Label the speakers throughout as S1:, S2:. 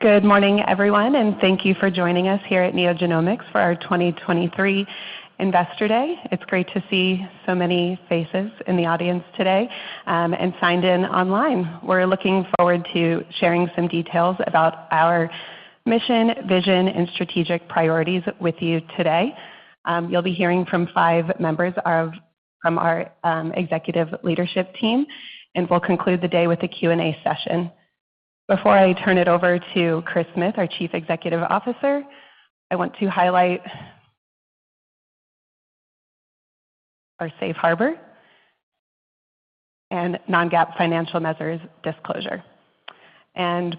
S1: Good morning, everyone, thank you for joining us here at NeoGenomics for our 2023 Investor Day. It's great to see so many faces in the audience today, and signed in online. We're looking forward to sharing some details about our mission, vision, and strategic priorities with you today. You'll be hearing from five members from our executive leadership team, and we'll conclude the day with a Q&A session. Before I turn it over to Chris Smith, our Chief Executive Officer, I want to highlight our safe harbor and non-GAAP financial measures disclosure.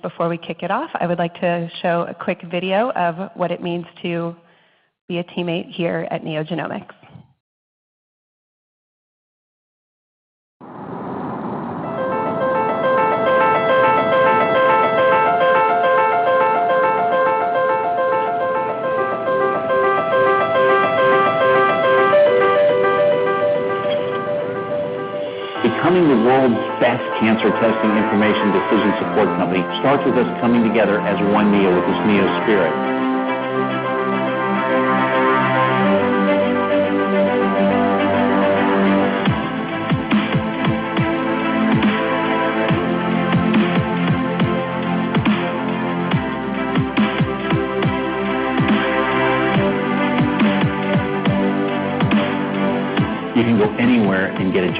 S1: Before we kick it off, I would like to show a quick video of what it means to be a teammate here at NeoGenomics.
S2: Becoming the world's best cancer testing information decision support company starts with us coming together as one Neo with this Neo spirit.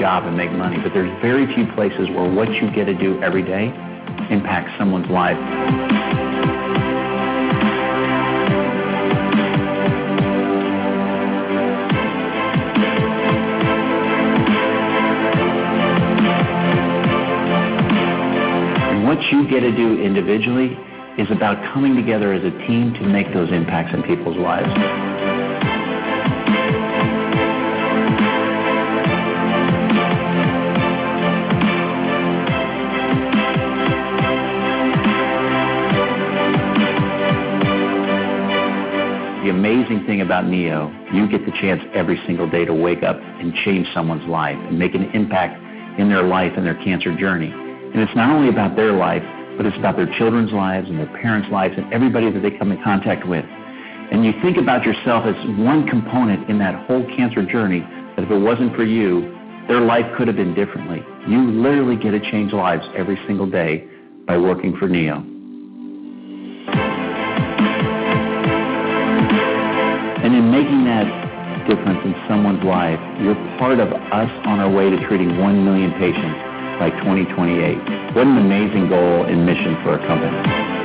S2: You can go anywhere and get a job and make money, but there's very few places where what you get to do every day impacts someone's life. What you get to do individually is about coming together as a team to make those impacts in people's lives. The amazing thing about Neo, you get the chance every single day to wake up and change someone's life and make an impact in their life and their cancer journey. It's not only about their life, but it's about their children's lives and their parents' lives and everybody that they come in contact with. You think about yourself as one component in that whole cancer journey, that if it wasn't for you, their life could have been differently. You literally get to change lives every single day by working for Neo. In making that difference in someone's life, you're part of us on our way to treating 1 million patients by 2028. What an amazing goal and mission for a company.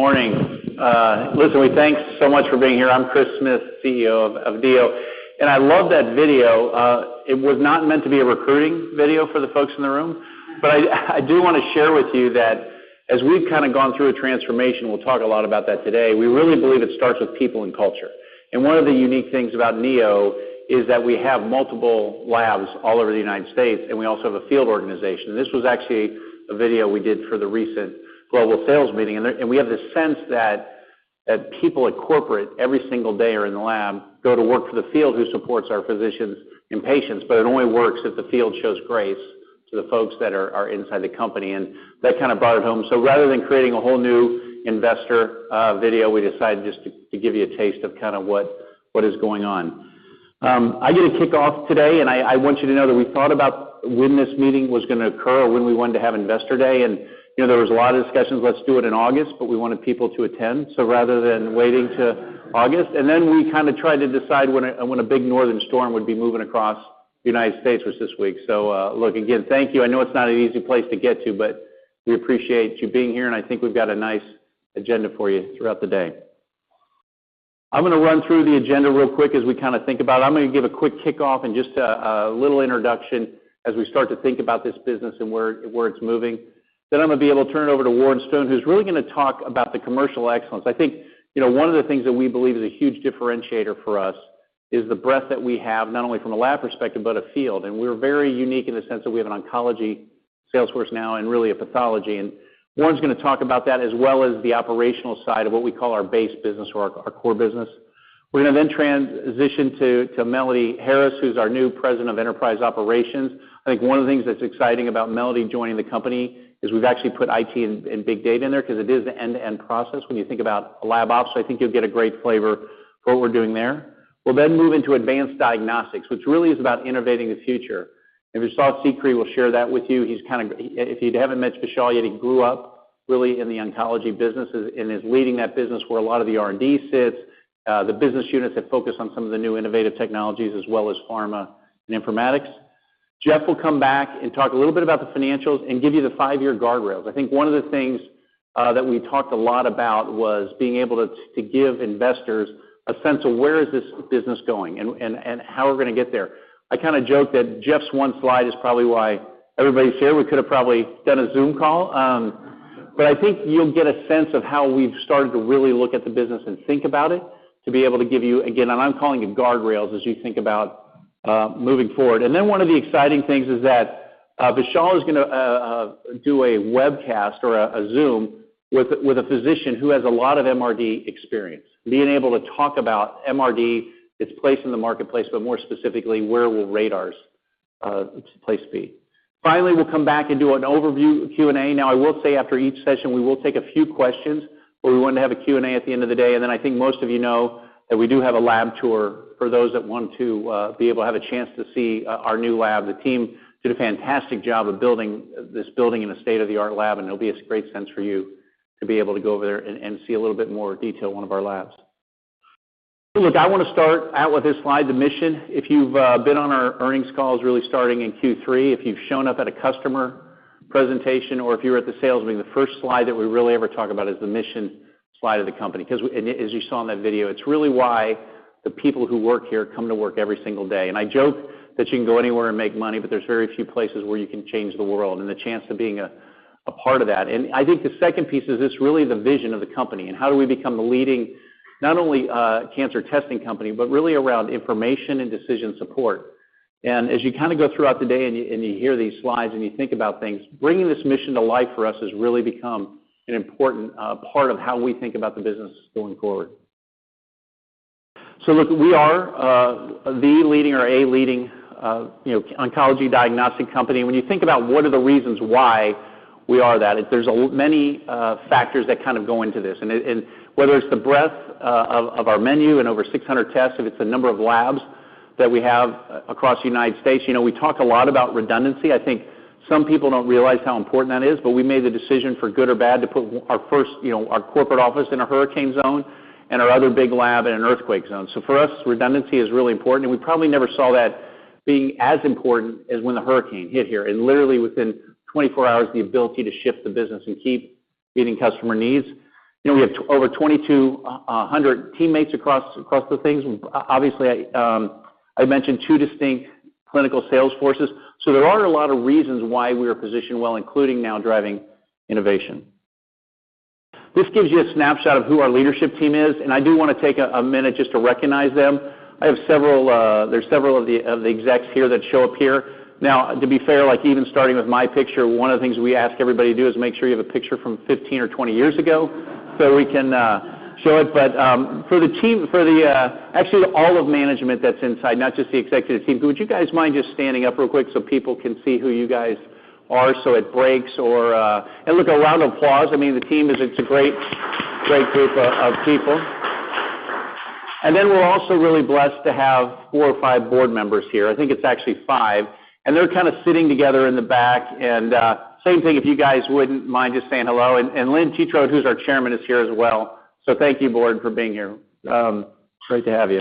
S3: Good morning. Listen, we thank you so much for being here. I'm Chris Smith, CEO of Neo. I love that video. It was not meant to be a recruiting video for the folks in the room, but I do want to share with you that as we've kind of gone through a transformation, we'll talk a lot about that today, we really believe it starts with people and culture. One of the unique things about Neo is that we have multiple labs all over the United States, and we also have a field organization. This was actually a video we did for the recent global sales meeting. We have this sense that people at corporate every single day are in the lab go to work for the field who supports our physicians and patients, but it only works if the field shows grace to the folks that are inside the company. That kind of brought it home. Rather than creating a whole new Investor video, we decided just to give you a taste of kind of what is going on. I get to kick off today, and I want you to know that we thought about when this meeting was gonna occur or when we wanted to have Investor Day. You know, there was a lot of discussions, let's do it in August, but we wanted people to attend. Rather than waiting to August, we kind of tried to decide when a big northern storm would be moving across the United States, was this week. Look, again, thank you. I know it's not an easy place to get to, but we appreciate you being here, and I think we've got a nice agenda for you throughout the day. I'm gonna run through the agenda real quick as we kind of think about it. I'm gonna give a quick kickoff and just a little introduction as we start to think about this business and where it's moving. I'm gonna be able to turn it over to Warren Stone, who's really gonna talk about the commercial excellence. I think, you know, one of the things that we believe is a huge differentiator for us is the breadth that we have, not only from a lab perspective, but a field. We're very unique in the sense that we have an oncology sales force now and really a pathology. Warren's gonna talk about that as well as the operational side of what we call our base business or our core business. We're gonna then transition to Melody Harris, who's our new President of Enterprise Operations. I think one of the things that's exciting about Melody joining the company is we've actually put IT and big data in there 'cause it is an end-to-end process when you think about lab ops. I think you'll get a great flavor for what we're doing there. We'll then move into advanced diagnostics, which really is about innovating the future. Vishal Sikri will share that with you. If you haven't met Vishal yet, he grew up really in the oncology business and is leading that business where a lot of the R&D sits, the business units that focus on some of the new innovative technologies as well as pharma and informatics. Jeff will come back and talk a little bit about the financials and give you the five-year guardrails. I think one of the things that we talked a lot about was being able to give investors a sense of where is this business going and how we're gonna get there. I kind of joke that Jeff's one slide is probably why everybody's here. We could have probably done a Zoom call. I think you'll get a sense of how we've started to really look at the business and think about it to be able to give you, again, and I'm calling it guardrails as you think about moving forward. One of the exciting things is that Vishal is gonna do a webcast or a Zoom with a physician who has a lot of MRD experience, being able to talk about MRD, its place in the marketplace, but more specifically, where will RaDaR's its place be. Finally, we'll come back and do an overview Q&A. Now I will say after each session, we will take a few questions, but we want to have a Q&A at the end of the day. I think most of you know that we do have a lab tour for those that want to be able to have a chance to see our new lab. The team did a fantastic job of building this building in a state-of-the-art lab, and it'll be a great sense for you to be able to go over there and see a little bit more detail in one of our labs. I wanna start out with this slide, the mission. If you've been on our earnings calls really starting in Q3, if you've shown up at a customer presentation, or if you were at the sales meeting, the first slide that we really ever talk about is the mission slide of the company. 'Cause as you saw in that video, it's really why the people who work here come to work every single day. I joke that you can go anywhere and make money, but there's very few places where you can change the world and the chance of being a part of that. I think the second piece is this really the vision of the company, and how do we become the leading, not only, cancer testing company, but really around information and decision support. As you kinda go throughout the day and you hear these slides and you think about things, bringing this mission to life for us has really become an important part of how we think about the business going forward. Look, we are, the leading or a leading, you know, oncology diagnostic company. When you think about what are the reasons why we are that, there's many factors that kind of go into this. Whether it's the breadth of our menu and over 600 tests, if it's the number of labs that we have across the United States, you know, we talk a lot about redundancy. I think some people don't realize how important that is, but we made the decision for good or bad to put our first, you know, our corporate office in a hurricane zone and our other big lab in an earthquake zone. For us, redundancy is really important, and we probably never saw that being as important as when the hurricane hit here. Literally within 24 hours, the ability to shift the business and keep meeting customer needs. You know, we have over 2,200 teammates across the things. Obviously, I mentioned two distinct clinical sales forces. There are a lot of reasons why we are positioned well, including now driving innovation. This gives you a snapshot of who our leadership team is, and I do wanna take a minute just to recognize them. There's several of the execs here that show up here. To be fair, like even starting with my picture, one of the things we ask everybody to do is make sure you have a picture from 15 or 20 years ago so we can show it. For the team, actually all of management that's inside, not just the executive team. Would you guys mind just standing up real quick so people can see who you guys are so it breaks or. Look, a round of applause. I mean, the team is. It's a great group of people. Then we're also really blessed to have four or five board members here. I think it's actually five. They're kind of sitting together in the back. Same thing, if you guys wouldn't mind just saying hello. Lynn Tetrault, who's our Chairman, is here as well. Thank you board for being here. Great to have you.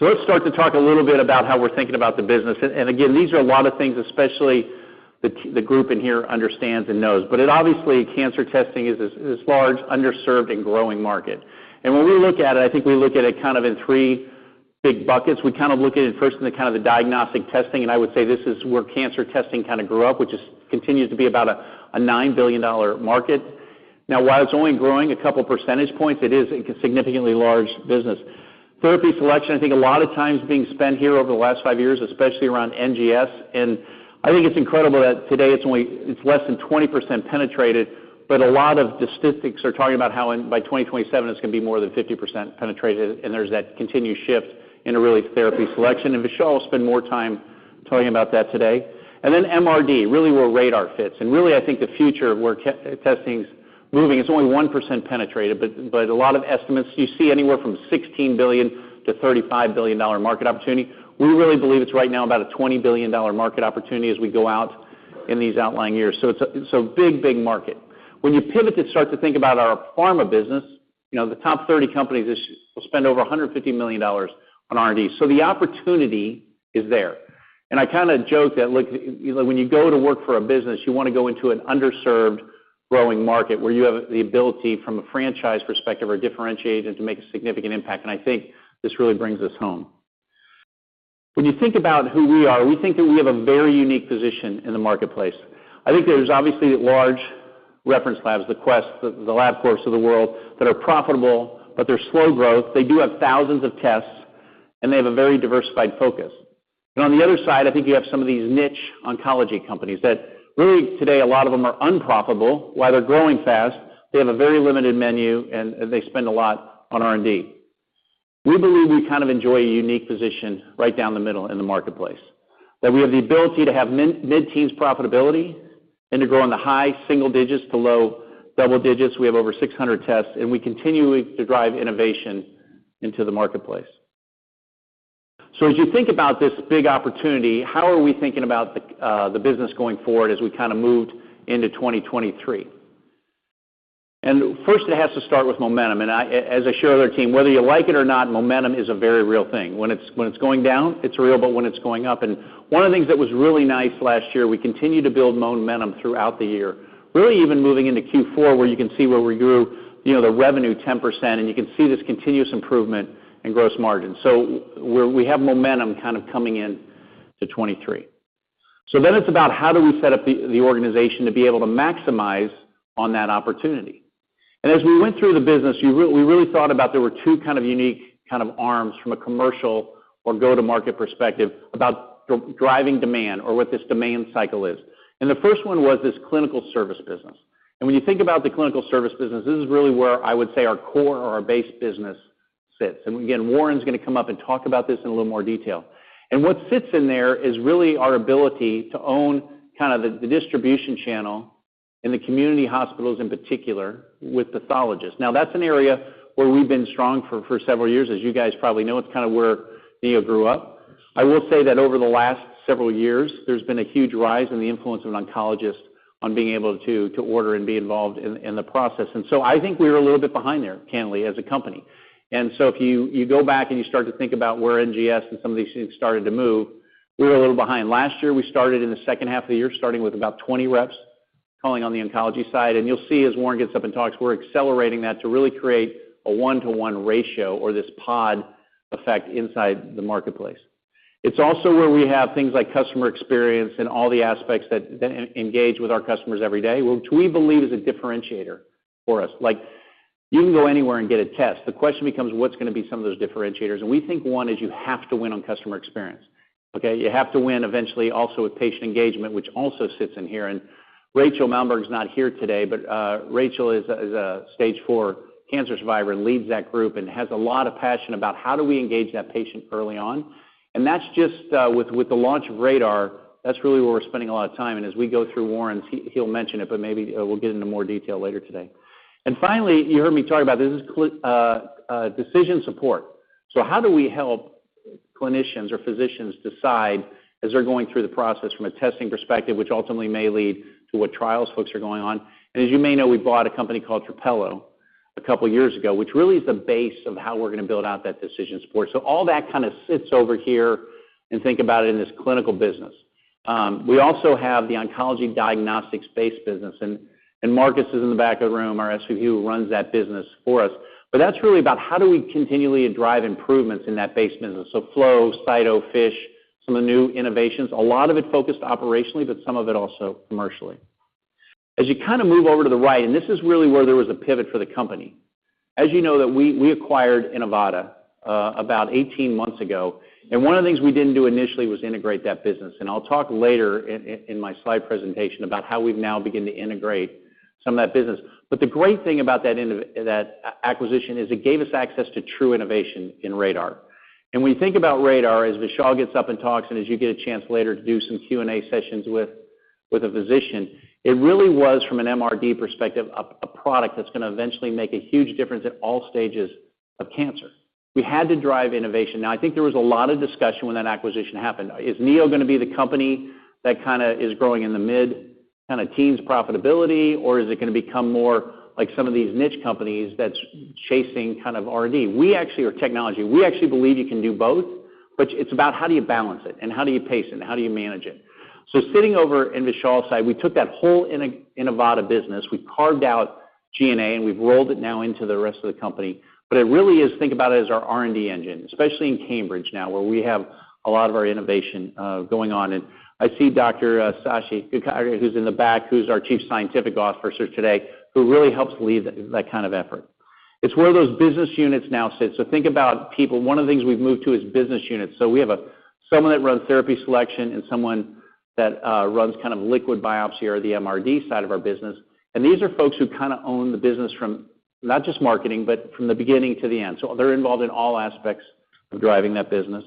S3: Let's start to talk a little bit about how we're thinking about the business. Again, these are a lot of things, especially the group in here understands and knows. It. Obviously, cancer testing is large, underserved, and growing market. When we look at it, I think we look at it kind of in three big buckets. We kind of look at it first in the kind of the diagnostic testing, and I would say this is where cancer testing kind of grew up, which continues to be about a $9 billion market. Now while it's only growing a couple percentage points, it is a significantly large business. Therapy selection, I think a lot of time's being spent here over the last five years, especially around NGS, and I think it's incredible that today it's less than 20% penetrated, but a lot of the statistics are talking about how by 2027, it's gonna be more than 50% penetrated, and there's that continued shift into really therapy selection. Vishal will spend more time talking about that today. MRD, really where RaDaR fits. Really, I think the future of where testing's moving, it's only 1% penetrated. A lot of estimates, you see anywhere from $16 billion to $35 billion market opportunity. We really believe it's right now about a $20 billion market opportunity as we go out in these outlying years. It's a big, big market. When you pivot to start to think about our pharma business, you know, the top 30 companies will spend over $150 million on R&D. The opportunity is there. I kinda joke that, look, when you go to work for a business, you wanna go into an underserved growing market where you have the ability from a franchise perspective or differentiate and to make a significant impact. I think this really brings us home. When you think about who we are, we think that we have a very unique position in the marketplace. I think there's obviously large reference labs, the Quest, the Labcorp of the world that are profitable, but they're slow growth. They do have thousands of tests, and they have a very diversified focus. On the other side, I think you have some of these niche oncology companies that really today a lot of them are unprofitable. While they're growing fast, they have a very limited menu and they spend a lot on R&D. We believe we kind of enjoy a unique position right down the middle in the marketplace, that we have the ability to have mid-teens profitability and to grow in the high single digits to low double digits. We have over 600 tests, we continue to drive innovation into the marketplace. As you think about this big opportunity, how are we thinking about the business going forward as we kinda moved into 2023? First, it has to start with momentum. As I show their team, whether you like it or not, momentum is a very real thing. When it's going down, it's real, but when it's going up. One of the things that was really nice last year, we continued to build momentum throughout the year, really even moving into Q4, where you can see where we grew, you know, the revenue 10%, and you can see this continuous improvement in gross margin. We have momentum kind of coming in to 2023. It's about how do we set up the organization to be able to maximize on that opportunity? As we went through the business, we really thought about there were two kind of unique kind of arms from a commercial or go-to-market perspective about driving demand or what this demand cycle is. The first one was this clinical service business. When you think about the clinical service business, this is really where I would say our core or our base business sits. Again, Warren's gonna come up and talk about this in a little more detail. What sits in there is really our ability to own kind of the distribution channel in the community hospitals, in particular, with pathologists. That's an area where we've been strong for several years. As you guys probably know, it's kind of where Neo grew up. I will say that over the last several years, there's been a huge rise in the influence of an oncologist on being able to order and be involved in the process. I think we were a little bit behind there, candidly, as a company. If you go back and you start to think about where NGS and some of these things started to move, we were a little behind. Last year, we started in the second half of the year, starting with about 20 reps calling on the oncology side. You'll see as Warren gets up and talks, we're accelerating that to really create a one-to-one ratio or this pod effect inside the marketplace. It's also where we have things like customer experience and all the aspects that engage with our customers every day, which we believe is a differentiator for us. Like, you can go anywhere and get a test. The question becomes: What's gonna be some of those differentiators? We think one is you have to win on customer experience, okay? You have to win eventually also with patient engagement, which also sits in here. Rachel Malmberg's not here today, but Rachel is a Stage IV cancer survivor and leads that group and has a lot of passion about how do we engage that patient early on. That's just with the launch of RaDaR, that's really where we're spending a lot of time. As we go through Warren's, he'll mention it, but maybe we'll get into more detail later today. Finally, you heard me talk about this is decision support. How do we help clinicians or physicians decide as they're going through the process from a testing perspective, which ultimately may lead to what trials folks are going on? As you may know, we bought a company called Trapelo a couple years ago, which really is the base of how we're gonna build out that decision support. All that kind of sits over here, and think about it in this clinical business. We also have the oncology diagnostics-based business, and Marcus is in the back of the room, our SVP, who runs that business for us. That's really about how do we continually drive improvements in that base business, so flow, cyto, FISH, some of the new innovations, a lot of it focused operationally, but some of it also commercially. As you kind of move over to the right, this is really where there was a pivot for the company. As you know that we acquired Inivata about 18 months ago, one of the things we didn't do initially was integrate that business. I'll talk later in my slide presentation about how we've now begun to integrate some of that business. The great thing about that acquisition is it gave us access to true innovation in RaDaR. When you think about RaDaR, as Vishal gets up and talks, and as you get a chance later to do some Q&A sessions with a physician, it really was, from an MRD perspective, a product that's gonna eventually make a huge difference at all stages of cancer. We had to drive innovation. I think there was a lot of discussion when that acquisition happened. Is Neo gonna be the company that kinda is growing in the mid kinda teens profitability, or is it gonna become more like some of these niche companies that's chasing kind of R&D? We actually are technology. We actually believe you can do both, but it's about how do you balance it and how do you pace it and how do you manage it. Sitting over in Vishal's side, we took that whole Inivata business, we carved out G&A, and we've rolled it now into the rest of the company. It really is, think about it as our R&D engine, especially in Cambridge now, where we have a lot of our innovation going on. I see Dr. Shashi, who's in the back, who's our Chief Scientific Officer today, who really helps lead that kind of effort. It's where those business units now sit. Think about people, one of the things we've moved to is business units. We have someone that runs therapy selection and someone that runs kind of liquid biopsy or the MRD side of our business. These are folks who kind of own the business from not just marketing, but from the beginning to the end. They're involved in all aspects of driving that business.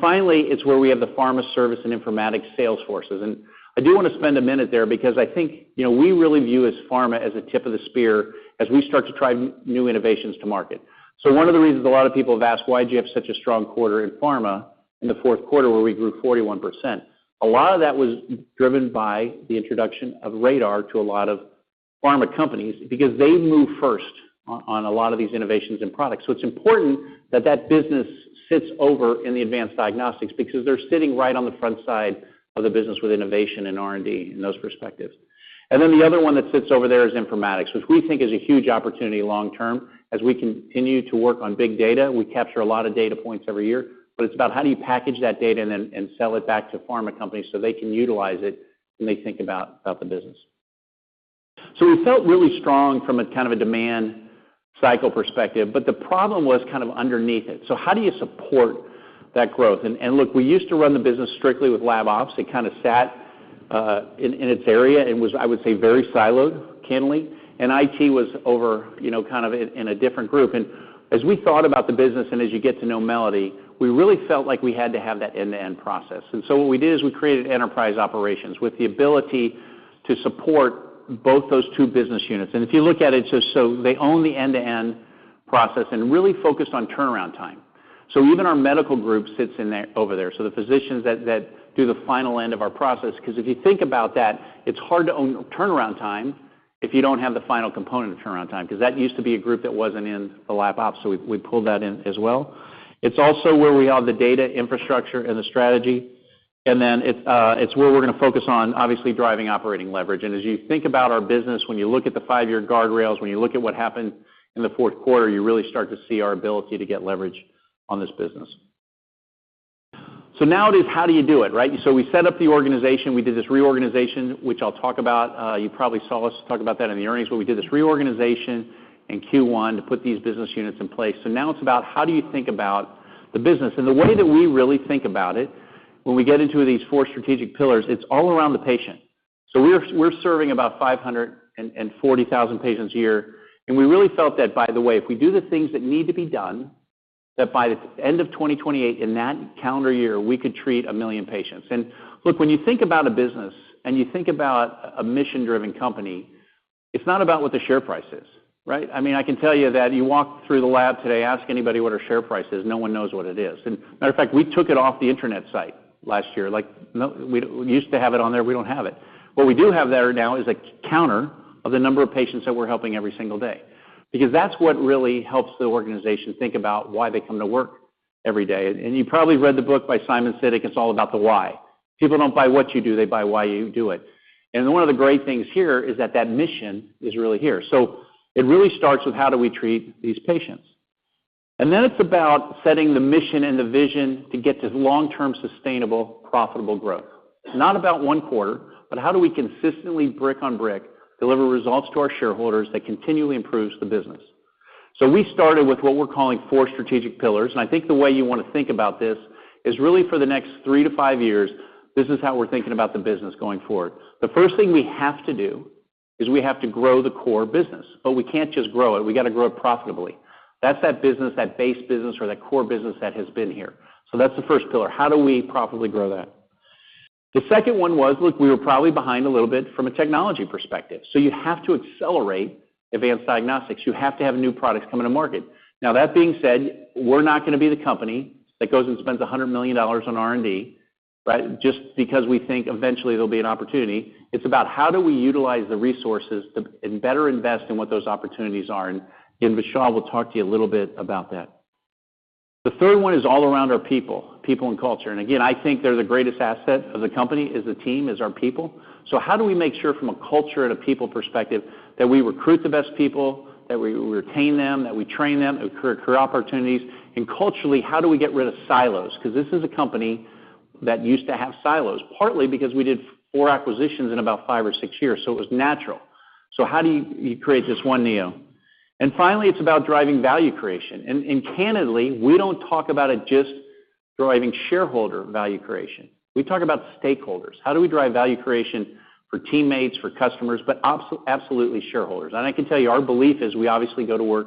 S3: Finally, it's where we have the pharma service and informatics sales forces. I do wanna spend a minute there because I think, you know, we really view as pharma as a tip of the spear as we start to drive new innovations to market. One of the reasons a lot of people have asked, "Why'd you have such a strong quarter in pharma in the fourth quarter where we grew 41%?" A lot of that was driven by the introduction of RaDaR to a lot of pharma companies because they move first on a lot of these innovations and products. It's important that that business sits over in the Advanced Diagnostics because they're sitting right on the front side of the business with innovation and R&D in those perspectives. The other one that sits over there is informatics, which we think is a huge opportunity long term as we continue to work on big data. We capture a lot of data points every year, but it's about how do you package that data and then sell it back to pharma companies so they can utilize it when they think about the business. We felt really strong from a kind of a demand cycle perspective, but the problem was kind of underneath it. How do you support that growth? Look, we used to run the business strictly with lab ops. It kind of sat in its area and was, I would say, very siloed, candidly. IT was over, you know, kind of in a different group. As we thought about the business and as you get to know Melody, we really felt like we had to have that end-to-end process. What we did is we created Enterprise Operations with the ability to support both those two business units. If you look at it, just so they own the end-to-end process and really focused on turnaround time. Even our medical group sits in there, over there, so the physicians that do the final end of our process, because if you think about that, it's hard to own turnaround time if you don't have the final component of turnaround time, because that used to be a group that wasn't in the lab ops, so we pulled that in as well. Also where we have the data infrastructure and the strategy, and then it's where we're gonna focus on, obviously, driving operating leverage. As you think about our business, when you look at the five-year guardrails, when you look at what happened in the fourth quarter, you really start to see our ability to get leverage on this business. Now it is how do you do it, right? We set up the organization, we did this reorganization, which I'll talk about. You probably saw us talk about that in the earnings, where we did this reorganization in Q1 to put these business units in place. Now it's about how do you think about the business? The way that we really think about it when we get into these four strategic pillars, it's all around the patient. We're serving about 540,000 patients a year. We really felt that, by the way, if we do the things that need to be done, that by the end of 2028, in that calendar year, we could treat 1 million patients. Look, when you think about a business and you think about a mission-driven company, it's not about what the share price is, right? I mean, I can tell you that you walk through the lab today, ask anybody what our share price is, no one knows what it is. Matter of fact, we took it off the internet site last year. Like, we used to have it on there, we don't have it. What we do have there now is a counter of the number of patients that we're helping every single day. That's what really helps the organization think about why they come to work every day. You probably read the book by Simon Sinek, it's all about the why. People don't buy what you do, they buy why you do it. One of the great things here is that that mission is really here. It really starts with how do we treat these patients. Then it's about setting the mission and the vision to get to long-term sustainable, profitable growth. It's not about one quarter, but how do we consistently, brick on brick, deliver results to our shareholders that continually improves the business. We started with what we're calling four strategic pillars, and I think the way you want to think about this is really for the next three to five years, this is how we're thinking about the business going forward. The first thing we have to do is we have to grow the core business, but we can't just grow it. We got to grow it profitably. That's that business, that base business or that core business that has been here. That's the first pillar. How do we profitably grow that? The second one was, look, we were probably behind a little bit from a technology perspective. You have to accelerate advanced diagnostics. You have to have new products coming to market. Now that being said, we're not going to be the company that goes and spends $100 million on R&D, right? Just because we think eventually there'll be an opportunity. It's about how do we utilize the resources and better invest in what those opportunities are. Vishal will talk to you a little bit about that. The third one is all around our people and culture. Again, I think they're the greatest asset of the company, is the team, is our people. How do we make sure from a culture and a people perspective that we recruit the best people, that we retain them, that we train them, occur career opportunities? Culturally, how do we get rid of silos? This is a company that used to have silos, partly because we did four acquisitions in about five or six years, so it was natural. How do you create this one Neo? Finally, it's about driving value creation. Candidly, we don't talk about it just driving shareholder value creation. We talk about stakeholders. How do we drive value creation for teammates, for customers, but absolutely shareholders? I can tell you, our belief is we obviously go to work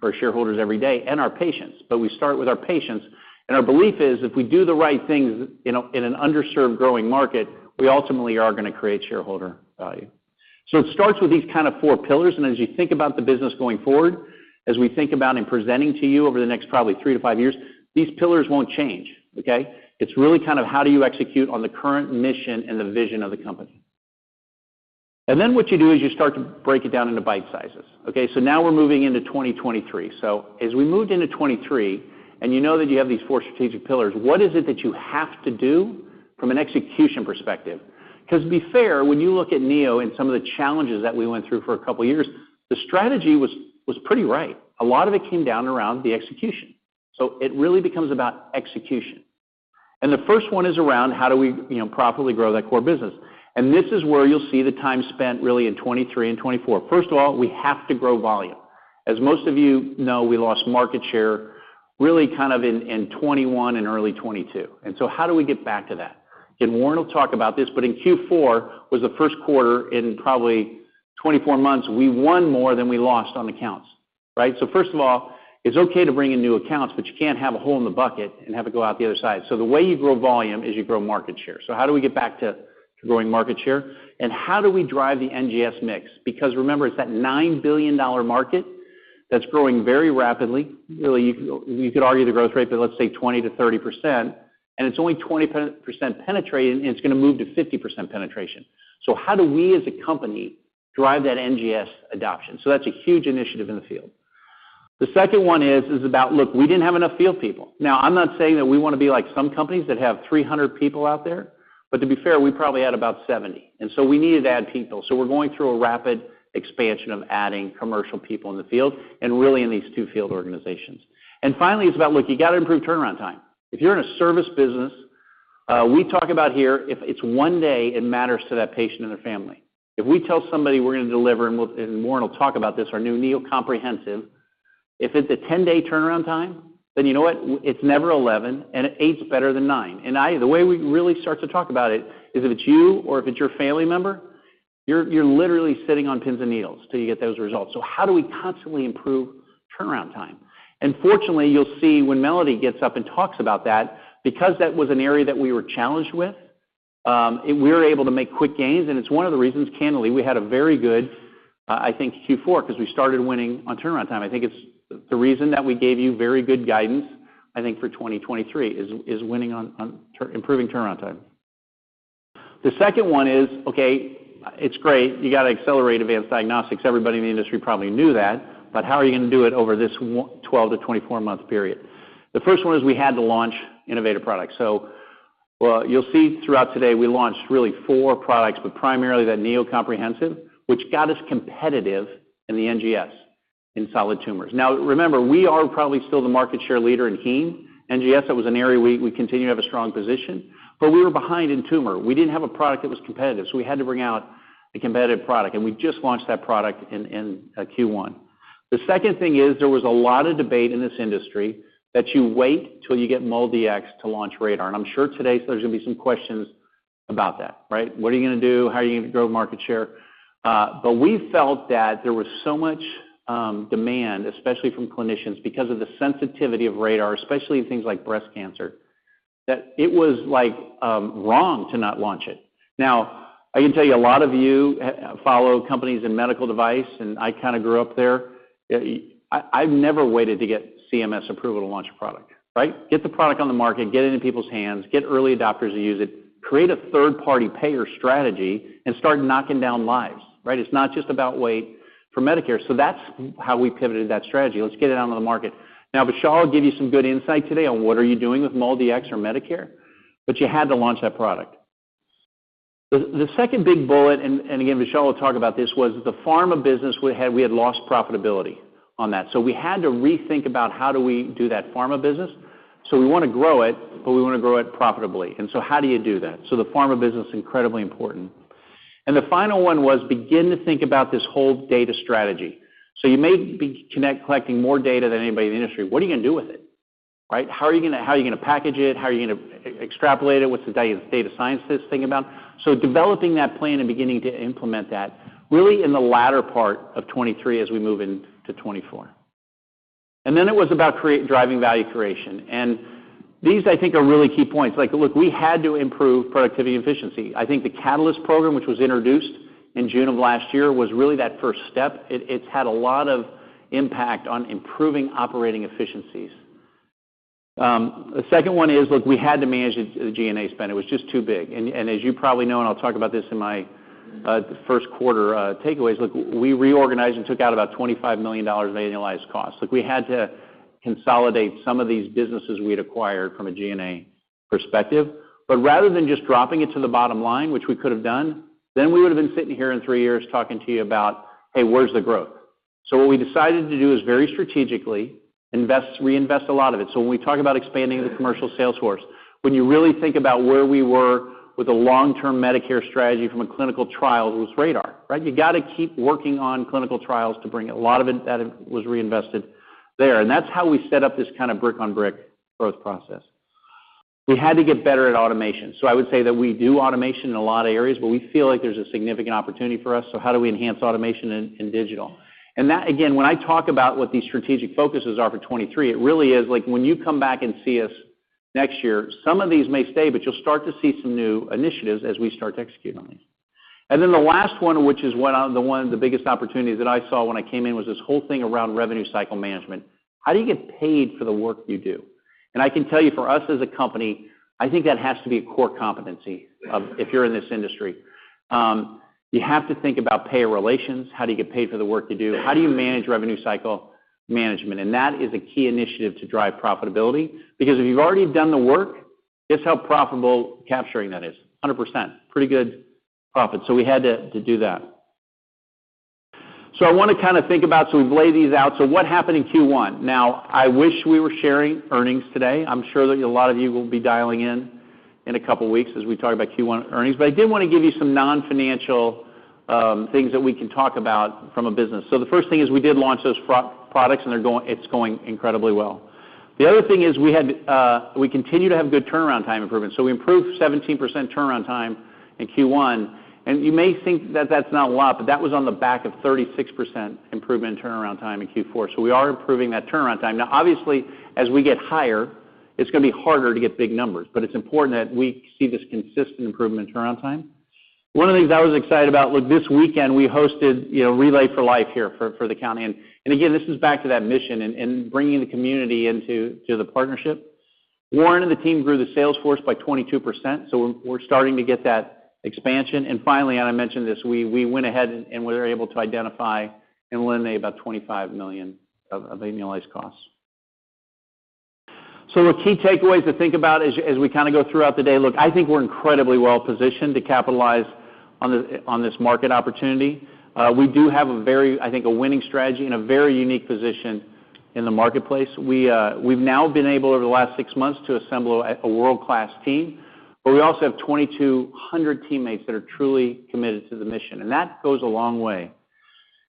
S3: for shareholders every day and our patients, but we start with our patients. Our belief is if we do the right things in a, in an underserved growing market, we ultimately are going to create shareholder value. It starts with these kind of four pillars, and as you think about the business going forward, as we think about in presenting to you over the next probably 3-5 years, these pillars won't change, okay? It's really kind of how do you execute on the current mission and the vision of the company. Then what you do is you start to break it down into bite sizes, okay? Now we're moving into 2023. As we moved into 2023, and you know that you have these four strategic pillars, what is it that you have to do from an execution perspective? 'Cause to be fair, when you look at Neo and some of the challenges that we went through for a couple years, the strategy was pretty right. A lot of it came down around the execution. It really becomes about execution. The first one is around how do we, you know, profitably grow that core business. This is where you'll see the time spent really in 2023 and 2024. First of all, we have to grow volume. As most of you know, we lost market share really kind of in 2021 and early 2022. How do we get back to that? Warren will talk about this, but in Q4 was the first quarter in probably 24 months we won more than we lost on accounts, right? First of all, it's okay to bring in new accounts, but you can't have a hole in the bucket and have it go out the other side. The way you grow volume is you grow market share. How do we get back to growing market share? How do we drive the NGS mix? Because remember, it's that $9 billion market that's growing very rapidly. Really, you could argue the growth rate, but let's say 20%-30%, and it's only 20% penetrated, and it's going to move to 50% penetration. How do we as a company drive that NGS adoption? That's a huge initiative in the field. The second one is about, look, we didn't have enough field people. I'm not saying that we want to be like some companies that have 300 people out there, but to be fair, we probably had about 70. We needed to add people. We're going through a rapid expansion of adding commercial people in the field and really in these two field organizations. Finally, it's about, look, you got to improve turnaround time. If you're in a service business, we talk about here, if it's one day, it matters to that patient and their family. If we tell somebody we're going to deliver, and Warren will talk about this, our new Neo Comprehensive, if it's a 10-day turnaround time, you know what? It's never 11, and eight's better than nine. I... The way we really start to talk about it is if it's you or if it's your family member, you're literally sitting on pins and needles till you get those results. How do we constantly improve turnaround time? Fortunately, you'll see when Melody gets up and talks about that, because that was an area that we were challenged with, and we were able to make quick gains, and it's one of the reasons, candidly, we had a very good, I think Q4, because we started winning on turnaround time. I think it's the reason that we gave you very good guidance, I think for 2023, is winning on improving turnaround time. The second one is, okay, it's great. You got to accelerate advanced diagnostics. Everybody in the industry probably knew that, How are you going to do it over this 12-24 month period? The first one is we had to launch innovative products. Well, you'll see throughout today, we launched really four products, but primarily that Neo Comprehensive, which got us competitive in the NGS in solid tumors. Remember, we are probably still the market share leader in heme NGS, that was an area we continue to have a strong position, we were behind in tumor. We didn't have a product that was competitive, we had to bring out a competitive product, and we just launched that product in Q1. The second thing is there was a lot of debate in this industry that you wait till you get MolDX to launch RaDaR. I'm sure today there's gonna be some questions about that, right? What are you gonna do? How are you gonna grow market share? We felt that there was so much demand, especially from clinicians because of the sensitivity of RaDaR, especially in things like breast cancer, that it was, like, wrong to not launch it. Now, I can tell you, a lot of you follow companies in medical device, and I kinda grew up there. I've never waited to get CMS approval to launch a product, right? Get the product on the market, get it into people's hands, get early adopters to use it, create a third-party payer strategy, and start knocking down lives, right? It's not just about wait for Medicare. That's how we pivoted that strategy. Let's get it out on the market. Vishal will give you some good insight today on what are you doing with MolDX or Medicare, but you had to launch that product. The second big bullet, and again, Vishal will talk about this, was the pharma business we had lost profitability on that. We had to rethink about how do we do that pharma business. We wanna grow it, but we wanna grow it profitably. How do you do that? The pharma business, incredibly important. The final one was begin to think about this whole data strategy. You may be collecting more data than anybody in the industry. What are you gonna do with it, right? How are you gonna package it? How are you gonna extrapolate it? What's the data sciences thing about? Developing that plan and beginning to implement that really in the latter part of 2023 as we move into 2024. Then it was about driving value creation. These, I think, are really key points. Like, look, we had to improve productivity efficiency. I think the Catalyst program, which was introduced in June of last year, was really that first step. It's had a lot of impact on improving operating efficiencies. The second one is, look, we had to manage the G&A spend. It was just too big. As you probably know, and I'll talk about this in my first quarter takeaways, look, we reorganized and took out about $25 million of annualized costs. Like, we had to consolidate some of these businesses we'd acquired from a G&A perspective. Rather than just dropping it to the bottom line, which we could have done, then we would've been sitting here in three years talking to you about, "Hey, where's the growth?" What we decided to do is very strategically reinvest a lot of it. When we talk about expanding the commercial sales force, when you really think about where we were with the long-term Medicare strategy from a clinical trial, it was RaDaR, right? You gotta keep working on clinical trials to bring it. A lot of it, that was reinvested there. That's how we set up this kind of brick-on-brick growth process. We had to get better at automation. I would say that we do automation in a lot of areas, but we feel like there's a significant opportunity for us, so how do we enhance automation in digital? That, again, when I talk about what these strategic focuses are for 2023, it really is like when you come back and see us next year, some of these may stay, but you'll start to see some new initiatives as we start to execute on these. The last one, which is one of the biggest opportunities that I saw when I came in, was this whole thing around revenue cycle management. How do you get paid for the work you do? I can tell you, for us as a company, I think that has to be a core competency of... if you're in this industry. You have to think about payer relations. How do you get paid for the work you do? How do you manage revenue cycle management? That is a key initiative to drive profitability because if you've already done the work, guess how profitable capturing that is? 100%. Pretty good profit. We had to do that. We've laid these out. What happened in Q1? Now I wish we were sharing earnings today. I'm sure that a lot of you will be dialing in in a couple weeks as we talk about Q1 earnings. I did want to give you some non-financial things that we can talk about from a business. The first thing is we did launch those pro-products, it's going incredibly well. The other thing is we continue to have good turnaround time improvement. We improved 17% turnaround time in Q1. You may think that that's not a lot, but that was on the back of 36% improvement in turnaround time in Q4. We are improving that turnaround time. Obviously, as we get higher, it's gonna be harder to get big numbers, but it's important that we see this consistent improvement in turnaround time. One of the things I was excited about, look, this weekend we hosted, you know, Relay For Life here for the county. Again, this is back to that mission and bringing the community into the partnership. Warren and the team grew the sales force by 22%, so we're starting to get that expansion. Finally, and I mentioned this, we went ahead and we were able to identify and eliminate about $25 million of annualized costs. The key takeaways to think about as we kinda go throughout the day, look, I think we're incredibly well positioned to capitalize on this market opportunity. We do have a very, I think, a winning strategy and a very unique position in the marketplace. We've now been able over the last six months to assemble a world-class team, but we also have 2,200 teammates that are truly committed to the mission, and that goes a long way.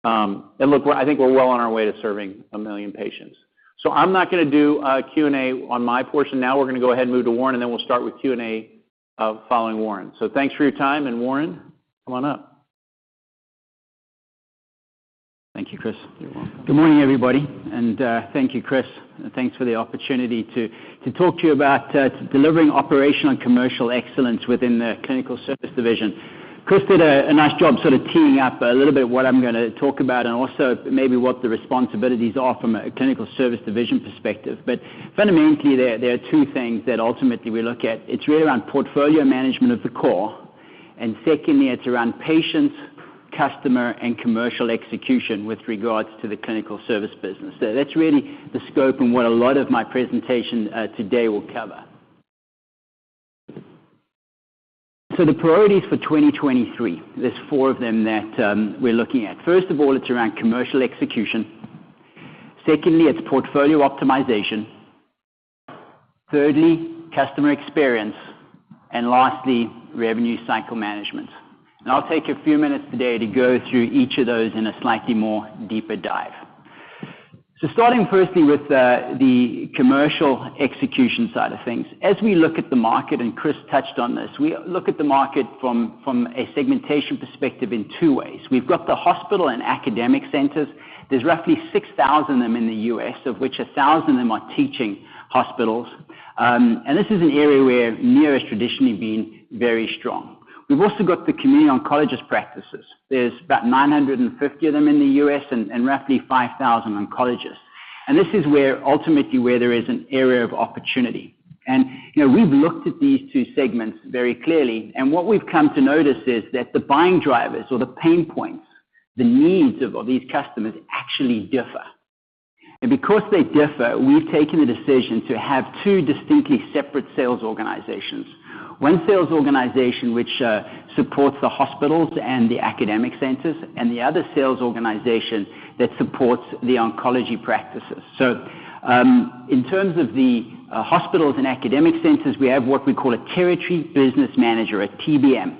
S3: Look, I think we're well on our way to serving 1 million patients. I'm not gonna do a Q&A on my portion. We're gonna go ahead and move to Warren, and then we'll start with Q&A following Warren. Thanks for your time, and Warren, come on up.
S4: Thank you, Chris.
S3: You're welcome.
S4: Good morning, everybody, and thank you, Chris. Thanks for the opportunity to talk to you about delivering operational and commercial excellence within the Clinical Services division. Chris did a nice job sort of teeing up a little bit of what I'm gonna talk about and also maybe what the responsibilities are from a Clinical Services division perspective. Fundamentally, there are two things that ultimately we look at. It's really around portfolio management of the core. And secondly, it's around patients, customer, and commercial execution with regards to the Clinical Services business. That's really the scope and what a lot of my presentation today will cover. The priorities for 2023, there's four of them that we're looking at. First of all, it's around commercial execution. Secondly, it's portfolio optimization. Thirdly, customer experience. And lastly, revenue cycle management. I'll take a few minutes today to go through each of those in a slightly more deeper dive. Starting firstly with the commercial execution side of things. As we look at the market, and Chris touched on this, we look at the market from a segmentation perspective in two ways. We've got the hospital and academic centers. There's roughly 6,000 of them in the U.S., of which 1,000 of them are teaching hospitals. This is an area where Neo has traditionally been very strong. We've also got the community oncologist practices. There's about 950 of them in the U.S. and roughly 5,000 oncologists. This is ultimately where there is an area of opportunity. You know, we've looked at these two segments very clearly, and what we've come to notice is that the buying drivers or the pain points, the needs of these customers actually differ. Because they differ, we've taken the decision to have two distinctly separate sales organizations. One sales organization, which supports the hospitals and the academic centers, and the other sales organization that supports the oncology practices. In terms of the hospitals and academic centers, we have what we call a territory business manager, a TBM.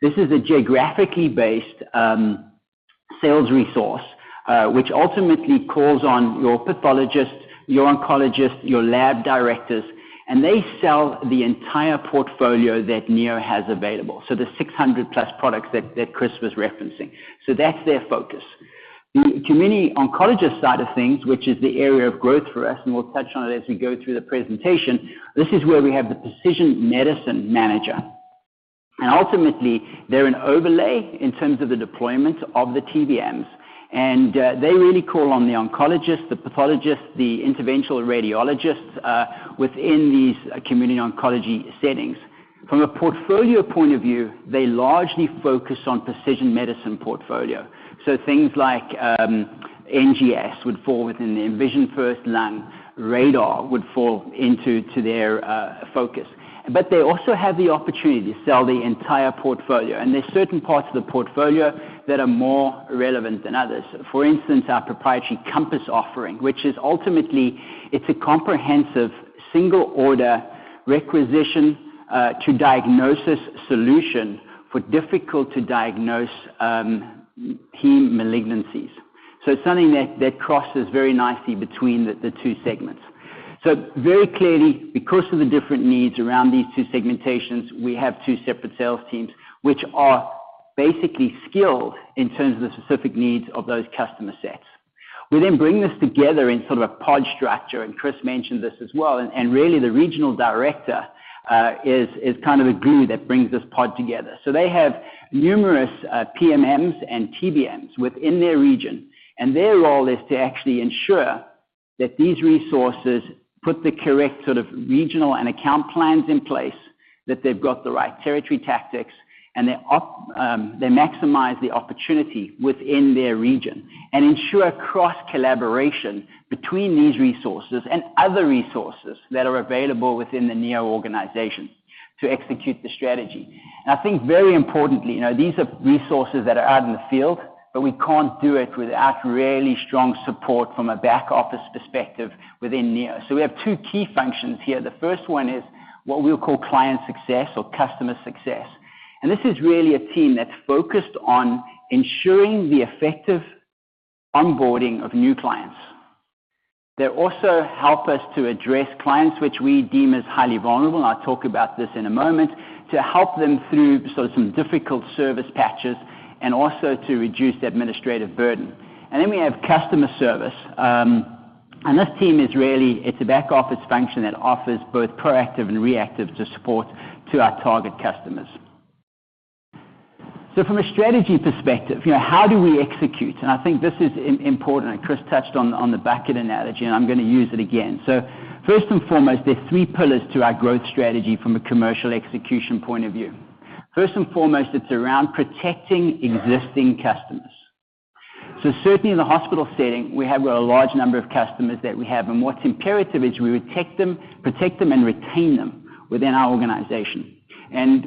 S4: This is a geographically based sales resource, which ultimately calls on your pathologists, your oncologists, your lab directors, and they sell the entire portfolio that Neo has available. The 600+ products that Chris was referencing. That's their focus. The community oncologist side of things, which is the area of growth for us, and we'll touch on it as we go through the presentation, this is where we have the precision medicine manager. Ultimately, they're an overlay in terms of the deployment of the TBMs. They really call on the oncologists, the pathologists, the interventional radiologists within these community oncology settings. From a portfolio point of view, they largely focus on precision medicine portfolio. Things like NGS would fall within. The InVisionFirst-Lung RaDaR would fall to their focus. They also have the opportunity to sell the entire portfolio. There's certain parts of the portfolio that are more relevant than others. For instance, our proprietary COMPASS offering, which is ultimately, it's a comprehensive single order requisition to diagnosis solution for difficult to diagnose heme malignancies. It's something that crosses very nicely between the two segments. Very clearly, because of the different needs around these two segmentations, we have two separate sales teams, which are basically skilled in terms of the specific needs of those customer sets. We bring this together in sort of a pod structure, and Chris mentioned this as well, and really the regional director is kind of the glue that brings this pod together. They have numerous PMMs and TBMs within their region, and their role is to actually ensure that these resources put the correct sort of regional and account plans in place, that they've got the right territory tactics, and they maximize the opportunity within their region and ensure cross-collaboration between these resources and other resources that are available within the Neo organization to execute the strategy. I think very importantly, you know, these are resources that are out in the field, but we can't do it without really strong support from a back-office perspective within Neo. We have two key functions here. The first one is what we'll call client success or customer success. This is really a team that's focused on ensuring the effective onboarding of new clients. They also help us to address clients which we deem as highly vulnerable, and I'll talk about this in a moment, to help them through sort of some difficult service patches and also to reduce the administrative burden. Then we have customer service. This team is really, it's a back-office function that offers both proactive and reactive to support to our target customers. From a strategy perspective, you know, how do we execute? I think this is important, Chris touched on the bucket analogy, and I'm gonna use it again. First and foremost, there are three pillars to our growth strategy from a commercial execution point of view. First and foremost, it's around protecting existing customers. Certainly in the hospital setting, we have a large number of customers that we have, and what's imperative is we protect them and retain them within our organization.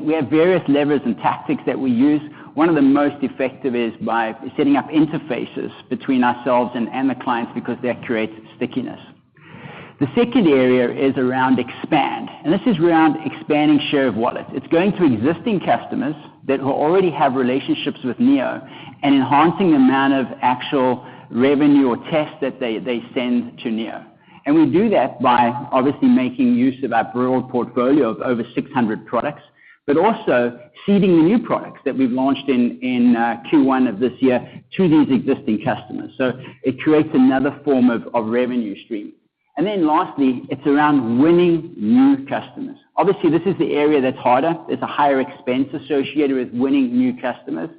S4: We have various levers and tactics that we use. One of the most effective is by setting up interfaces between ourselves and the clients because that creates stickiness. The second area is around expand, and this is around expanding share of wallet. It's going to existing customers that already have relationships with Neo and enhancing the amount of actual revenue or tests that they send to Neo. We do that by obviously making use of our broad portfolio of over 600 products, but also seeding the new products that we've launched in Q1 of this year to these existing customers. It creates another form of revenue stream. Lastly, it's around winning new customers. Obviously, this is the area that's harder. There's a higher expense associated with winning new customers.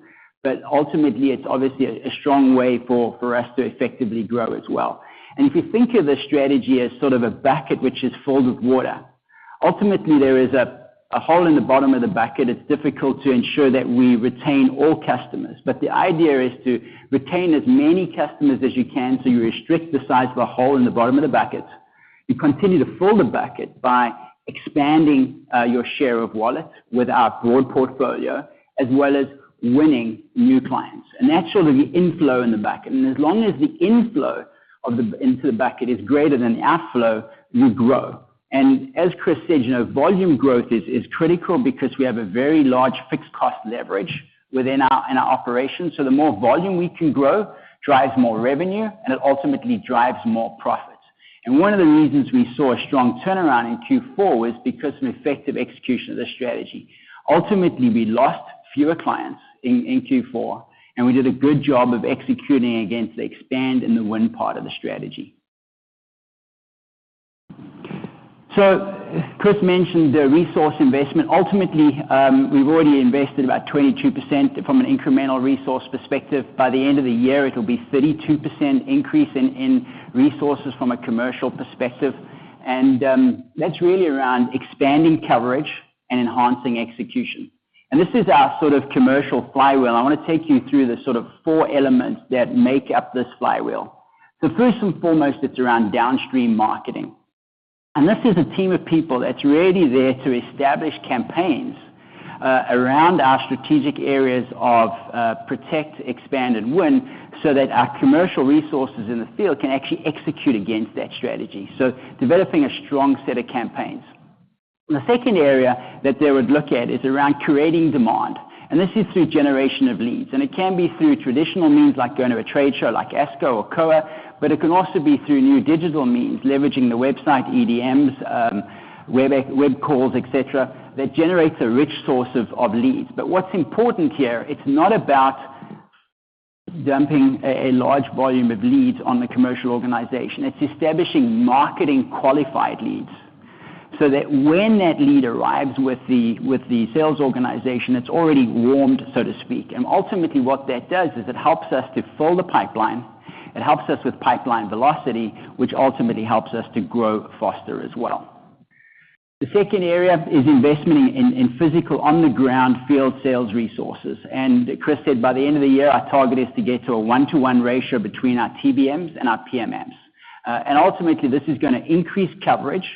S4: But ultimately, it's obviously a strong way for us to effectively grow as well. If you think of the strategy as sort of a bucket which is filled with water, ultimately, there is a hole in the bottom of the bucket. It's difficult to ensure that we retain all customers. The idea is to retain as many customers as you can, so you restrict the size of the hole in the bottom of the bucket. You continue to fill the bucket by expanding your share of wallet with our broad portfolio, as well as winning new clients. That's sort of the inflow in the bucket. As long as the inflow into the bucket is greater than the outflow, you grow. Chris said, you know, volume growth is critical because we have a very large fixed cost leverage in our operations. The more volume we can grow drives more revenue, and it ultimately drives more profit. One of the reasons we saw a strong turnaround in Q4 was because of an effective execution of the strategy. Ultimately, we lost fewer clients in Q4, and we did a good job of executing against the expand and the win part of the strategy. Chris mentioned the resource investment. Ultimately, we've already invested about 22% from an incremental resource perspective. By the end of the year, it'll be 32% increase in resources from a commercial perspective. That's really around expanding coverage and enhancing execution. This is our sort of commercial flywheel. I wanna take you through the sort of four elements that make up this flywheel. First and foremost, it's around downstream marketing. This is a team of people that's really there to establish campaigns, around our strategic areas of, protect, expand, and win, so that our commercial resources in the field can actually execute against that strategy. Developing a strong set of campaigns. The second area that they would look at is around creating demand, and this is through generation of leads. It can be through traditional means, like going to a trade show like ASCO or COA, but it can also be through new digital means, leveraging the website, EDMs, web calls, et cetera, that generates a rich source of leads. What's important here, it's not about dumping a large volume of leads on the commercial organization. It's establishing marketing qualified leads so that when that lead arrives with the sales organization, it's already warmed, so to speak. Ultimately, what that does is it helps us to fill the pipeline. It helps us with pipeline velocity, which ultimately helps us to grow faster as well. The second area is investment in physical, on-the-ground field sales resources. Chris said by the end of the year, our target is to get to a 1-to-1 ratio between our TBMs and our PMMs. Ultimately, this is gonna increase coverage,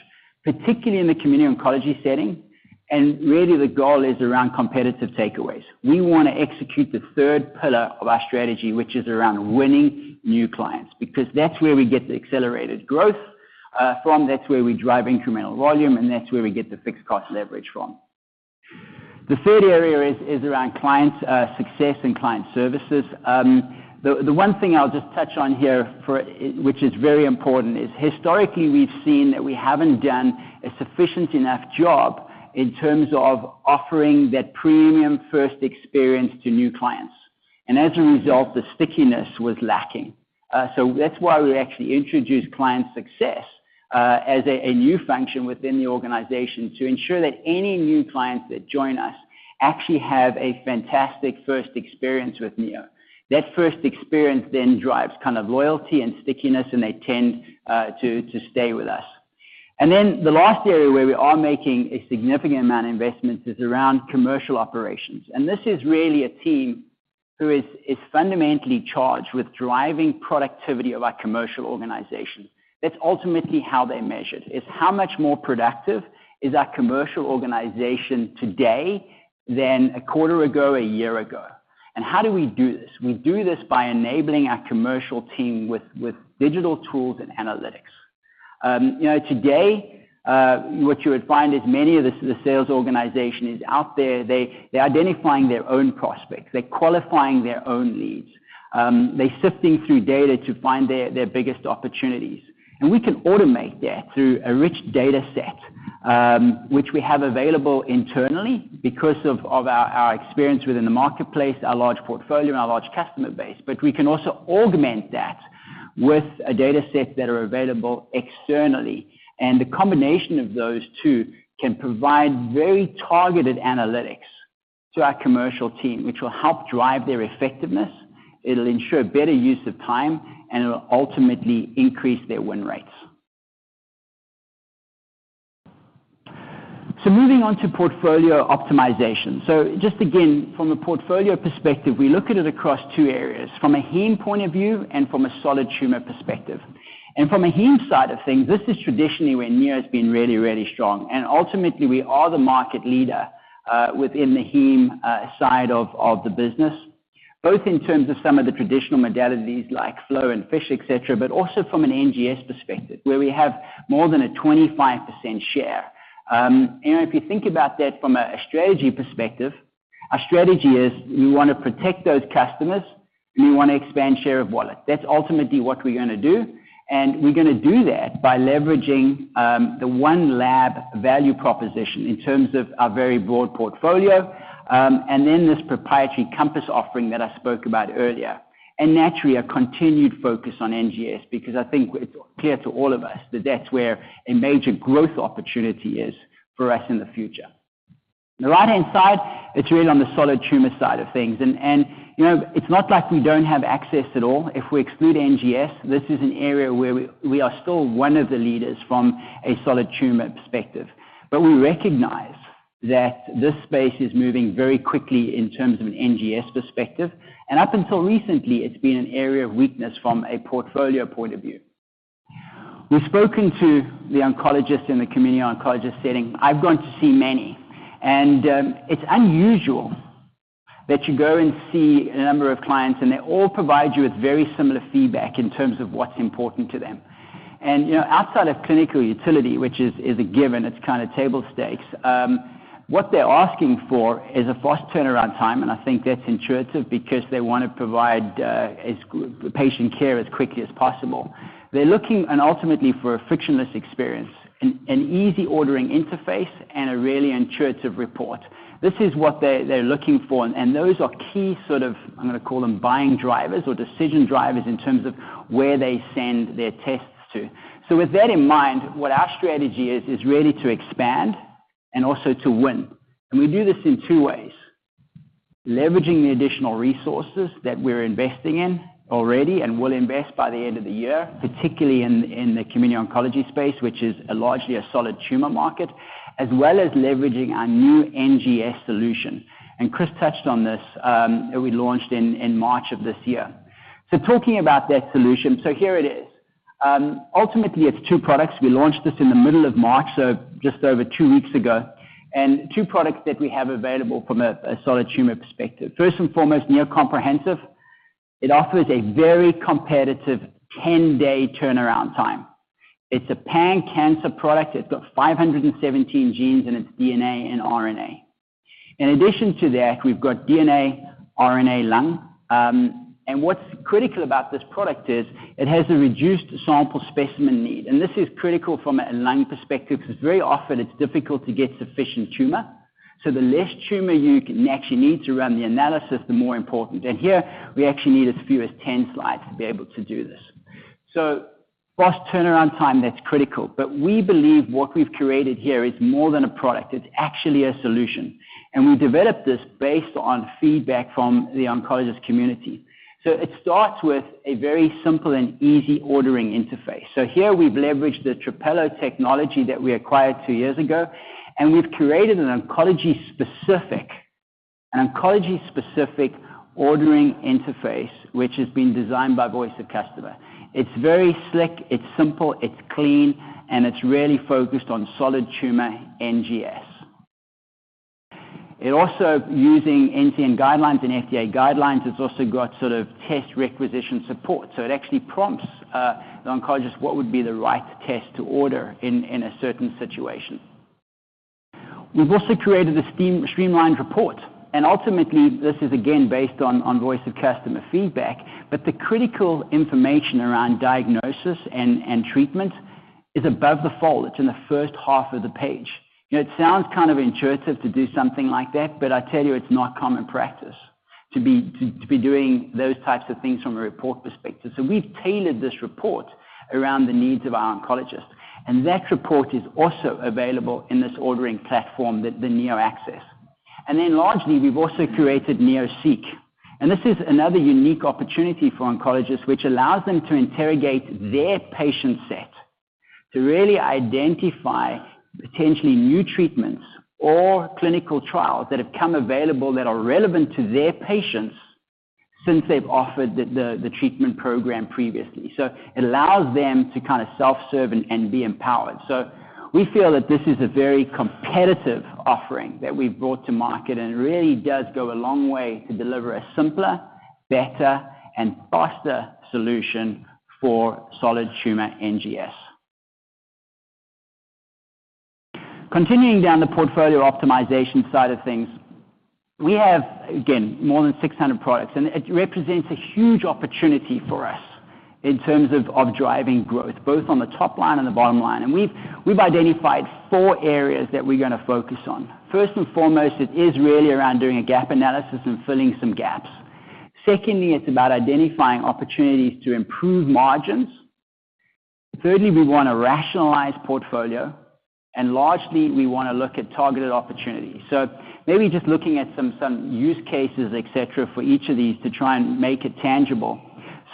S4: particularly in the community oncology setting. Really the goal is around competitive takeaways. We wanna execute the third pillar of our strategy, which is around winning new clients, because that's where we get the accelerated growth from. That's where we drive incremental volume, and that's where we get the fixed cost leverage from. The third area is around client success and client services. The one thing I'll just touch on here for. Which is very important is historically, we've seen that we haven't done a sufficient enough job in terms of offering that premium first experience to new clients. As a result, the stickiness was lacking. That's why we actually introduced client success as a new function within the organization to ensure that any new clients that join us actually have a fantastic first experience with Neo. That first experience then drives kind of loyalty and stickiness, and they tend to stay with us. The last area where we are making a significant amount of investments is around commercial operations. This is really a team who is fundamentally charged with driving productivity of our commercial organization. That's ultimately how they're measured, is how much more productive is our commercial organization today than a quarter ago, a year ago. How do we do this? We do this by enabling our commercial team with digital tools and analytics. You know, today, what you would find is many of the sales organization is out there. They're identifying their own prospects. They're qualifying their own leads. They're sifting through data to find their biggest opportunities. And we can automate that through a rich data set, which we have available internally because of our experience within the marketplace, our large portfolio, and our large customer base. But we can also augment that with a data set that are available externally. And the combination of those two can provide very targeted analytics to our commercial team, which will help drive their effectiveness. It'll ensure better use of time, and it'll ultimately increase their win rates. Moving on to portfolio optimization. Just again, from a portfolio perspective, we look at it across two areas, from a heme point of view and from a solid tumor perspective. From a heme side of things, this is traditionally where Neo has been really, really strong. Ultimately, we are the market leader within the heme side of the business, both in terms of some of the traditional modalities like flow and FISH, et cetera, but also from an NGS perspective, where we have more than a 25% share. You know, if you think about that from a strategy perspective, our strategy is we wanna protect those customers, and we wanna expand share of wallet. That's ultimately what we're gonna do, and we're gonna do that by leveraging the one lab value proposition in terms of our very broad portfolio, and then this proprietary COMPASS offering that I spoke about earlier. Naturally, a continued focus on NGS, because I think it's clear to all of us that that's where a major growth opportunity is for us in the future. The right-hand side, it's really on the solid tumor side of things. You know, it's not like we don't have access at all. If we exclude NGS, this is an area where we are still one of the leaders from a solid tumor perspective. We recognize that this space is moving very quickly in terms of an NGS perspective. Up until recently, it's been an area of weakness from a portfolio point of view. We've spoken to the oncologist in the community oncologist setting. I've gone to see many, it's unusual that you go and see a number of clients, and they all provide you with very similar feedback in terms of what's important to them. You know, outside of clinical utility, which is a given, it's kinda table stakes, what they're asking for is a fast turnaround time, and I think that's intuitive because they wanna provide patient care as quickly as possible. They're looking and ultimately for a frictionless experience, an easy ordering interface and a really intuitive report. This is what they're looking for, and those are key sort of, I'm gonna call them buying drivers or decision drivers in terms of where they send their tests to. With that in mind, what our strategy is really to expand and also to win. We do this in two ways. Leveraging the additional resources that we're investing in already and will invest by the end of the year, particularly in the community oncology space, which is largely a solid tumor market, as well as leveraging our new NGS solution. Chris touched on this that we launched in March of this year. Talking about that solution. Here it is. Ultimately, it's two products. We launched this in the middle of March, so just over two weeks ago. Two products that we have available from a solid tumor perspective. First and foremost, Neo Comprehensive. It offers a very competitive 10-day turnaround time. It's a pan-cancer product. It's got 517 genes in its DNA and RNA. In addition to that, we've got DNA/RNA lung. What's critical about this product is it has a reduced sample specimen need, and this is critical from a lung perspective 'cause very often it's difficult to get sufficient tumor. The less tumor you can actually need to run the analysis, the more important. Here we actually need as few as 10 slides to be able to do this. Fast turnaround time, that's critical. We believe what we've created here is more than a product. It's actually a solution. We developed this based on feedback from the oncologist community. It starts with a very simple and easy ordering interface. Here we've leveraged the Trapelo technology that we acquired two years ago, and we've created an oncology specific ordering interface, which has been designed by voice of customer. It's very slick, it's simple, it's clean, and it's really focused on solid tumor NGS. It also, using NCCN guidelines and FDA guidelines, it's also got sort of test requisition support. It actually prompts the oncologist what would be the right test to order in a certain situation. We've also created a streamlined report, and ultimately this is again based on voice of customer feedback. The critical information around diagnosis and treatment is above the fold. It's in the first half of the page. You know, it sounds kind of intuitive to do something like that, but I tell you it's not common practice to be doing those types of things from a report perspective. We've tailored this report around the needs of our oncologists, and that report is also available in this ordering platform, the NeoAccess. Largely, we've also created NeoSeek, and this is another unique opportunity for oncologists, which allows them to interrogate their patient set to really identify potentially new treatments or clinical trials that have come available that are relevant to their patients since they've offered the treatment program previously. It allows them to kind of self-serve and be empowered. We feel that this is a very competitive offering that we've brought to market, and it really does go a long way to deliver a simpler, better, and faster solution for solid tumor NGS. Continuing down the portfolio optimization side of things, we have, again, more than 600 products, and it represents a huge opportunity for us in terms of driving growth, both on the top line and the bottom line. We've identified four areas that we're going to focus on. First and foremost, it is really around doing a gap analysis and filling some gaps. Secondly, it's about identifying opportunities to improve margins. Thirdly, we wanna rationalize portfolio, and largely, we wanna look at targeted opportunities. Maybe just looking at some use cases, et cetera, for each of these to try and make it tangible.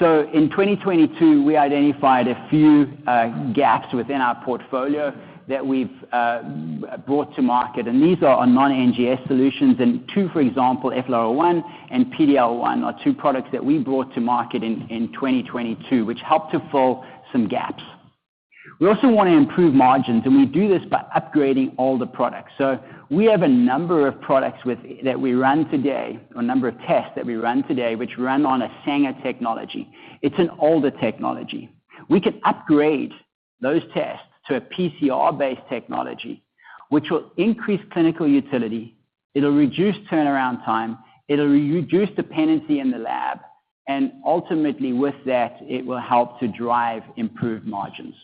S4: In 2022, we identified a few gaps within our portfolio that we've brought to market, and these are on non-NGS solutions. Two, for example, FOLR1 and PD-L1 are two products that we brought to market in 2022, which helped to fill some gaps. We also wanna improve margins, and we do this by upgrading older products. We have a number of products that we run today or a number of tests that we run today, which run on a Sanger technology. It's an older technology. We can upgrade those tests to a PCR-based technology, which will increase clinical utility, it'll reduce turnaround time, it'll reduce dependency in the lab, and ultimately with that, it will help to drive improved margins.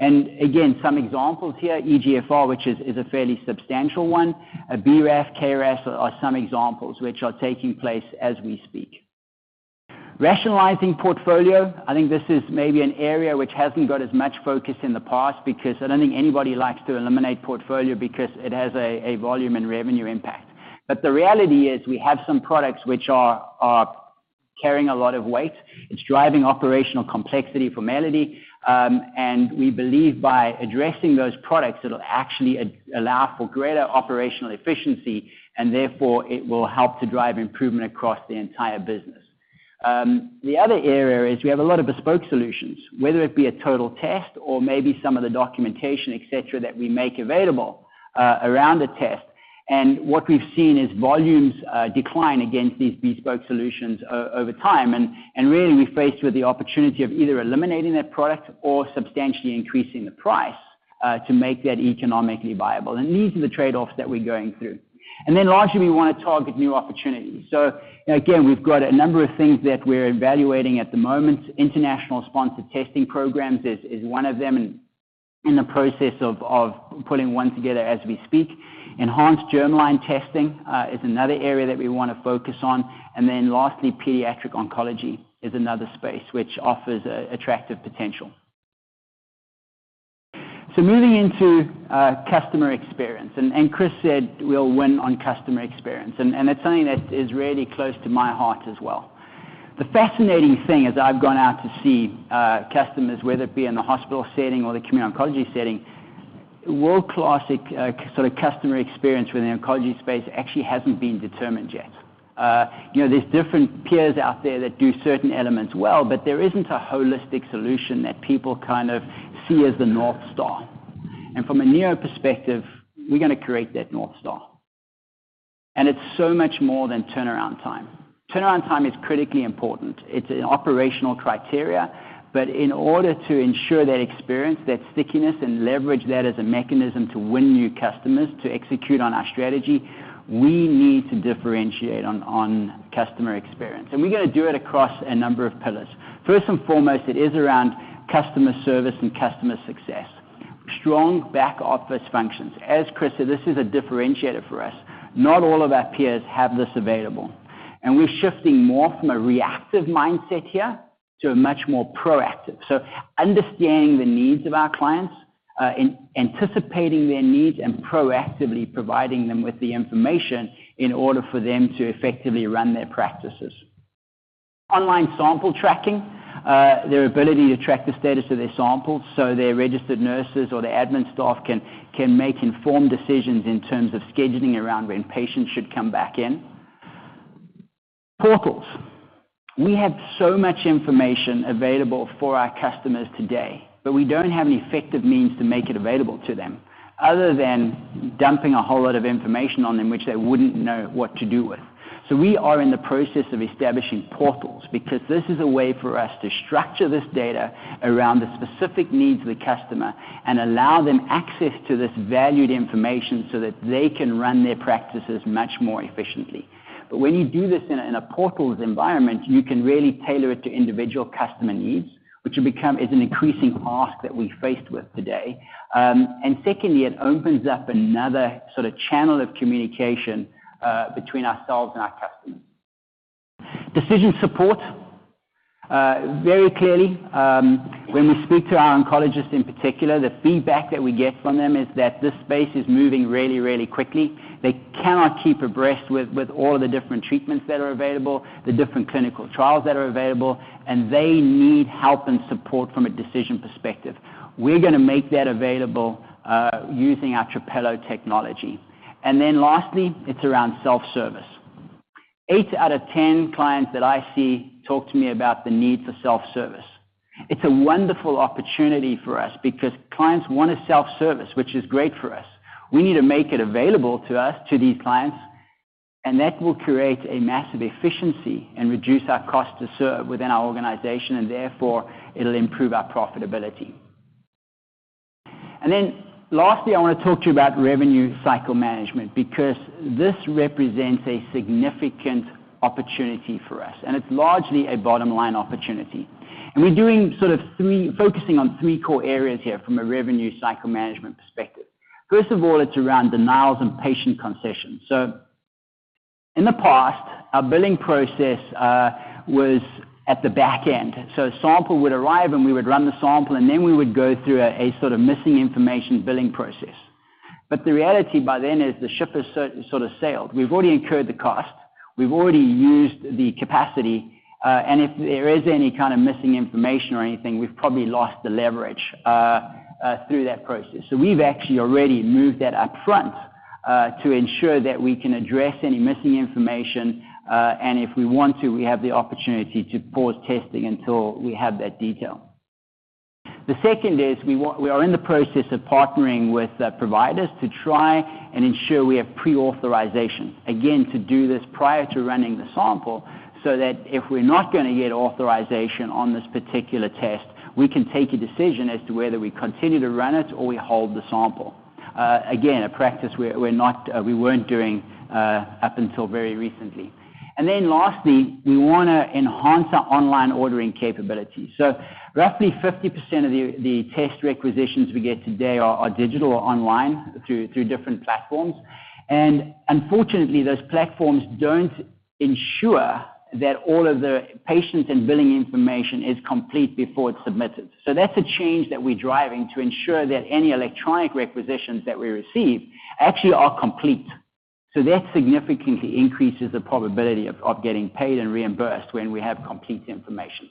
S4: Again, some examples here, EGFR, which is a fairly substantial one. BRAF, KRAS are some examples which are taking place as we speak. Rationalizing portfolio, I think this is maybe an area which hasn't got as much focus in the past because I don't think anybody likes to eliminate portfolio because it has a volume and revenue impact. The reality is we have some products which are carrying a lot of weight. It's driving operational complexity for Melody Harris, and we believe by addressing those products, it'll actually allow for greater operational efficiency, and therefore, it will help to drive improvement across the entire business. The other area is we have a lot of bespoke solutions, whether it be a total test or maybe some of the documentation, et cetera, that we make available around a test. What we've seen is volumes decline against these bespoke solutions over time, and really we're faced with the opportunity of either eliminating that product or substantially increasing the price to make that economically viable. These are the trade-offs that we're going through. Lastly, we wanna target new opportunities. Again, we've got a number of things that we're evaluating at the moment. International sponsored testing programs is one of them, and in the process of putting one together as we speak. Enhanced germline testing is another area that we wanna focus on. Lastly, pediatric oncology is another space which offers attractive potential. Moving into customer experience, Chris said we'll win on customer experience, and it's something that is really close to my heart as well. The fascinating thing as I've gone out to see customers, whether it be in the hospital setting or the community oncology setting, world-class sort of customer experience within the oncology space actually hasn't been determined yet. You know, there's different peers out there that do certain elements well, but there isn't a holistic solution that people kind of see as the North Star. From a Neo perspective, we're gonna create that North Star. It's so much more than turnaround time. Turnaround time is critically important. It's an operational criteria. In order to ensure that experience, that stickiness, and leverage that as a mechanism to win new customers to execute on our strategy, we need to differentiate on customer experience. We're gonna do it across a number of pillars. First and foremost, it is around customer service and customer success. Strong back-office functions. As Chris said, this is a differentiator for us. Not all of our peers have this available. We're shifting more from a reactive mindset here to a much more proactive. Understanding the needs of our clients, anticipating their needs, and proactively providing them with the information in order for them to effectively run their practices. Online sample tracking, their ability to track the status of their samples, so their registered nurses or their admin staff can make informed decisions in terms of scheduling around when patients should come back in. Portals. We have so much information available for our customers today, we don't have an effective means to make it available to them other than dumping a whole lot of information on them which they wouldn't know what to do with. We are in the process of establishing portals because this is a way for us to structure this data around the specific needs of the customer and allow them access to this valued information so that they can run their practices much more efficiently. When you do this in a portals environment, you can really tailor it to individual customer needs, which will become... Is an increasing ask that we're faced with today. Secondly, it opens up another sort of channel of communication between ourselves and our customers. Decision support. Very clearly, when we speak to our oncologists in particular, the feedback that we get from them is that this space is moving really, really quickly. They cannot keep abreast with all the different treatments that are available, the different clinical trials that are available, and they need help and support from a decision perspective. We're gonna make that available using our Trapelo technology. Lastly, it's around self-service. Eight out of 10 clients that I see talk to me about the need for self-service. It's a wonderful opportunity for us because clients want a self-service, which is great for us. We need to make it available to us, to these clients, and that will create a massive efficiency and reduce our cost to serve within our organization, and therefore, it'll improve our profitability. Lastly, I wanna talk to you about revenue cycle management because this represents a significant opportunity for us, and it's largely a bottom-line opportunity. We're focusing on three core areas here from a revenue cycle management perspective. First of all, it's around denials and patient concessions. In the past, our billing process was at the back end. A sample would arrive, and we would run the sample, and then we would go through a sort of missing information billing process. The reality by then is the ship has sort of sailed. We've already incurred the cost. We've already used the capacity. If there is any kind of missing information or anything, we've probably lost the leverage through that process. We've actually already moved that up front to ensure that we can address any missing information, and if we want to, we have the opportunity to pause testing until we have that detail. The second is we are in the process of partnering with providers to try and ensure we have pre-authorization, again, to do this prior to running the sample, so that if we're not gonna get authorization on this particular test, we can take a decision as to whether we continue to run it or we hold the sample. Again, a practice we weren't doing up until very recently. Lastly, we wanna enhance our online ordering capabilities. Roughly 50% of the test requisitions we get today are digital or online through different platforms. Unfortunately, those platforms don't ensure that all of the patients and billing information is complete before it's submitted. That's a change that we're driving to ensure that any electronic requisitions that we receive actually are complete. That significantly increases the probability of getting paid and reimbursed when we have complete information.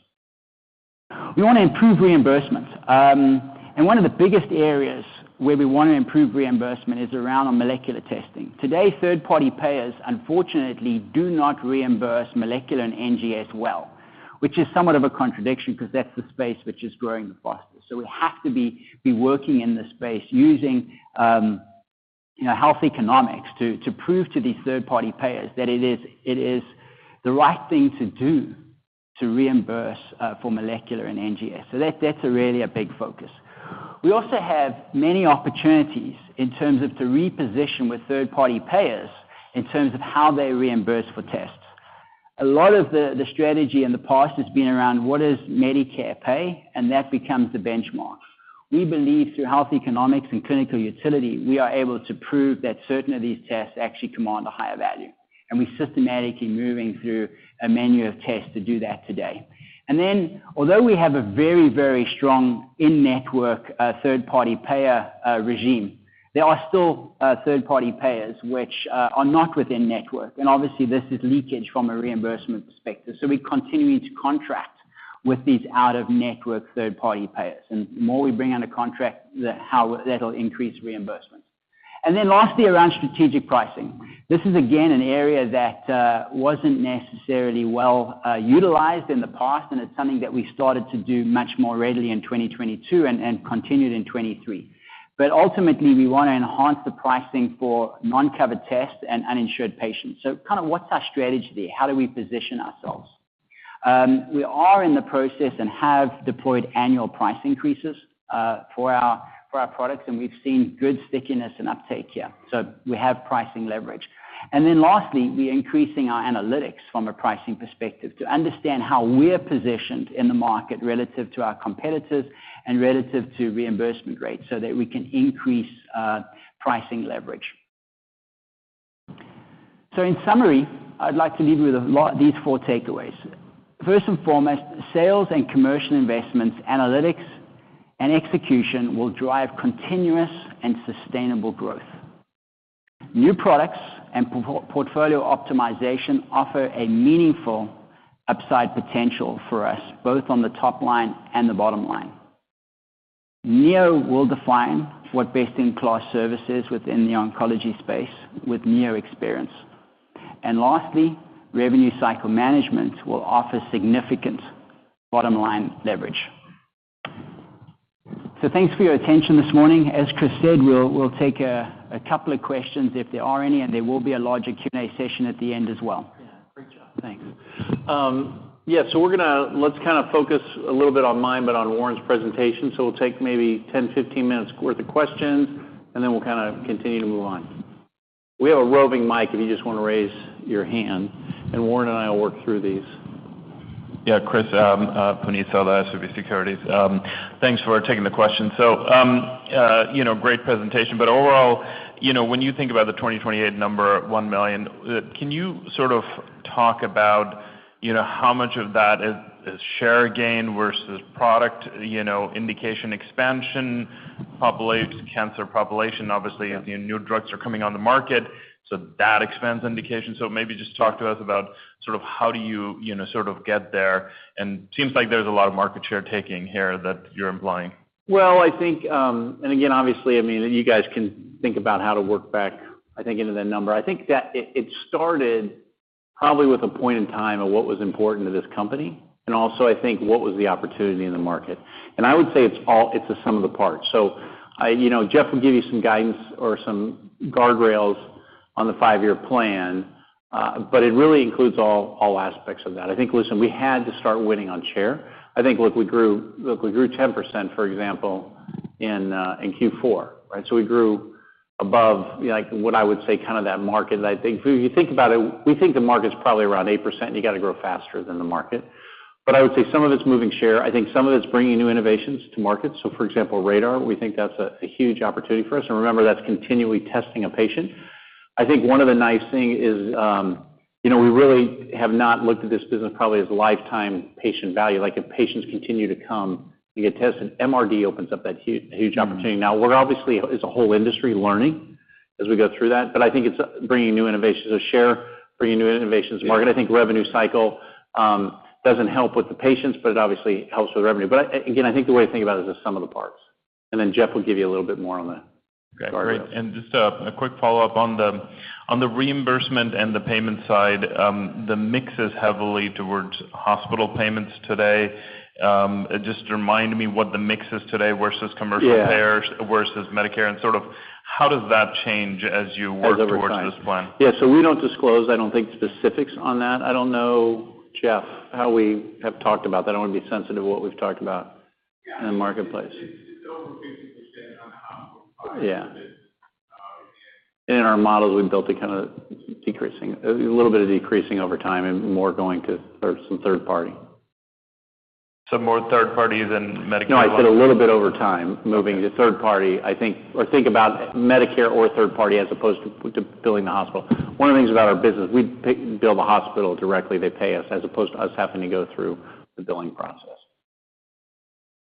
S4: We wanna improve reimbursements. One of the biggest areas where we wanna improve reimbursement is around our molecular testing. Today, third-party payers, unfortunately, do not reimburse molecular and NGS well, which is somewhat of a contradiction because that's the space which is growing the fastest. We have to be working in this space using, you know, health economics to prove to these third party payers that it is the right thing to do to reimburse for molecular and NGS. That's really a big focus. We also have many opportunities in terms of to reposition with third party payers in terms of how they reimburse for tests. A lot of the strategy in the past has been around what does Medicare pay, and that becomes the benchmark. We believe through health economics and clinical utility, we are able to prove that certain of these tests actually command a higher value, and we're systematically moving through a menu of tests to do that today. Although we have a very, very strong in-network, third party payer, regime, there are still, third party payers which, are not within network. Obviously, this is leakage from a reimbursement perspective. We're continuing to contract with these out-of-network third party payers. The more we bring under contract, that'll increase reimbursement. Lastly, around strategic pricing. This is, again, an area that, wasn't necessarily well, utilized in the past, and it's something that we started to do much more readily in 2022 and continued in 2023. Ultimately, we wanna enhance the pricing for non-covered tests and uninsured patients. Kind of what's our strategy? How do we position ourselves? We are in the process and have deployed annual price increases for our products, and we've seen good stickiness and uptake here. We have pricing leverage. Lastly, we're increasing our analytics from a pricing perspective to understand how we're positioned in the market relative to our competitors and relative to reimbursement rates so that we can increase pricing leverage. In summary, I'd like to leave you with these four takeaways. First and foremost, sales and commercial investments, analytics, and execution will drive continuous and sustainable growth. New products and portfolio optimization offer a meaningful upside potential for us, both on the top line and the bottom line. Neo will define what best-in-class service is within the oncology space with NeoExperience. Lastly, revenue cycle management will offer significant bottom line leverage. Thanks for your attention this morning. As Chris said, we'll take a couple of questions if there are any, and there will be a larger Q&A session at the end as well.
S3: Yeah. Great job.
S4: Thanks.
S3: Yeah, so let's kinda focus a little bit on mine, but on Warren's presentation. We'll take maybe 10, 15 minutes worth of questions, and then we'll kinda continue to move on. We have a roving mic if you just wanna raise your hand, and Warren and I will work through these.
S5: Yeah, Chris, Puneet Souda, SVB Securities. Thanks for taking the question. You know, great presentation. Overall, you know, when you think about the 2028 number at $1 million, can you sort of talk about, you know, how much of that is share gain versus product, you know, indication expansion, cancer population? Obviously, new drugs are coming on the market, so that expands indication. Maybe just talk to us about sort of how do you know, sort of get there. Seems like there's a lot of market share taking here that you're implying.
S3: Well, I think, and again, obviously, I mean, you guys can think about how to work back, I think into that number. I think that it started probably with a point in time of what was important to this company, and also I think what was the opportunity in the market. I would say it's the sum of the parts. You know, Jeff will give you some guidance or some guardrails on the five-year plan, but it really includes all aspects of that. I think, listen, we had to start winning on share. I think, look, we grew 10%, for example, in Q4, right? We grew above, like, what I would say kind of that market. I think if you think about it, we think the market's probably around 8%. You gotta grow faster than the market. I would say some of it's moving share. I think some of it's bringing new innovations to market. For example, RaDaR, we think that's a huge opportunity for us. Remember, that's continually testing a patient. I think one of the nice thing is, you know, we really have not looked at this business probably as lifetime patient value. Like, if patients continue to come to get tested, MRD opens up that huge opportunity. Now we're obviously as a whole industry learning as we go through that, but I think it's bringing new innovations to share, bringing new innovations to market. I think revenue cycle doesn't help with the patients, but it obviously helps with revenue. Again, I think the way to think about it is the sum of the parts. Jeff will give you a little bit more on the guardrails.
S5: Okay, great. Just a quick follow-up on the reimbursement and the payment side, the mix is heavily towards hospital payments today. Just remind me what the mix is today versus commercial payers?
S3: Yeah.
S5: Versus Medicare, sort of how does that change as you work towards this plan?
S3: As over time. Yeah. We don't disclose, I don't think, specifics on that. I don't know Jeff, how we have talked about that. I want to be sensitive to what we've talked about in the marketplace. Yeah.
S6: It's over 50% on the hospital side.
S3: Yeah. In our models, we've built it kinda decreasing. A little bit of decreasing over time and more going to sort of some third party.
S5: More third party than Medicare?
S3: No, I said a little bit over time, moving to third party, I think. Think about Medicare or third party as opposed to billing the hospital. One of the things about our business, we bill the hospital directly. They pay us as opposed to us having to go through the billing process.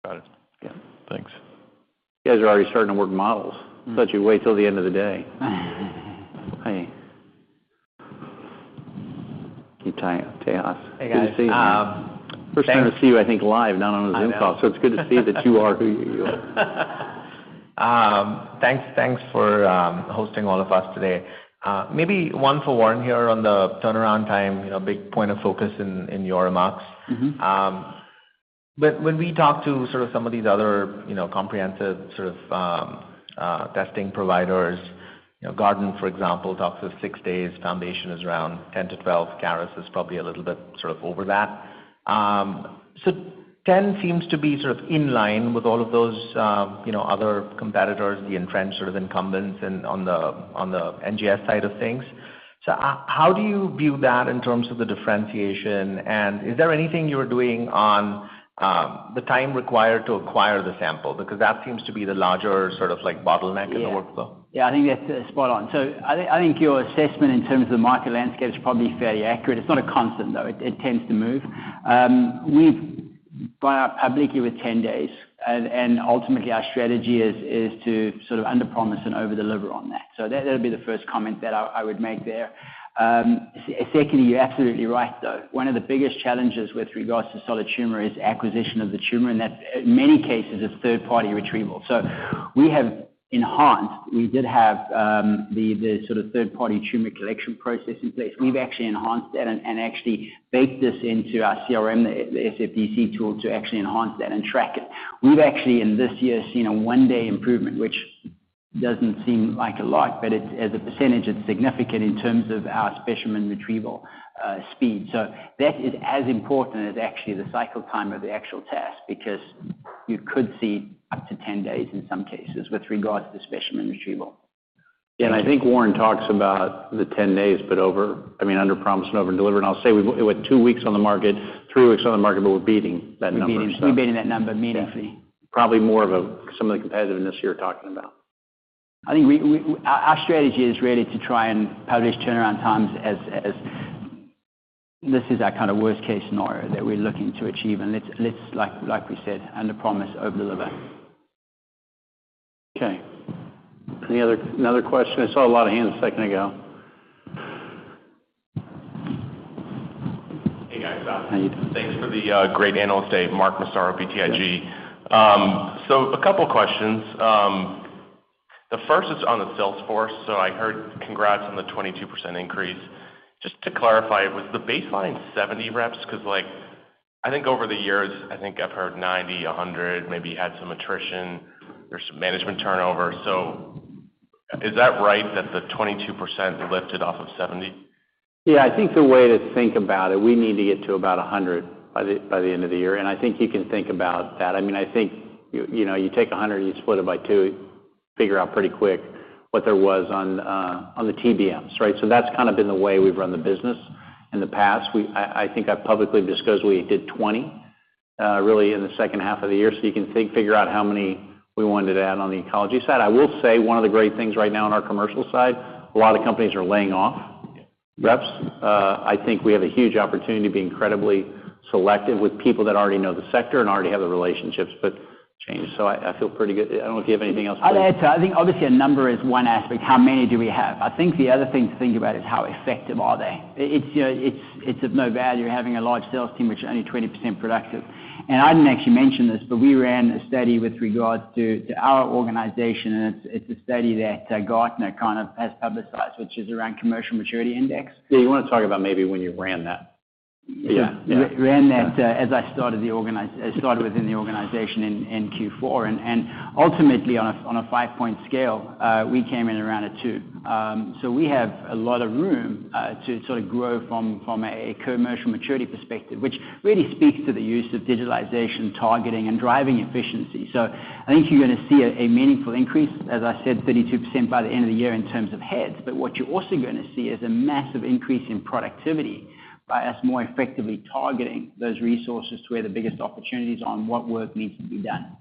S5: Got it. Yeah.Thanks.
S3: You guys are already starting to work models. Thought you'd wait till the end of the day. Hey. Hey, Tejas.
S7: Hey, guys.
S3: Good to see you, man.
S7: Thanks.
S3: First time to see you, I think, live, not on a Zoom call.
S7: I know.
S3: It's good to see that you are who you are.
S7: Thanks for hosting all of us today. Maybe one for Warren here on the turnaround time, you know, big point of focus in your remarks.
S3: Mm-hmm.
S7: When we talk to sort of some of these other, you know, comprehensive sort of, testing providers, you know, Guardant, for example, talks of six days, Foundation is around 10-12, Caris is probably a little bit sort of over that. 10 seems to be sort of in line with all of those, you know, other competitors, the entrenched sort of incumbents on the, on the NGS side of things. How do you view that in terms of the differentiation? Is there anything you're doing on, the time required to acquire the sample? Because that seems to be the larger sort of like bottleneck in the workflow.
S4: Yeah. I think that's spot on. I think your assessment in terms of market landscape is probably fairly accurate. It's not a constant, though. It tends to move. We're 10 days, and ultimately our strategy is to sort of underpromise and overdeliver on that. That'll be the first comment that I would make there. Secondly, you're absolutely right, though. One of the biggest challenges with regards to solid tumor is acquisition of the tumor, and that's, in many cases, it's third-party retrieval. We have enhanced. We did have the sort of third-party tumor collection process in place. We've actually enhanced that and actually baked this into our CRM, the SFDC tool, to actually enhance that and track it. We've actually in this year seen a 1-day improvement, which doesn't seem like a lot, but it's, as a percentage, it's significant in terms of our specimen retrieval speed. That is as important as actually the cycle time of the actual test because you could see up to 10 days in some cases with regards to the specimen retrieval.
S3: I think Warren talks about the 10 days, but I mean, underpromise and overdeliver. I'll say with two weeks on the market, three weeks on the market, but we're beating that number, so.
S4: We're beating that number meaningfully.
S3: Yeah. Probably more of some of the competitiveness you're talking about.
S4: I think we our strategy is really to try and publish turnaround times as this is our kind of worst-case scenario that we're looking to achieve. Let's like we said, underpromise, overdeliver.
S3: Okay. Any another question? I saw a lot of hands a second ago.
S8: Hey, guys.
S4: How you doing?
S8: Thanks for the great analyst day. Mark Massaro, BTIG. A couple questions. The first is on the Salesforce. I heard congrats on the 22% increase. Just to clarify, was the baseline 70 reps? 'Cause, like, I think over the years, I think I've heard 90, 100, maybe you had some attrition. There's some management turnover. Is that right that the 22% lifted off of 70?
S3: Yeah. I think the way to think about it, we need to get to about 100 by the, by the end of the year. I think you can think about that. I mean, I think, you know, you take 100 and you split it by two, figure out pretty quick what there was on the TBMs, right? That's kind of been the way we've run the business in the past. I think I've publicly disclosed we did 20 really in the second half of the year, so you can figure out how many we wanted to add on the oncology side. I will say one of the great things right now on our commercial side, a lot of companies are laying off reps. I think we have a huge opportunity to be incredibly selective with people that already know the sector and already have the relationships but change. I feel pretty good. I don't know if you have anything else to add.
S4: I'll add to it. I think obviously a number is one aspect, how many do we have? I think the other thing to think about is how effective are they. It's, you know, it's of no value having a large sales team which is only 20% productive. I didn't actually mention this, but we ran a study with regards to our organization, and it's a study that Gartner kind of has publicized, which is around commercial maturity index.
S3: Do you wanna talk about maybe when you ran that?
S4: Yeah.
S3: Yeah.
S4: We ran that, as I started within the organization in Q4. Ultimately, on a five-point scale, we came in around a two. We have a lot of room to sort of grow from a commercial maturity perspective, which really speaks to the use of digitalization, targeting, and driving efficiency. I think you're gonna see a meaningful increase, as I said, 32% by the end of the year in terms of heads. What you're also gonna see is a massive increase in productivity by us more effectively targeting those resources to where the biggest opportunity is on what work needs to be done.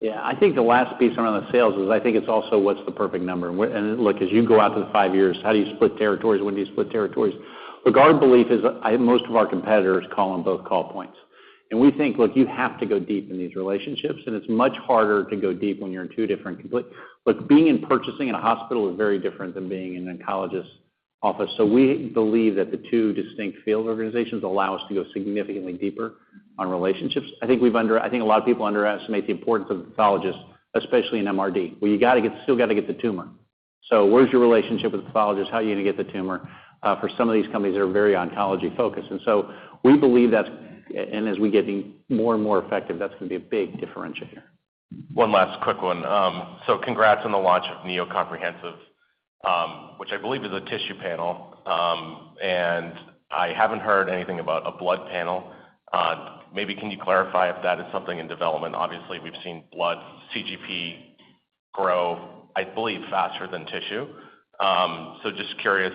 S3: Yeah. I think the last piece around the sales is I think it's also what's the perfect number. And look, as you go out to the five years, how do you split territories? When do you split territories? The Guardant belief is, most of our competitors call on both call points. We think, look, you have to go deep in these relationships, and it's much harder to go deep when you're in two different complete. Look, being in purchasing in a hospital is very different than being in an oncologist office. We believe that the two distinct field organizations allow us to go significantly deeper on relationships. I think a lot of people underestimate the importance of the oncologist, especially in MRD, where you gotta get, still gotta get the tumor. Where's your relationship with the oncologist? How are you gonna get the tumor? For some of these companies, they're very oncology-focused. We believe that's... As we get more and more effective, that's gonna be a big differentiator.
S8: One last quick one. congrats on the launch of Neo Comprehensive. which I believe is a tissue panel. and I haven't heard anything about a blood panel. maybe can you clarify if that is something in development? Obviously, we've seen blood CGP grow, I believe, faster than tissue. just curious,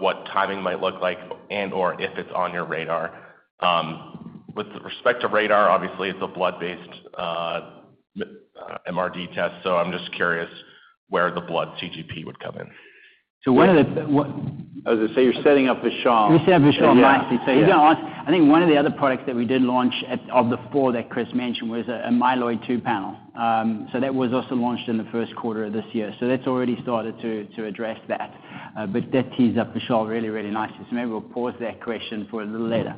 S8: what timing might look like and/or if it's on your RaDaR. with respect to RaDaR, obviously, it's a blood-based MRD test, so I'm just curious where the blood CGP would come in.
S4: One of the what-.
S3: I was gonna say, you're setting up Vishal.
S4: Let me set up Vishal nicely.
S3: Yeah. Yeah.
S4: He's gonna answer. I think one of the other products that we did launch of the four that Chris mentioned was a myeloid 2 panel. That was also launched in the 1st quarter of this year. That's already started to address that. That tees up Vishal really nicely, so maybe we'll pause that question for a little later.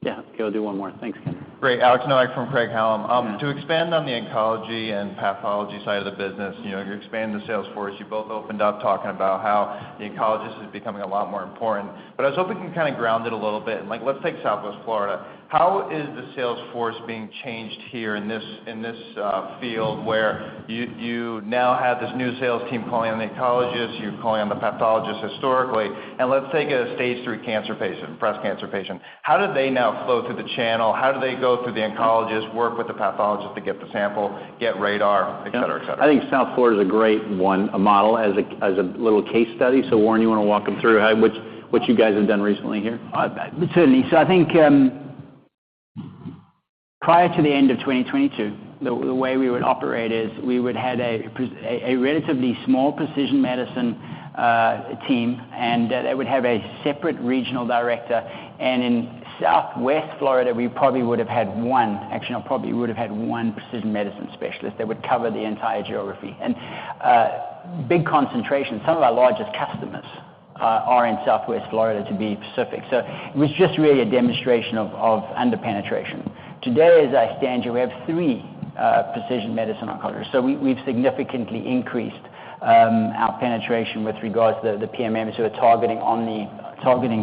S3: Yeah. Go do one more. Thanks.
S9: Great. Alex Nowak from Craig-Hallum. To expand on the oncology and pathology side of the business, you know, you're expanding the sales force. You both opened up talking about how the oncologist is becoming a lot more important. I was hoping you can kinda ground it a little bit. Like, let's take Southwest Florida. How is the sales force being changed here in this field, where you now have this new sales team calling on the oncologist, you're calling on the pathologist historically. Let's take a stage three cancer patient, breast cancer patient. How do they now flow through the channel? How do they go through the oncologist, work with the pathologist to get the sample, get RaDaR, et cetera, et cetera?
S3: Yeah. I think South Florida's a great one, a model as a, as a little case study. Warren, you wanna walk them through what you guys have done recently here?
S4: Certainly. I think, prior to the end of 2022, the way we would operate is we would had a relatively small precision medicine team, and that it would have a separate regional director. In Southwest Florida, we probably would've had one. Actually, no, probably would've had one precision medicine specialist that would cover the entire geography. Big concentration. Some of our largest customers are in Southwest Florida, to be specific. It was just really a demonstration of under-penetration. Today, as I stand here, we have three precision medicine oncologists. We've significantly increased our penetration with regards to the PMMs who are targeting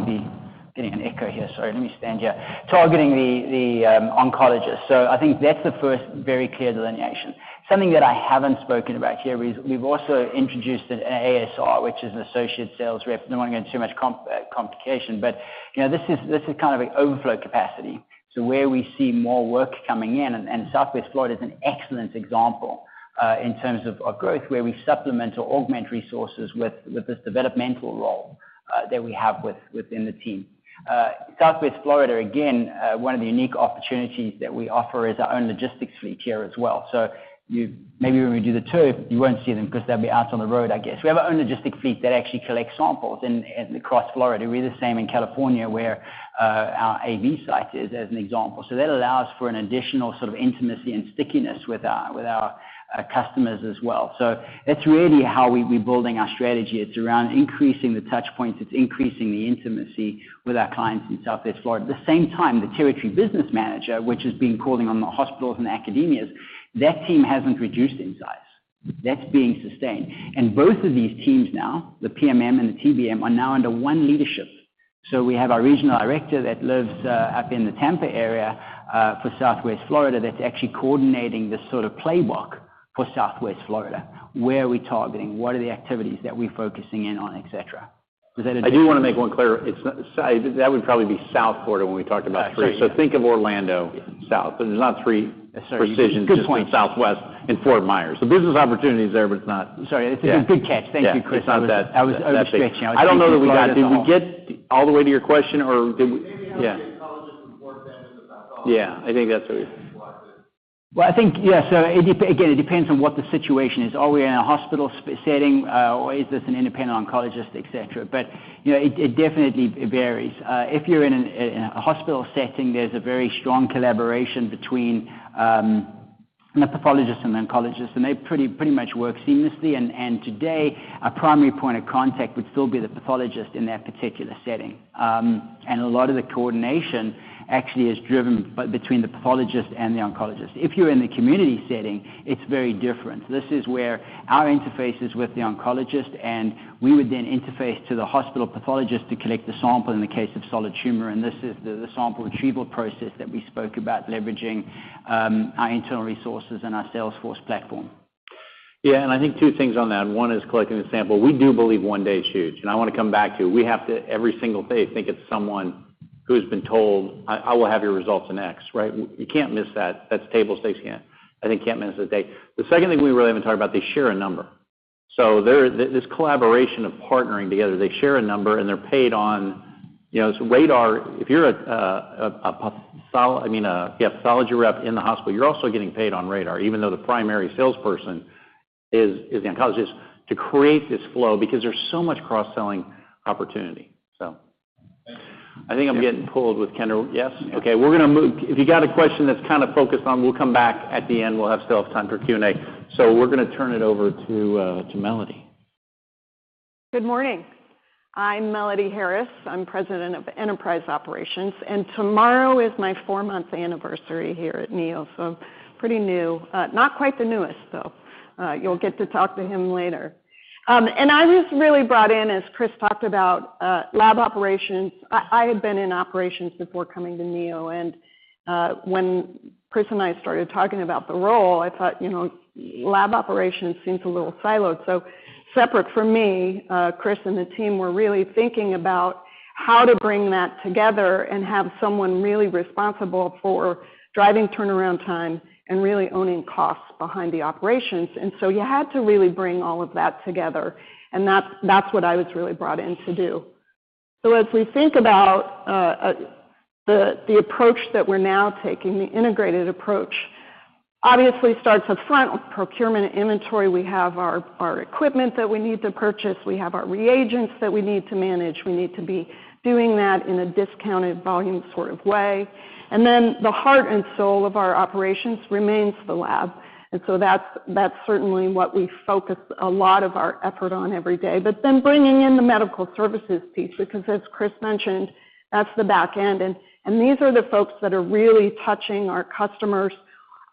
S4: the. Getting an echo here. Sorry, let me stand here. Targeting the oncologist. I think that's the first very clear delineation. Something that I haven't spoken about here is we've also introduced an ASR, which is an associate sales rep. I don't wanna go into too much comp complication, you know, this is kind of an overflow capacity. Where we see more work coming in, and Southwest Florida is an excellent example in terms of growth, where we supplement or augment resources with this developmental role that we have within the team. Southwest Florida, again, one of the unique opportunities that we offer is our own logistics fleet here as well. Maybe when we do the tour, you won't see them 'cause they'll be out on the road, I guess. We have our own logistic fleet that actually collect samples in, across Florida. We're the same in California, where our AV site is, as an example. That allows for an additional sort of intimacy and stickiness with our customers as well. That's really how we're building our strategy. It's around increasing the touch points, it's increasing the intimacy with our clients in Southwest Florida. At the same time, the territory business manager, which has been calling on the hospitals and the academias, that team hasn't reduced in size. That's being sustained. Both of these teams now, the PMM and the TBM, are now under one leadership. We have our regional director that lives up in the Tampa area for Southwest Florida that's actually coordinating this sort of playbook for Southwest Florida. Where are we targeting? What are the activities that we're focusing in on, et cetera.
S3: I do want to make one clear. That would probably be South Florida when we talked about three.
S4: Sorry, yeah.
S3: Think of Orlando-
S4: Yeah
S3: -south. There's not three-
S4: Sorry.
S3: -precisions.
S4: Good point.
S3: Just the Southwest and Fort Myers. The business opportunity is there, it's not...
S4: Sorry. It's a good catch.
S3: Yeah.
S4: Thank you, Chris.
S3: It's not that big.
S4: I was stretching. I was thinking Florida's all.
S3: I don't know that we got... Did we get all the way to your question or did we?
S9: Maybe how the oncologist and the pathologist-
S3: Yeah. I think that's what he's-
S4: I think, yeah, again, it depends on what the situation is. Are we in a hospital setting, or is this an independent oncologist, et cetera? You know, it definitely, it varies. If you're in a hospital setting, there's a very strong collaboration between the pathologist and the oncologist, and they pretty much work seamlessly. Today, our primary point of contact would still be the pathologist in that particular setting. A lot of the coordination actually is driven between the pathologist and the oncologist. If you're in the community setting, it's very different. This is where our interface is with the oncologist, we would then interface to the hospital pathologist to collect the sample in the case of solid tumor, this is the sample retrieval process that we spoke about leveraging, our internal resources and our Salesforce platform.
S3: Yeah. I think two things on that. One is collecting the sample. We do believe one day is huge, and I wanna come back to it. We have to, every single day, think it's someone who's been told, "I will have your results in X," right? You can't miss that. That's table stakes. You can't, I think, miss that day. The second thing we really haven't talked about, they share a number. They're... This collaboration of partnering together, they share a number, and they're paid on... You know, so RaDaR, if you're a pathology rep in the hospital, you're also getting paid on RaDaR, even though the primary salesperson is the oncologist, to create this flow because there's so much cross-selling opportunity, so.
S9: Thank you.
S3: I think I'm getting pulled with Kendra. Yes?
S4: Yeah.
S3: Okay. If you got a question that's kinda focused on, we'll come back at the end. We'll still have time for Q&A. We're gonna turn it over to Melody.
S10: Good morning. I'm Melody Harris. I'm President of Enterprise Operations. Tomorrow is my 4-month anniversary here at Neo, pretty new. Not quite the newest, though. You'll get to talk to him later. I was really brought in, as Chris talked about, lab operations. I had been in operations before coming to Neo. When Chris and I started talking about the role, I thought, you know, lab operations seems a little siloed. Separate from me, Chris and the team were really thinking about how to bring that together and have someone really responsible for driving turnaround time and really owning costs behind the operations. You had to really bring all of that together, that's what I was really brought in to do. As we think about the approach that we're now taking, the integrated approach, obviously starts up front with procurement and inventory. We have our equipment that we need to purchase. We have our reagents that we need to manage. We need to be doing that in a discounted volume sort of way. The heart and soul of our operations remains the lab. That's certainly what we focus a lot of our effort on every day. Bringing in the medical services piece, because as Chris mentioned, that's the back end. These are the folks that are really touching our customers,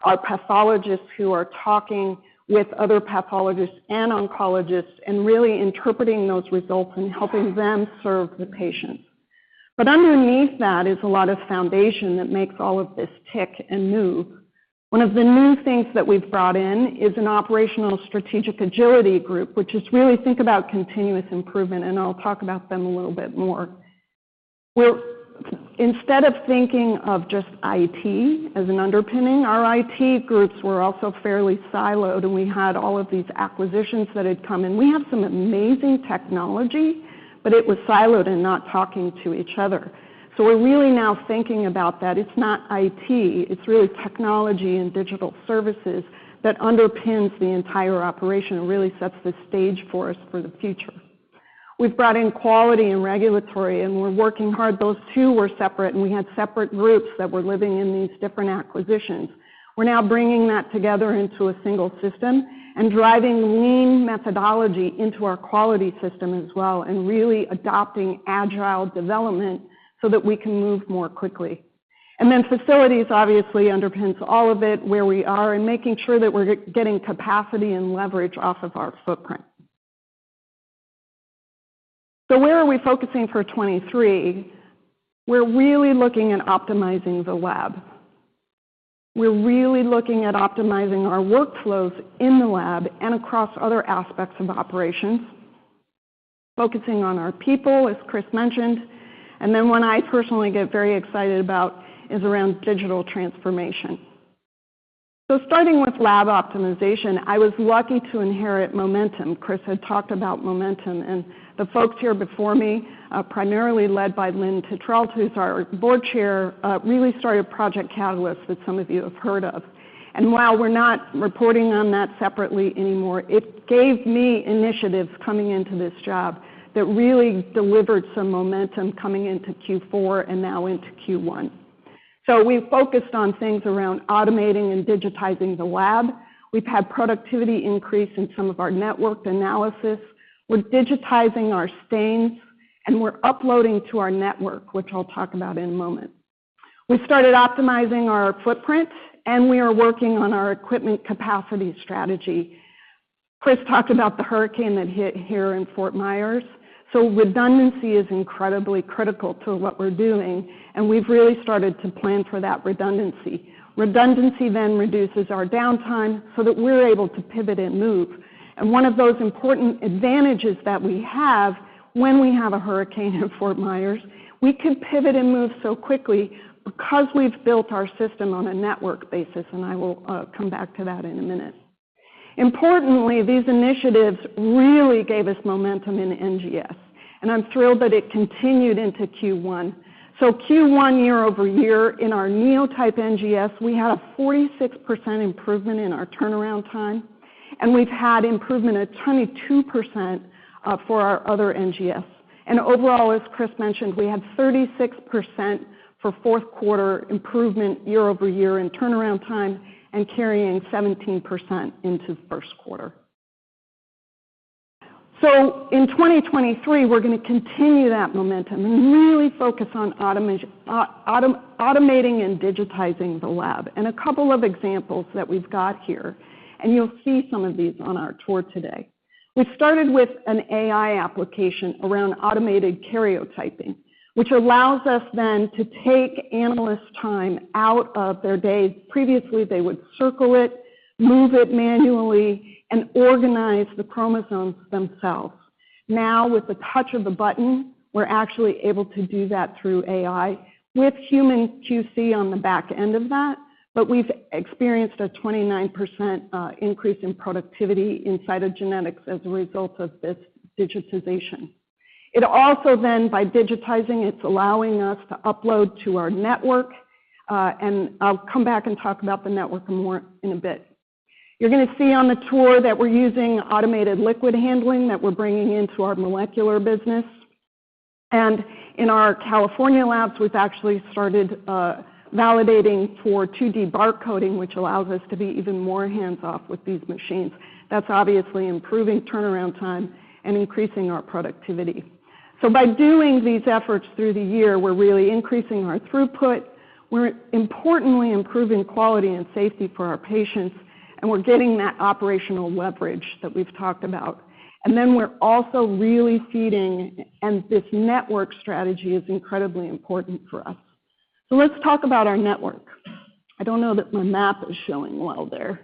S10: our pathologists who are talking with other pathologists and oncologists and really interpreting those results and helping them serve the patient. Underneath that is a lot of foundation that makes all of this tick and move. One of the new things that we've brought in is an operational strategic agility group, which is really think about continuous improvement. I'll talk about them a little bit more. Instead of thinking of just IT as an underpinning, our IT groups were also fairly siloed. We had all of these acquisitions that had come in. We have some amazing technology. It was siloed and not talking to each other. We're really now thinking about that. It's not IT, it's really technology and digital services that underpins the entire operation and really sets the stage for us for the future. We've brought in quality and regulatory. We're working hard. Those two were separate. We had separate groups that were living in these different acquisitions. We're now bringing that together into a single system and driving lean methodology into our quality system as well and really adopting agile development so that we can move more quickly. Facilities obviously underpins all of it, where we are, and making sure that we're getting capacity and leverage off of our footprint. Where are we focusing for 2023? We're really looking at optimizing the lab. We're really looking at optimizing our workflows in the lab and across other aspects of operations, focusing on our people, as Chris mentioned. One I personally get very excited about is around digital transformation. Starting with lab optimization, I was lucky to inherit momentum. Chris had talked about momentum, and the folks here before me, primarily led by Lynn Tetrault, who's our Board Chair, really started Project Catalyst that some of you have heard of. While we're not reporting on that separately anymore, it gave me initiatives coming into this job that really delivered some momentum coming into Q4 and now into Q1. We've focused on things around automating and digitizing the lab. We've had productivity increase in some of our networked analysis. We're digitizing our stains, and we're uploading to our network, which I'll talk about in a moment. We started optimizing our footprint, and we are working on our equipment capacity strategy. Chris talked about the hurricane that hit here in Fort Myers, so redundancy is incredibly critical to what we're doing, and we've really started to plan for that redundancy. Redundancy reduces our downtime so that we're able to pivot and move. One of those important advantages that we have when we have a hurricane in Fort Myers, we can pivot and move so quickly because we've built our system on a network basis, and I will come back to that in a minute. Importantly, these initiatives really gave us momentum in NGS, and I'm thrilled that it continued into Q1. Q1 year-over-year in our NeoTYPE NGS, we had a 46% improvement in our turnaround time, and we've had improvement of 22% for our other NGS. Overall, as Chris mentioned, we had 36% for fourth quarter improvement year-over-year in turnaround time and carrying 17% into the first quarter. In 2023, we're going to continue that momentum and really focus on automating and digitizing the lab. A couple of examples that we've got here, and you'll see some of these on our tour today. We've started with an AI application around automated karyotyping, which allows us then to take analysts' time out of their day. Previously, they would circle it, move it manually, and organize the chromosomes themselves. Now, with the touch of a button, we're actually able to do that through AI with human QC on the back end of that. We've experienced a 29% increase in productivity in cytogenetics as a result of this digitization. It also then, by digitizing, it's allowing us to upload to our network, and I'll come back and talk about the network more in a bit. You're gonna see on the tour that we're using automated liquid handling that we're bringing into our molecular business. In our California labs, we've actually started validating for 2D barcoding, which allows us to be even more hands-off with these machines. That's obviously improving turnaround time and increasing our productivity. By doing these efforts through the year, we're really increasing our throughput, we're importantly improving quality and safety for our patients, and we're getting that operational leverage that we've talked about. We're also really seeding, and this network strategy is incredibly important for us. Let's talk about our network. I don't know that my map is showing well there.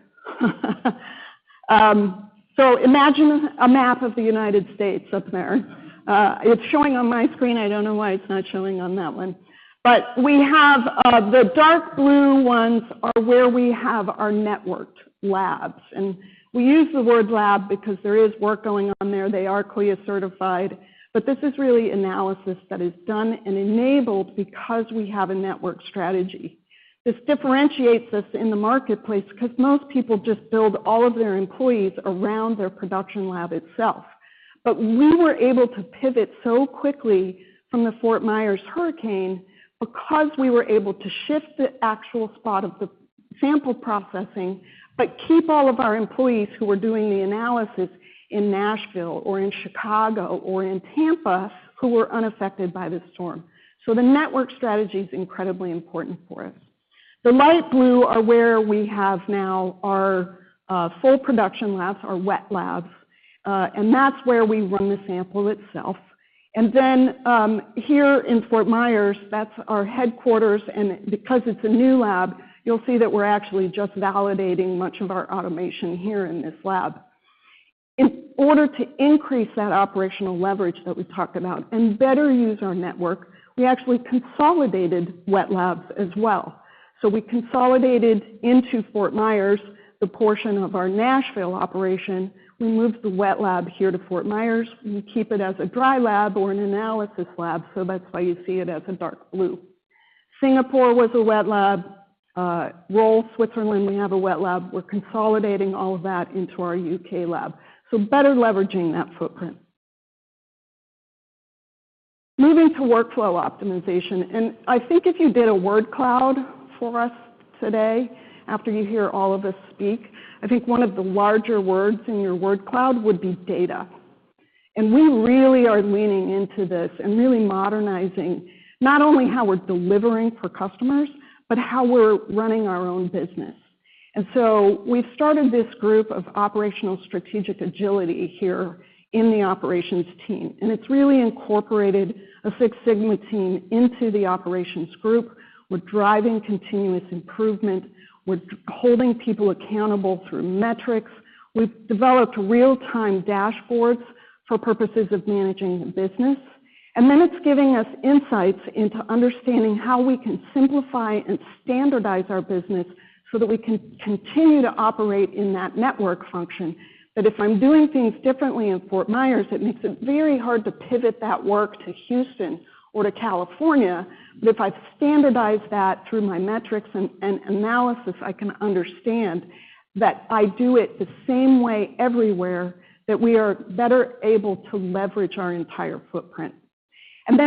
S10: Imagine a map of the United States up there. It's showing on my screen. I don't know why it's not showing on that one. We have the dark blue ones are where we have our networked labs. We use the word lab because there is work going on there. They are CLIA certified. This is really analysis that is done and enabled because we have a network strategy. This differentiates us in the marketplace because most people just build all of their employees around their production lab itself. We were able to pivot so quickly from the Fort Myers hurricane because we were able to shift the actual spot of the sample processing, but keep all of our employees who were doing the analysis in Nashville or in Chicago or in Tampa, who were unaffected by the storm. The network strategy is incredibly important for us. The light blue are where we have now our full production labs, our wet labs, and that's where we run the sample itself. Here in Fort Myers, that's our headquarters. Because it's a new lab, you'll see that we're actually just validating much of our automation here in this lab. In order to increase that operational leverage that we talked about and better use our network, we actually consolidated wet labs as well. We consolidated into Fort Myers, the portion of our Nashville operation. We moved the wet lab here to Fort Myers. We keep it as a dry lab or an analysis lab, that's why you see it as a dark blue. Singapore was a wet lab, Rolle, Switzerland, we have a wet lab. We're consolidating all of that into our U.K. lab. Better leveraging that footprint. Moving to workflow optimization, I think if you did a word cloud for us today after you hear all of us speak, I think one of the larger words in your word cloud would be data. We really are leaning into this and really modernizing not only how we're delivering for customers, but how we're running our own business. We've started this group of operational strategic agility here in the operations team, and it's really incorporated a Six Sigma team into the operations group. We're driving continuous improvement. We're holding people accountable through metrics. We've developed real-time dashboards for purposes of managing the business. It's giving us insights into understanding how we can simplify and standardize our business so that we can continue to operate in that network function. If I'm doing things differently in Fort Myers, it makes it very hard to pivot that work to Houston or to California. If I standardize that through my metrics and analysis, I can understand that I do it the same way everywhere, that we are better able to leverage our entire footprint.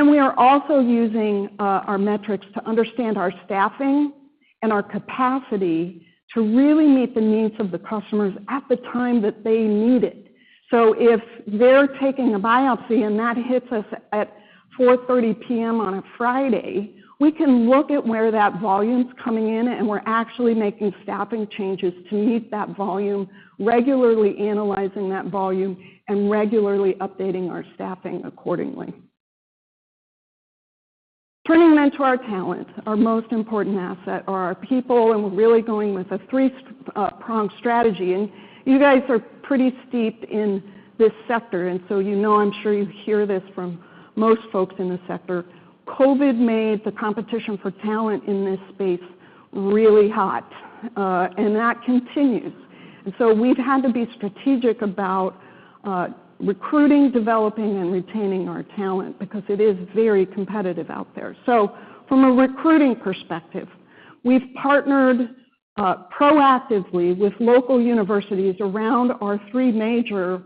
S10: We are also using our metrics to understand our staffing and our capacity to really meet the needs of the customers at the time that they need it. If they're taking a biopsy and that hits us at 4:30 P.M. on a Friday, we can look at where that volume's coming in, and we're actually making staffing changes to meet that volume, regularly analyzing that volume, and regularly updating our staffing accordingly. Turning then to our talent, our most important asset are our people, and we're really going with a three pronged strategy. You guys are pretty steeped in this sector, and so you know, I'm sure you hear this from most folks in the sector. COVID made the competition for talent in this space really hot, and that continues. We've had to be strategic about recruiting, developing, and retaining our talent because it is very competitive out there. From a recruiting perspective, we've partnered proactively with local universities around our three major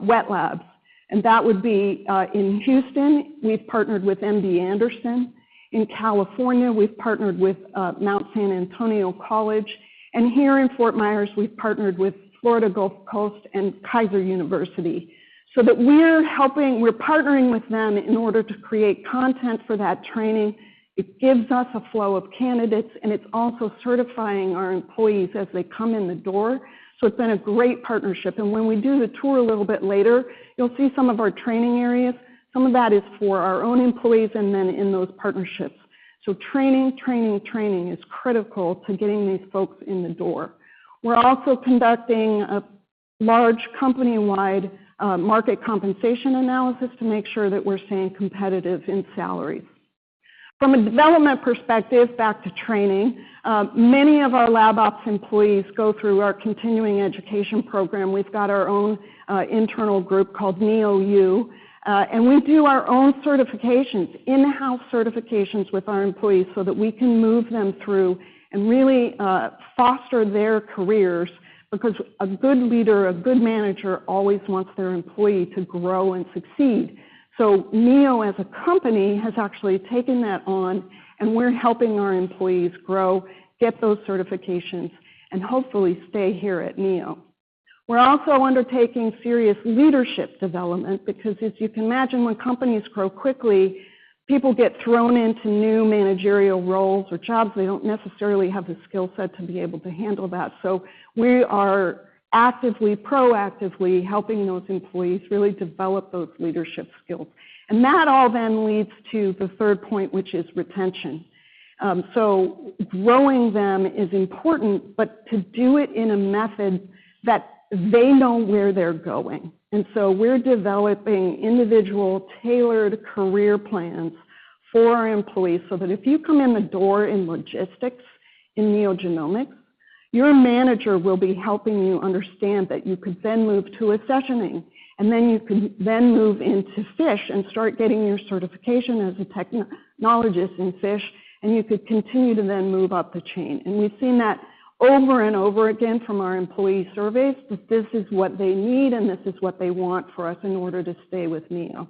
S10: wet labs. That would be, in Houston, we've partnered with MD Anderson. In California, we've partnered with Mount San Antonio College. Here in Fort Myers, we've partnered with Florida Gulf Coast and Keiser University. That we're helping, we're partnering with them in order to create content for that training. It gives us a flow of candidates, and it's also certifying our employees as they come in the door. It's been a great partnership. When we do the tour a little bit later, you'll see some of our training areas. Some of that is for our own employees and then in those partnerships. Training, training is critical to getting these folks in the door. We're also conducting a large company-wide market compensation analysis to make sure that we're staying competitive in salaries. From a development perspective, back to training, many of our lab ops employees go through our continuing education program. We've got our own internal group called Neo U. We do our own certifications, in-house certifications with our employees so that we can move them through and really foster their careers because a good leader, a good manager always wants their employee to grow and succeed. Neo as a company has actually taken that on, and we're helping our employees grow, get those certifications, and hopefully stay here at Neo. We're also undertaking serious leadership development because as you can imagine, when companies grow quickly, people get thrown into new managerial roles or jobs they don't necessarily have the skill set to be able to handle that. We are actively, proactively helping those employees really develop those leadership skills. That all then leads to the third point, which is retention. Growing them is important, but to do it in a method that they know where they're going. We're developing individual tailored career plans for our employees, so that if you come in the door in logistics in NeoGenomics, your manager will be helping you understand that you could then move to accessioning, and then you can then move into FISH and start getting your certification as a technologist in FISH, and you could continue to then move up the chain. We've seen that over and over again from our employee surveys, that this is what they need and this is what they want for us in order to stay with Neo.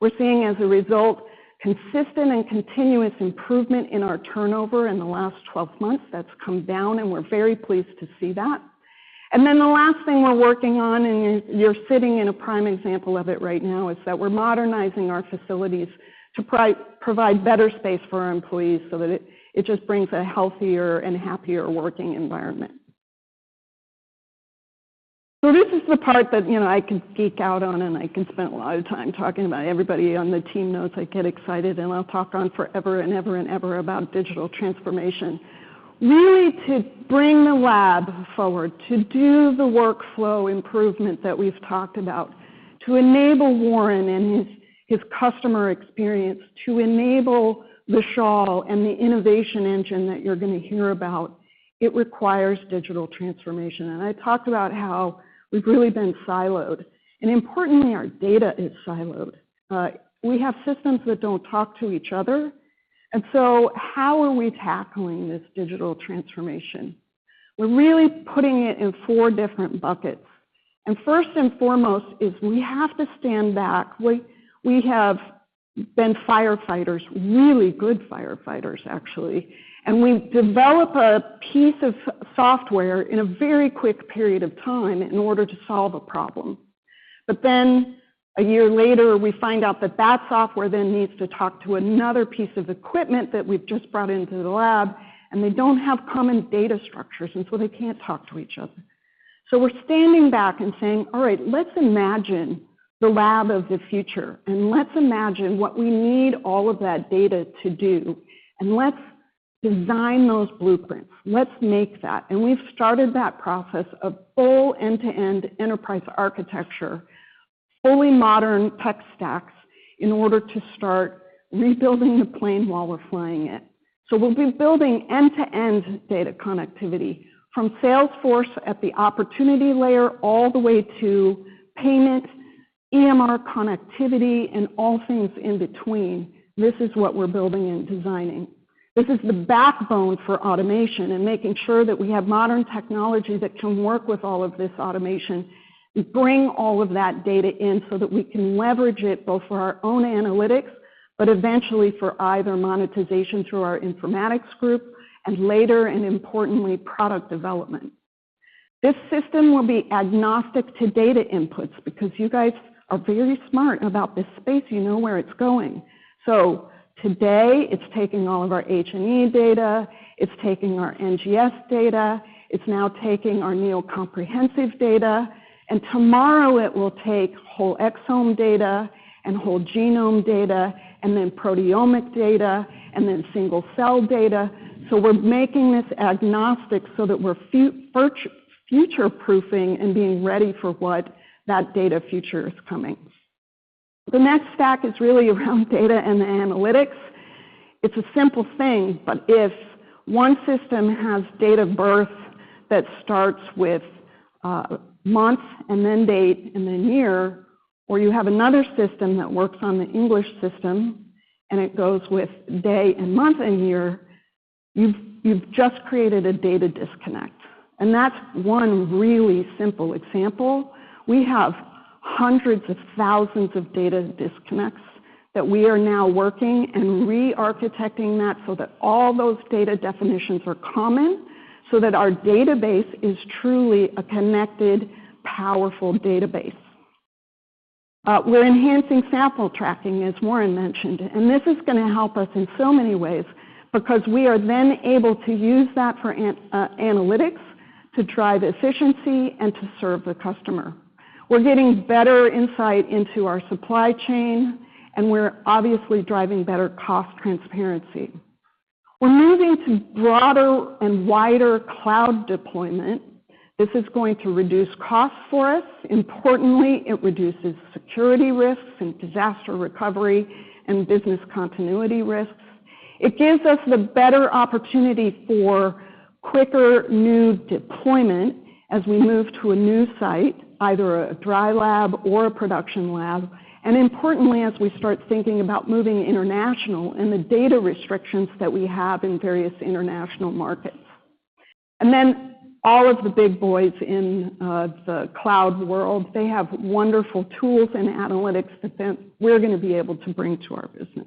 S10: We're seeing as a result, consistent and continuous improvement in our turnover in the last 12 months. That's come down, and we're very pleased to see that. The last thing we're working on, and you're sitting in a prime example of it right now, is that we're modernizing our facilities to provide better space for our employees so that it just brings a healthier and happier working environment. This is the part that, you know, I can geek out on and I can spend a lot of time talking about. Everybody on the team knows I get excited and I'll talk on forever and ever and ever about digital transformation. Really to bring the lab forward, to do the workflow improvement that we've talked about, to enable Warren and his customer experience, to enable Shashi and the innovation engine that you're gonna hear about, it requires digital transformation. I talked about how we've really been siloed. Importantly, our data is siloed. We have systems that don't talk to each other. How are we tackling this digital transformation? We're really putting it in four different buckets. First and foremost is we have to stand back. We have been firefighters, really good firefighters actually, and we develop a piece of software in a very quick period of time in order to solve a problem. One year later, we find out that that software then needs to talk to another piece of equipment that we've just brought into the lab, and they don't have common data structures, and so they can't talk to each other. We're standing back and saying, "All right, let's imagine the lab of the future, and let's imagine what we need all of that data to do, and let's design those blueprints. Let's make that." We've started that process of full end-to-end enterprise architecture, fully modern tech stacks in order to start rebuilding the plane while we're flying it. We'll be building end-to-end data connectivity from Salesforce at the opportunity layer all the way to payment, EMR connectivity, and all things in between. This is what we're building and designing. This is the backbone for automation and making sure that we have modern technology that can work with all of this automation and bring all of that data in so that we can leverage it both for our own analytics, but eventually for either monetization through our informatics group and later and importantly, product development. This system will be agnostic to data inputs because you guys are very smart about this space. You know where it's going. Today it's taking all of our H&E data, it's taking our NGS data, it's now taking our Neo Comprehensive data, and tomorrow it will take whole exome data and whole genome data and then proteomic data and then single-cell data. We're making this agnostic so that we're future-proofing and being ready for what that data future is coming. The next stack is really around data and analytics. It's a simple thing, but if one system has date of birth that starts with month and then date and then year, or you have another system that works on the English system and it goes with day and month and year, you've just created a data disconnect. That's one really simple example. We have hundreds of thousands of data disconnects that we are now working and re-architecting that so that all those data definitions are common, so that our database is truly a connected, powerful database. We're enhancing sample tracking, as Warren mentioned, this is gonna help us in so many ways because we are then able to use that for analytics to drive efficiency and to serve the customer. We're getting better insight into our supply chain, we're obviously driving better cost transparency. We're moving to broader and wider cloud deployment. This is going to reduce costs for us. Importantly, it reduces security risks and disaster recovery and business continuity risks. It gives us the better opportunity for quicker new deployment as we move to a new site, either a dry lab or a production lab, and importantly, as we start thinking about moving international and the data restrictions that we have in various international markets. Then all of the big boys in the cloud world, they have wonderful tools and analytics that then we're gonna be able to bring to our business.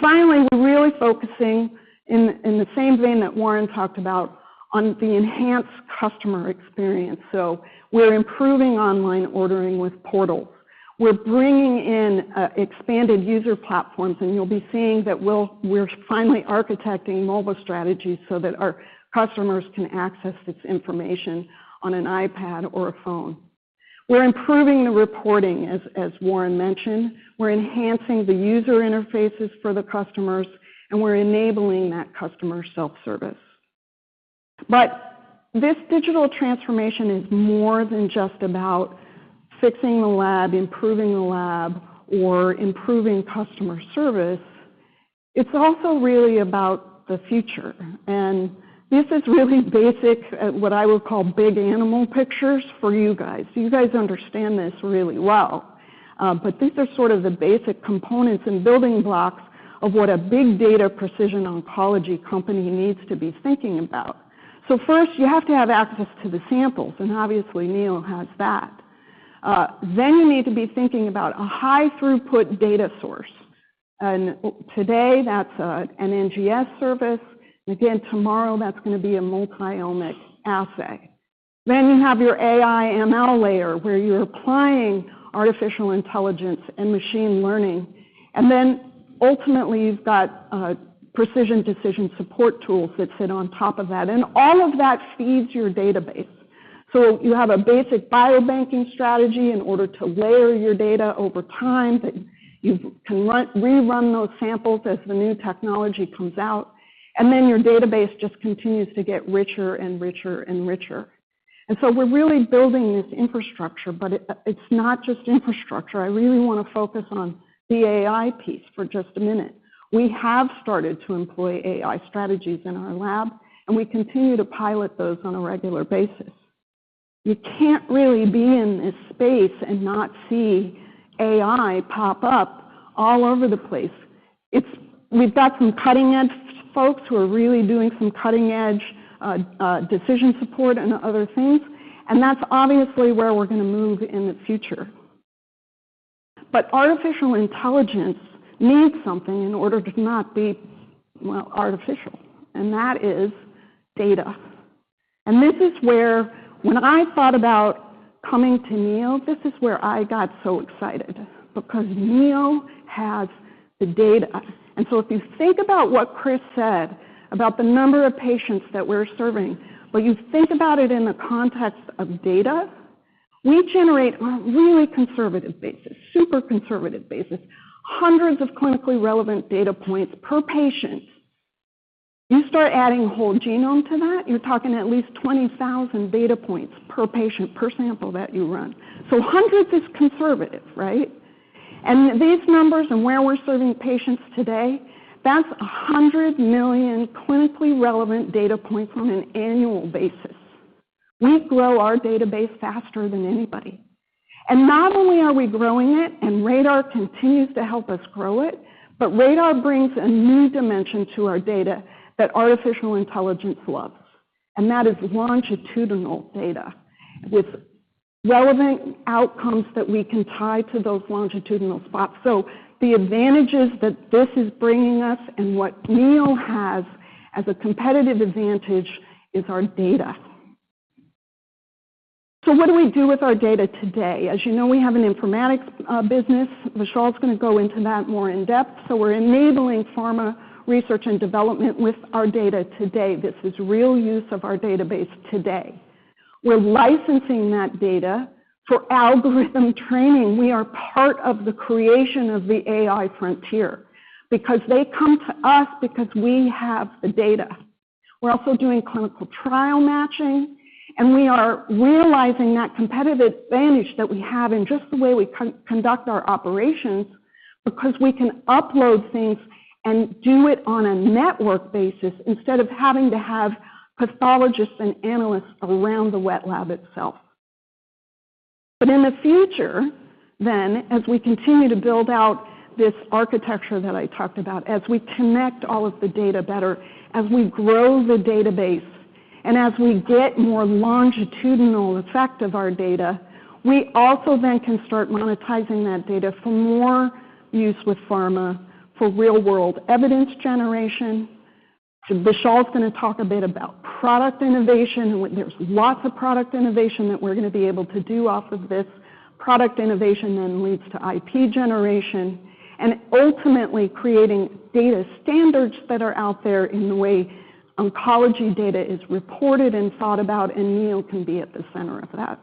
S10: Finally, we're really focusing in the same vein that Warren talked about on the enhanced customer experience. We're improving online ordering with portals. We're bringing in expanded user platforms, and you'll be seeing that we're finally architecting mobile strategies so that our customers can access this information on an iPad or a phone. We're improving the reporting as Warren mentioned. We're enhancing the user interfaces for the customers, we're enabling that customer self-service. This digital transformation is more than just about fixing the lab, improving the lab, or improving customer service. It's also really about the future. This is really basic, what I would call big animal pictures for you guys. You guys understand this really well. These are sort of the basic components and building blocks of what a big data precision oncology company needs to be thinking about. First, you have to have access to the samples, obviously, Neo has that. Then you need to be thinking about a high throughput data source. Today, that's an NGS service, again, tomorrow that's gonna be a multiomic assay. You have your AI ML layer, where you're applying artificial intelligence and machine learning. Ultimately, you've got precision decision support tools that sit on top of that. All of that feeds your database. You have a basic biobanking strategy in order to layer your data over time, that you can rerun those samples as the new technology comes out. Your database just continues to get richer and richer and richer. We're really building this infrastructure, but it's not just infrastructure. I really wanna focus on the AI piece for just a minute. We have started to employ AI strategies in our lab, and we continue to pilot those on a regular basis. You can't really be in this space and not see AI pop up all over the place. We've got some cutting-edge folks who are really doing some cutting-edge decision support and other things, that's obviously where we're gonna move in the future. Artificial intelligence needs something in order to not be, well, artificial, and that is data. This is where when I thought about coming to Neo, this is where I got so excited because Neo has the data. If you think about what Chris said about the number of patients that we're serving, but you think about it in the context of data, we generate on a really conservative basis, super conservative basis, hundreds of clinically relevant data points per patient. You start adding whole genome to that, you're talking at least 20,000 data points per patient per sample that you run. Hundreds is conservative, right? These numbers and where we're serving patients today, that's 100 million clinically relevant data points on an annual basis. We grow our database faster than anybody. Not only are we growing it, and RaDaR continues to help us grow it, but RaDaR brings a new dimension to our data that artificial intelligence loves, and that is longitudinal data with relevant outcomes that we can tie to those longitudinal spots. The advantages that this is bringing us and what Neo has as a competitive advantage is our data. What do we do with our data today? As you know, we have an informatics business. Vishal's gonna go into that more in depth. We're enabling pharma research and development with our data today. This is real use of our database today. We're licensing that data for algorithm training. We are part of the creation of the AI frontier because they come to us because we have the data. We're also doing clinical trial matching, and we are realizing that competitive advantage that we have in just the way we conduct our operations because we can upload things and do it on a network basis instead of having to have pathologists and analysts around the wet lab itself. In the future then, as we continue to build out this architecture that I talked about, as we connect all of the data better, as we grow the database, and as we get more longitudinal effect of our data, we also then can start monetizing that data for more use with pharma, for real-world evidence generation. Vishal's gonna talk a bit about product innovation. There's lots of product innovation that we're gonna be able to do off of this. Product innovation then leads to IP generation and ultimately creating data standards that are out there in the way oncology data is reported and thought about, and Neo can be at the center of that.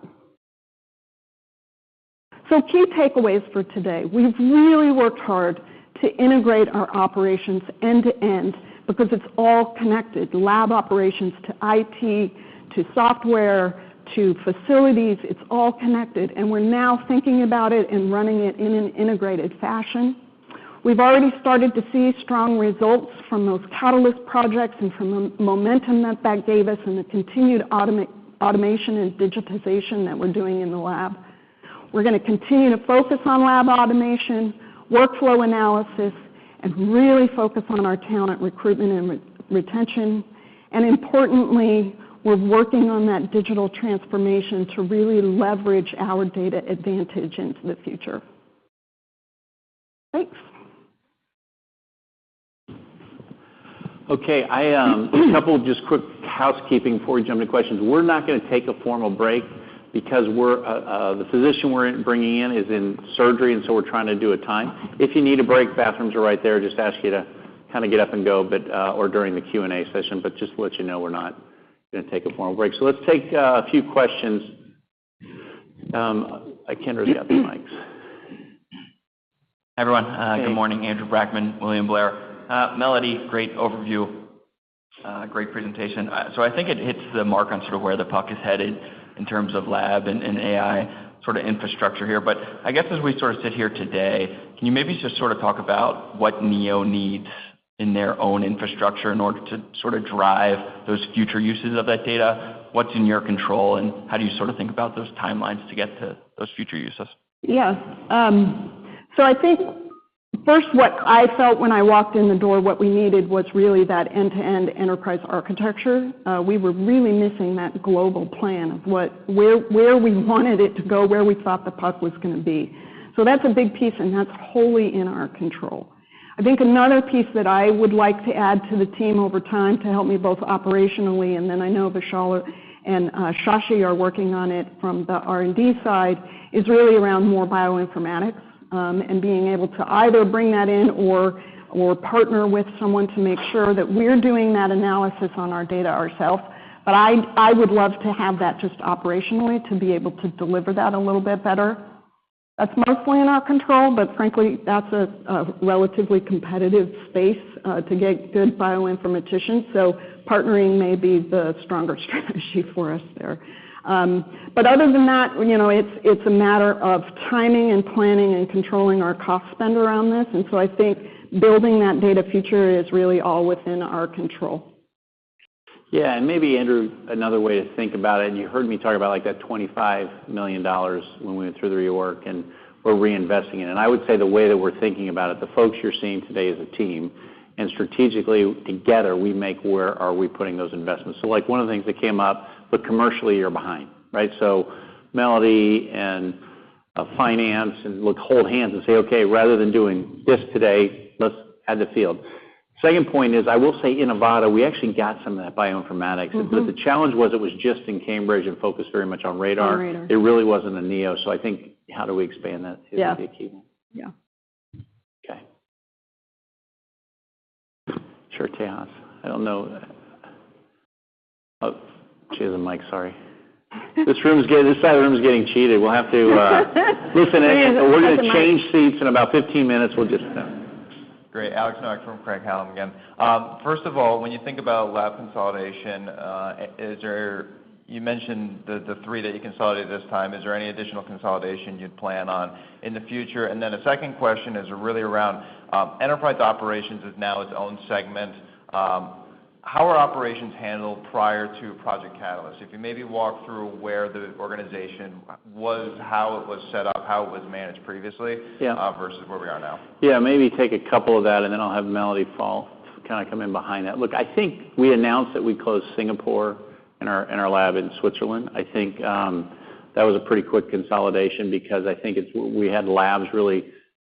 S10: Key takeaways for today. We've really worked hard to integrate our operations end to end because it's all connected. Lab operations to IT, to software, to facilities, it's all connected, and we're now thinking about it and running it in an integrated fashion. We've already started to see strong results from those Catalyst projects and from the momentum that that gave us and the continued automation and digitization that we're doing in the lab. We're gonna continue to focus on lab automation, workflow analysis, and really focus on our talent recruitment and retention. Importantly, we're working on that digital transformation to really leverage our data advantage into the future. Thanks.
S3: Okay. I, a couple of just quick housekeeping before we jump into questions. We're not gonna take a formal break because the physician we're bringing in is in surgery, we're trying to do a time. If you need a break, bathrooms are right there. Just ask you to kinda get up and go, or during the Q&A session. Just to let you know, we're not gonna take a formal break. Let's take a few questions. I can bring up the mics.
S11: Everyone, good morning. Andrew Brackmann, William Blair. Melody, great overview, great presentation. I think it hits the mark on sort of where the puck is headed in terms of lab and AI sort of infrastructure here. I guess, as we sort of sit here today, can you maybe just sort of talk about what Neo needs in their own infrastructure in order to sort of drive those future uses of that data? What's in your control, and how do you sort of think about those timelines to get to those future uses?
S10: Yeah. I think first, what I felt when I walked in the door, what we needed was really that end-to-end enterprise architecture. We were really missing that global plan of where we wanted it to go, where we thought the puck was gonna be. That's a big piece, and that's wholly in our control. I think another piece that I would like to add to the team over time to help me both operationally, and then I know Vishal and Shashi are working on it from the R&D side, is really around more bioinformatics, and being able to either bring that in or partner with someone to make sure that we're doing that analysis on our data ourselves. I would love to have that just operationally to be able to deliver that a little bit better. That's mostly in our control, but frankly, that's a relatively competitive space to get good bioinformaticians. Partnering may be the stronger strategy for us there. Other than that, you know, it's a matter of timing and planning and controlling our cost spend around this. I think building that data future is really all within our control.
S3: Yeah. Maybe, Andrew, another way to think about it, you heard me talk about, like, that $25 million when we went through the reorg, and we're reinvesting it. I would say the way that we're thinking about it, the folks you're seeing today as a team, and strategically together, we make where are we putting those investments. Like, one of the things that came up, but commercially you're behind, right? Melody and finance look hold hands and say, "Okay, rather than doing this today, let's add the field." Second point is, I will say, Inivata, we actually got some of that bioinformatics.
S10: Mm-hmm.
S3: The challenge was it was just in Cambridge and focused very much on RaDaR.
S10: On RaDaR.
S3: It really wasn't a Neo. I think how do we expand that.
S10: Yeah.
S3: Is gonna be a key one.
S10: Yeah.
S3: Okay. Sure. I don't know. Oh, she has a mic, sorry. This room is getting this side of the room is getting cheated. We'll have to listen in. We're gonna change seats in about 15 minutes. We'll just.
S9: Great. Alex Nowak from Craig-Hallum again. First of all, when you think about lab consolidation, You mentioned the three that you consolidated this time. Is there any additional consolidation you'd plan on in the future? A second question is really around enterprise operations is now its own segment. How are operations handled prior to Project Catalyst? If you maybe walk through where the organization was, how it was set up, how it was managed previously-
S3: Yeah.
S9: Versus where we are now.
S3: Yeah. Maybe take a couple of that, and then I'll have Melody follow, kinda come in behind that. Look, I think we announced that we closed Singapore and our lab in Switzerland. I think that was a pretty quick consolidation because I think we had labs really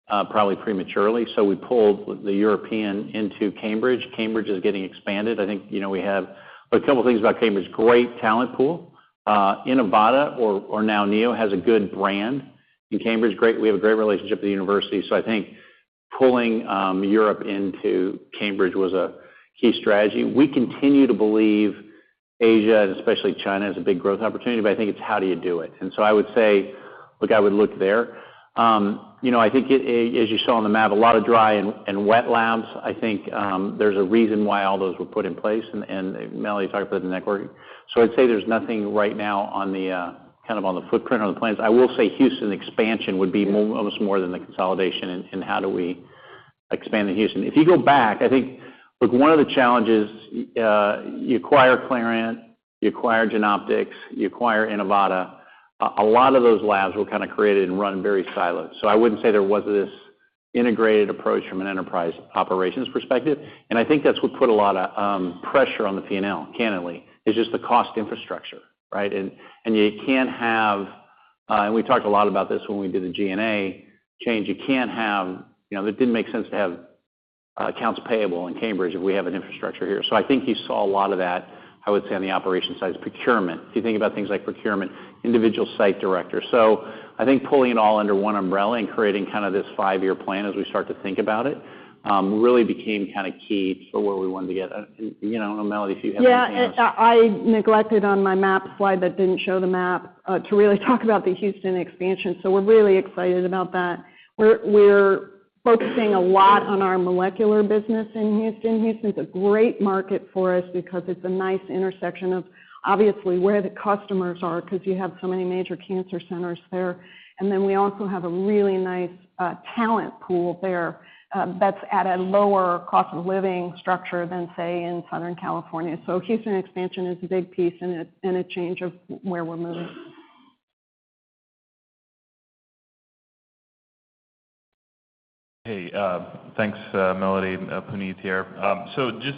S3: probably prematurely, so we pulled the European into Cambridge. Cambridge is getting expanded. I think, you know, we have a couple of things about Cambridge, great talent pool. Inivata or now Neo has a good brand. In Cambridge, we have a great relationship with the university, so I think pulling Europe into Cambridge was a key strategy. We continue to believe Asia, and especially China, is a big growth opportunity, but I think it's how do you do it. I would say, look, I would look there. You know, I think it, as you saw on the map, a lot of dry and wet labs. I think, there's a reason why all those were put in place, and Melody will talk about the network. I'd say there's nothing right now on the kind of on the footprint or the plans. I will say Houston expansion would be almost more than the consolidation and how do we expand in Houston. If you go back, I think, look, one of the challenges, you acquire Clarient, you acquire Genoptix, you acquire Inivata, a lot of those labs were kinda created and run very siloed. I wouldn't say there was this integrated approach from an enterprise operations perspective, and I think that's what put a lot of pressure on the P&L, candidly, is just the cost infrastructure, right. You can't have, and we talked a lot about this when we did the G&A change, you can't have. You know, it didn't make sense to have accounts payable in Cambridge if we have an infrastructure here. I think you saw a lot of that, I would say, on the operation side is procurement. If you think about things like procurement, individual site director. I think pulling it all under one umbrella and creating kind of this five-year plan as we start to think about it, really became kinda key for where we wanted to get. You know, Melody, if you have anything else.
S10: Yeah. I neglected on my map slide that didn't show the map, to really talk about the Houston expansion, we're really excited about that. We're focusing a lot on our molecular business in Houston. Houston's a great market for us because it's a nice intersection of, obviously, where the customers are, 'cause you have so many major cancer centers there. Then we also have a really nice, talent pool there, that's at a lower cost of living structure than, say, in Southern California. Houston expansion is a big piece and a change of where we're moving.
S5: Hey, thanks, Melody. Puneet here. Just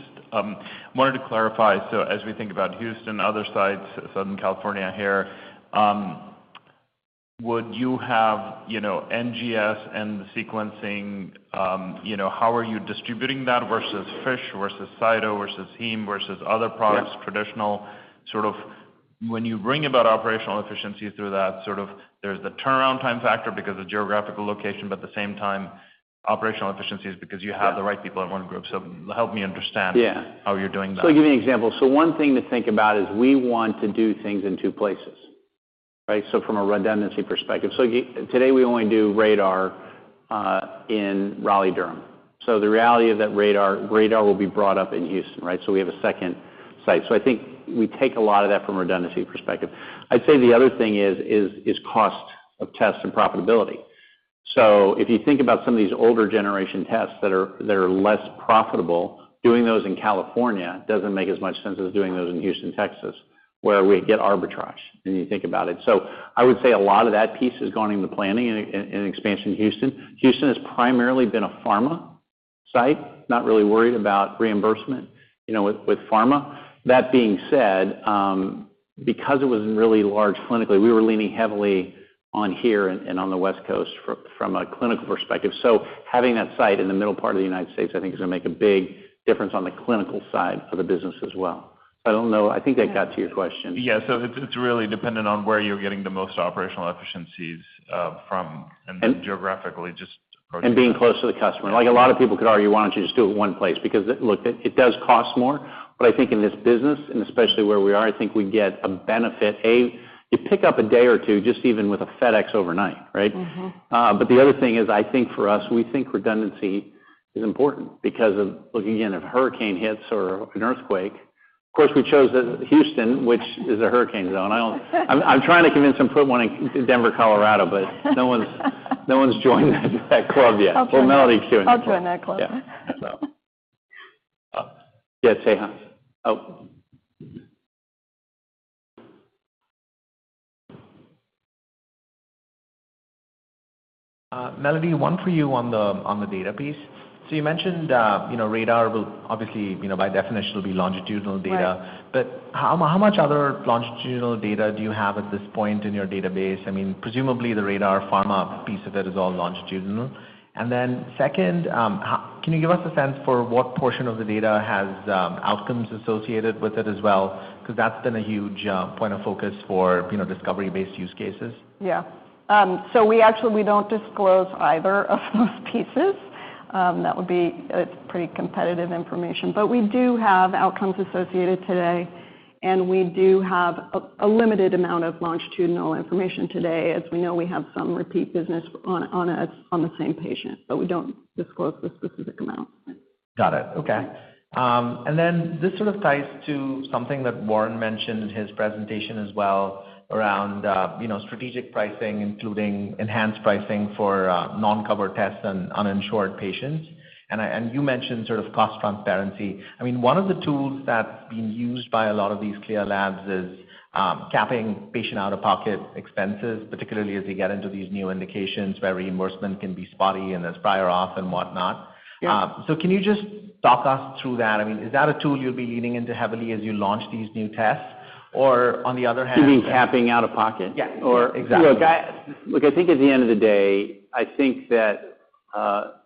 S5: wanted to clarify. As we think about Houston, other sites, Southern California here. Would you have, you know, NGS and the sequencing, you know, how are you distributing that versus FISH versus cytogenetics versus Heme versus other products?
S3: Yeah.
S5: Traditional, sort of when you bring about operational efficiency through that sort of there's the turnaround time factor because of geographical location, but at the same time, operational efficiencies because you have...
S3: Yeah.
S5: the right people in one group. Help me understand-
S3: Yeah.
S5: how you're doing that.
S3: I'll give you an example. One thing to think about is we want to do things in two places, right? From a redundancy perspective. Today, we only do RaDaR in Raleigh-Durham. The reality is that RaDaR will be brought up in Houston, right? We have a second site. I think we take a lot of that from a redundancy perspective. I'd say the other thing is cost of tests and profitability. If you think about some of these older generation tests that are less profitable, doing those in California doesn't make as much sense as doing those in Houston, Texas, where we get arbitrage, when you think about it. I would say a lot of that piece has gone into planning and expansion in Houston. Houston has primarily been a pharma site, not really worried about reimbursement, you know, with pharma. That being said, because it was really large clinically, we were leaning heavily on here and on the West Coast from a clinical perspective. Having that site in the middle part of the United States, I think is gonna make a big difference on the clinical side for the business as well. I don't know. I think I got to your question.
S5: Yeah. It's really dependent on where you're getting the most operational efficiencies.
S3: And-
S5: Geographically just approaching that.
S3: Being close to the customer. Like a lot of people could argue, why don't you just do it one place? Look, it does cost more, but I think in this business, and especially where we are, I think we get a benefit. You pick up a day or two just even with a FedEx overnight, right?
S10: Mm-hmm.
S3: The other thing is, I think for us, we think redundancy is important because of, again, if hurricane hits or an earthquake. Of course, we chose Houston, which is a hurricane zone. I'm trying to convince them to put one in Denver, Colorado, but no one's joined that club yet.
S10: I'll join.
S3: Well, Melody Harris in the club.
S10: I'll join that club.
S3: Yeah. yes, Tejas. Oh.
S7: Melody, one for you on the, on the data piece. You mentioned, you know, RaDaR will obviously, you know, by definition, will be longitudinal data.
S10: Right.
S7: How much other longitudinal data do you have at this point in your database? I mean, presumably, the RaDaR pharma piece of it is all longitudinal. Second, Can you give us a sense for what portion of the data has outcomes associated with it as well? 'Cause that's been a huge point of focus for, you know, discovery-based use cases.
S10: We don't disclose either of those pieces. It's pretty competitive information. We do have outcomes associated today, and we do have a limited amount of longitudinal information today. As we know, we have some repeat business on the same patient, but we don't disclose the specific amount.
S7: Got it. Okay. Then this sort of ties to something that Warren mentioned in his presentation as well around, you know, strategic pricing, including enhanced pricing for non-covered tests on uninsured patients. You mentioned sort of cost transparency. I mean, one of the tools that's being used by a lot of these CLIA labs is capping patient out-of-pocket expenses, particularly as we get into these new indications where reimbursement can be spotty and there's buy off and whatnot.
S3: Yeah.
S7: Can you just talk us through that? I mean, is that a tool you'll be leaning into heavily as you launch these new tests? Or on the other hand.
S3: You mean capping out-of-pocket?
S7: Yeah. Yeah, exactly.
S3: Look, I think at the end of the day, I think that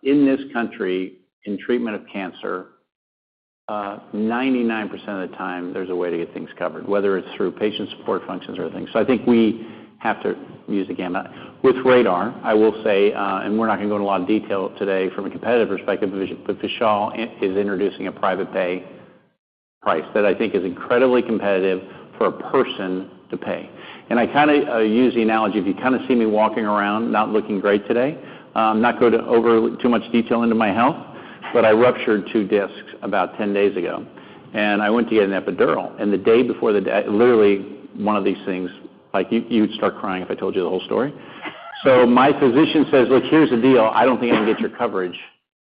S3: in this country, in treatment of cancer, 99% of the time, there's a way to get things covered, whether it's through patient support functions or other things. I think we have to use, again, that. With RaDaR, I will say, and we're not gonna go in a lot of detail today from a competitive perspective, but Vishal is introducing a private pay price that I think is incredibly competitive for a person to pay. I kinda use the analogy, if you kinda see me walking around not looking great today, I'm not going to over too much detail into my health, but I ruptured two discs about 10 days ago, and I went to get an epidural. The day before literally, one of these things, like you'd start crying if I told you the whole story. My physician says, "Look, here's the deal. I don't think I can get your coverage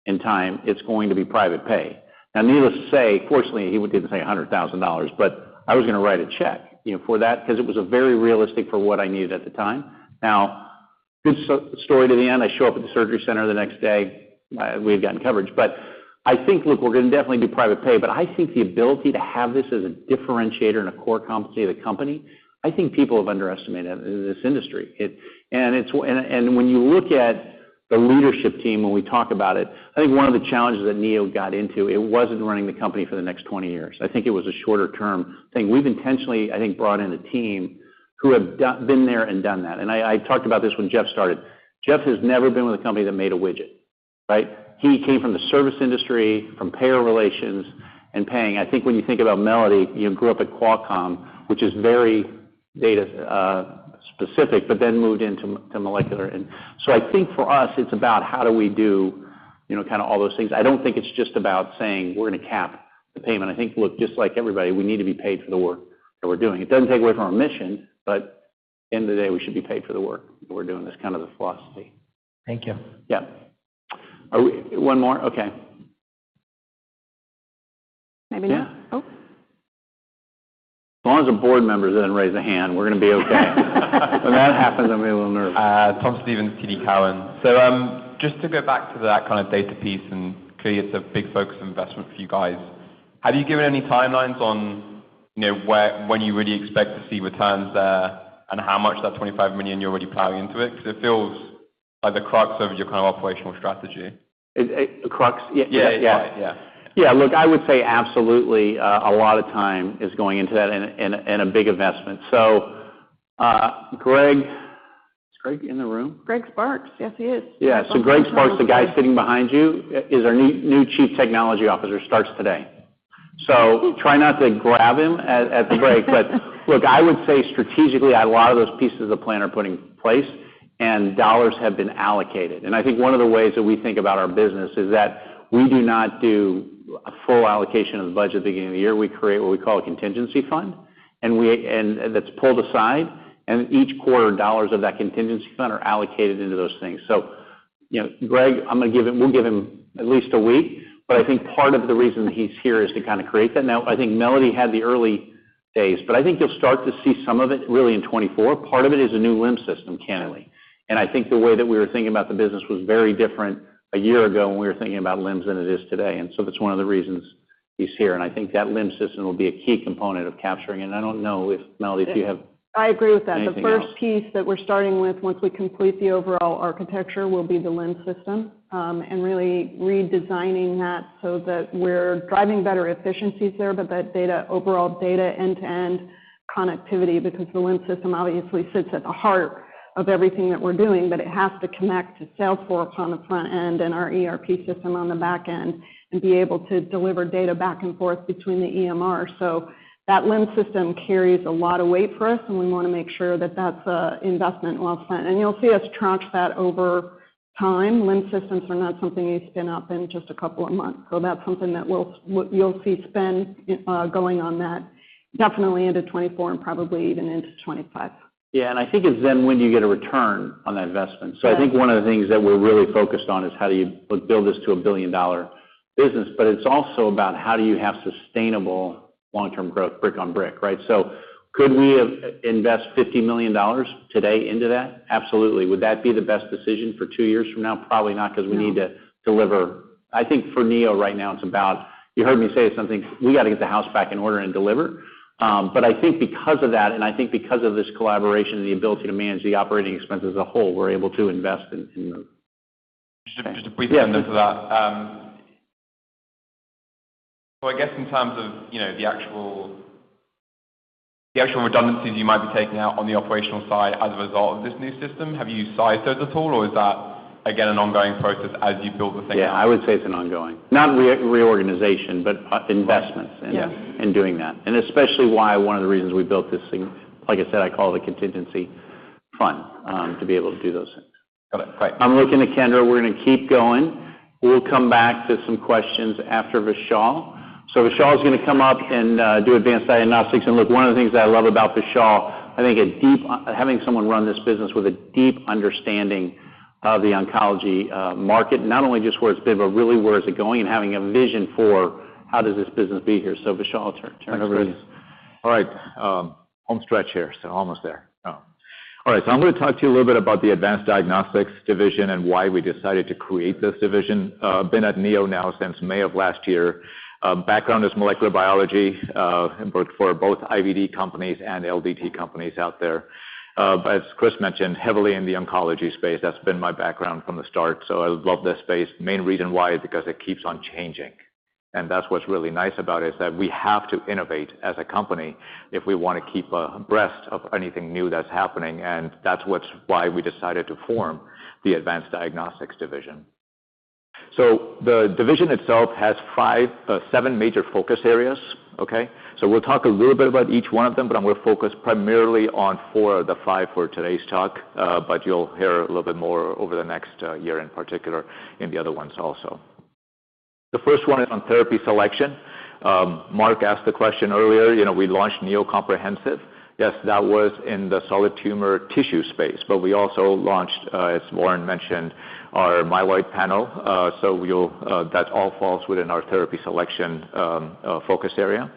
S3: in time. It's going to be private pay." Needless to say, fortunately, he didn't say $100,000, but I was gonna write a check, you know, for that because it was a very realistic for what I needed at the time. Good story to the end. I show up at the surgery center the next day. We had gotten coverage, but I think, look, we're gonna definitely do private pay, but I think the ability to have this as a differentiator and a core competency of the company, I think people have underestimated in this industry. It. It's. When you look at the leadership team, when we talk about it, I think one of the challenges that Neo got into, it wasn't running the company for the next 20 years. I think it was a shorter-term thing. We've intentionally, I think, brought in a team who have been there and done that. I talked about this when Jeff started. Jeff has never been with a company that made a widget, right? He came from the service industry, from payer relations and paying. I think when you think about Melody, you know, grew up at Qualcomm, which is very data specific, but then moved into molecular. I think for us, it's about how do we do, you know, kinda all those things. I don't think it's just about saying, we're gonna cap the payment. I think, look, just like everybody, we need to be paid for the work that we're doing. It doesn't take away from our mission, but end of the day, we should be paid for the work that we're doing. That's kind of the philosophy.
S7: Thank you.
S3: Yeah. One more? Okay.
S10: Maybe not.
S3: Yeah.
S10: Oh.
S3: As long as the board members didn't raise a hand, we're gonna be okay. When that happens, I'm gonna be a little nervous.
S12: Tom Stevens, TD Cowen. Just to go back to that kind of data piece, and clearly it's a big focus investment for you guys. Have you given any timelines? You know, where, when you really expect to see returns there and how much that $25 million you're already plowing into it, because it feels like the crux of your kind of operational strategy?
S3: It, the crux? Yeah.
S12: Yeah.
S3: Yeah.
S12: Yeah.
S3: Yeah, look, I would say absolutely, a lot of time is going into that and a big investment. Is Greg in the room?
S10: Greg Sparks, yes, he is.
S3: Yeah. Greg Sparks, the guy sitting behind you, is our new Chief Technology Officer, starts today. Try not to grab him at the break. Look, I would say strategically, a lot of those pieces of the plan are put in place and dollars have been allocated. I think one of the ways that we think about our business is that we do not do a full allocation of the budget at the beginning of the year. We create what we call a contingency fund, and that's pulled aside, and each quarter, dollars of that contingency fund are allocated into those things. You know, Greg, we'll give him at least a week, I think part of the reason that he's here is to kind of create that. Now, I think Melody had the early days, but I think you'll start to see some of it really in 2024. Part of it is a new LIMS system, candidly. I think the way that we were thinking about the business was very different a year ago when we were thinking about LIMS than it is today. So that's one of the reasons he's here, and I think that LIMS system will be a key component of capturing it. I don't know if, Melody, do you have anything else?
S10: I agree with that. The first piece that we're starting with once we complete the overall architecture will be the LIMS system, and really redesigning that so that we're driving better efficiencies there, but that data, overall data end-to-end connectivity, because the LIMS system obviously sits at the heart of everything that we're doing, but it has to connect to Salesforce on the front end and our ERP system on the back end and be able to deliver data back and forth between the EMR. That LIMS system carries a lot of weight for us, and we wanna make sure that that's a investment well spent. You'll see us tranche that over time. LIMS systems are not something you spin up in just a couple of months. That's something that we'll see spend going on that definitely into 2024 and probably even into 2025.
S3: Yeah. I think it's then when do you get a return on that investment?
S10: Right.
S3: I think one of the things that we're really focused on is how do you build this to a billion-dollar business, but it's also about how do you have sustainable long-term growth brick on brick, right? Could we have invest $50 million today into that? Absolutely. Would that be the best decision for two years from now? Probably not, 'cause we need to deliver. I think for Neo right now, it's about, you heard me say something, we gotta get the house back in order and deliver. I think because of that, I think because of this collaboration and the ability to manage the operating expenses as a whole, we're able to invest in them.
S12: Just a brief thing to that. I guess in terms of, you know, the actual redundancies you might be taking out on the operational side as a result of this new system, have you sized those at all, or is that again, an ongoing process as you build the thing out?
S3: Yeah, I would say it's an ongoing, not reorganization, but investments.
S12: Right. Yeah
S3: in doing that, and especially why one of the reasons we built this thing, like I said, I call it a contingency fund, to be able to do those things.
S12: Got it. Great.
S3: I'm looking to Kendra. We're gonna keep going. We'll come back to some questions after Vishal. Vishal is gonna come up and do advanced diagnostics. Look, one of the things that I love about Vishal, I think having someone run this business with a deep understanding of the oncology market, not only just where it's been, but really where is it going and having a vision for how does this business be here. Vishal, I'll turn it over to you.
S13: No worries. All right, home stretch here, so almost there. All right. I'm gonna talk to you a little bit about the Advanced Diagnostics Division and why we decided to create this division. Been at Neo now since May of last year. Background is molecular biology and worked for both IVD companies and LDT companies out there. As Chris mentioned, heavily in the oncology space. That's been my background from the start, so I love this space. Main reason why is because it keeps on changing, and that's what's really nice about it, is that we have to innovate as a company if we wanna keep abreast of anything new that's happening, and that's what's why we decided to form the Advanced Diagnostics Division. The division itself has 5, 7 major focus areas, okay? We'll talk a little bit about each one of them, but I'm gonna focus primarily on four of the five for today's talk. You'll hear a little bit more over the next year in particular in the other ones also. The first one is on therapy selection. Mark asked the question earlier, you know, we launched Neo Comprehensive. Yes, that was in the solid tumor tissue space, but we also launched, as Warren mentioned, our myeloid panel. That all falls within our therapy selection focus area.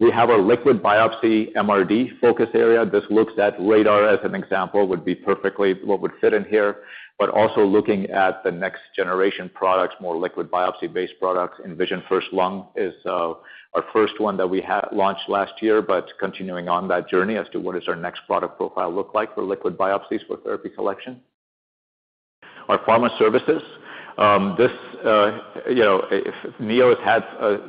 S13: We have a liquid biopsy MRD focus area. This looks at RaDaR as an example, would be perfectly what would fit in here, but also looking at the next generation products, more liquid biopsy-based products. InVisionFirst-Lung is our first one that we launched last year, continuing on that journey as to what does our next product profile look like for liquid biopsies for therapy selection. Our pharma services. This, you know, Neo has had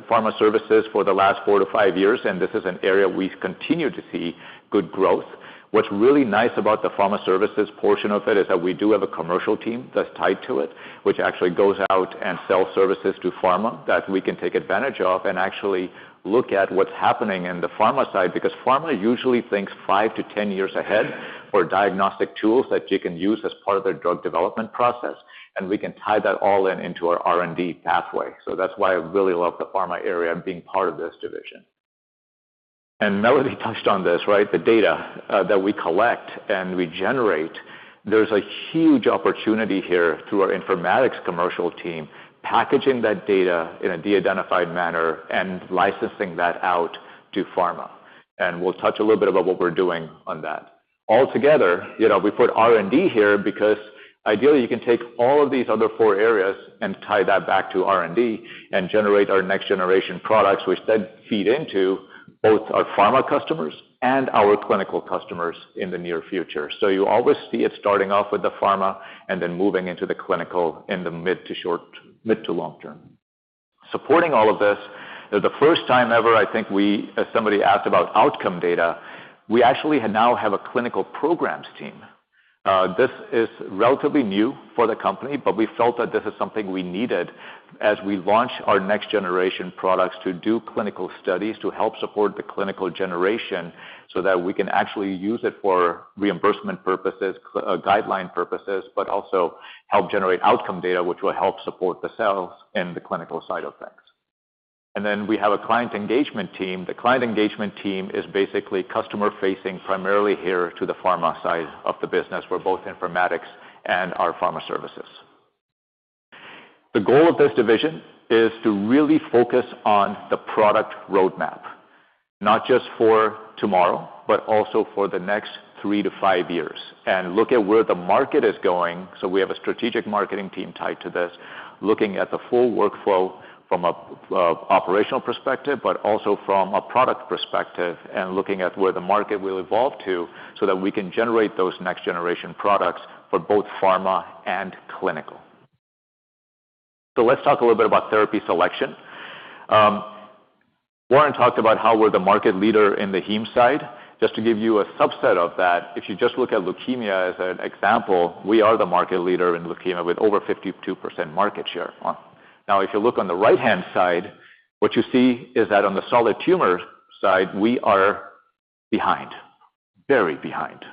S13: pharma services for the last 4 to 5 years, this is an area we've continued to see good growth. What's really nice about the pharma services portion of it is that we do have a commercial team that's tied to it, which actually goes out and sells services to pharma that we can take advantage of and actually look at what's happening in the pharma side because pharma usually thinks 5 to 10 years ahead for diagnostic tools that you can use as part of their drug development process, we can tie that all in into our R&D pathway. That's why I really love the pharma area being part of this division. Melody touched on this, right? The data that we collect and we generate. There's a huge opportunity here through our informatics commercial team, packaging that data in a de-identified manner and licensing that out to pharma, and we'll touch a little bit about what we're doing on that. Altogether, you know, we put R&D here because ideally, you can take all of these other four areas and tie that back to R&D and generate our next generation products, which then feed into both our pharma customers and our clinical customers in the near future. You always see it starting off with the pharma and then moving into the clinical in the mid to long term. Supporting all of this, for the first time ever, I think we, as somebody asked about outcome data, we actually now have a clinical programs team. This is relatively new for the company, but we felt that this is something we needed as we launch our next generation products to do clinical studies to help support the clinical generation so that we can actually use it for reimbursement purposes, guideline purposes, but also help generate outcome data, which will help support the sales and the clinical side effects. Then we have a client engagement team. The client engagement team is basically customer-facing, primarily here to the pharma side of the business for both informatics and our pharma services. The goal of this division is to really focus on the product roadmap, not just for tomorrow, but also for the next 3 to 5 years and look at where the market is going. We have a strategic marketing team tied to this, looking at the full workflow from an operational perspective, but also from a product perspective and looking at where the market will evolve to so that we can generate those next generation products for both pharma and clinical. Let's talk a little bit about therapy selection. Warren talked about how we're the market leader in the heme side. Just to give you a subset of that, if you just look at leukemia as an example, we are the market leader in leukemia with over 52% market share. Now, if you look on the right-hand side, what you see is that on the solid tumor side, we are behind, very behind.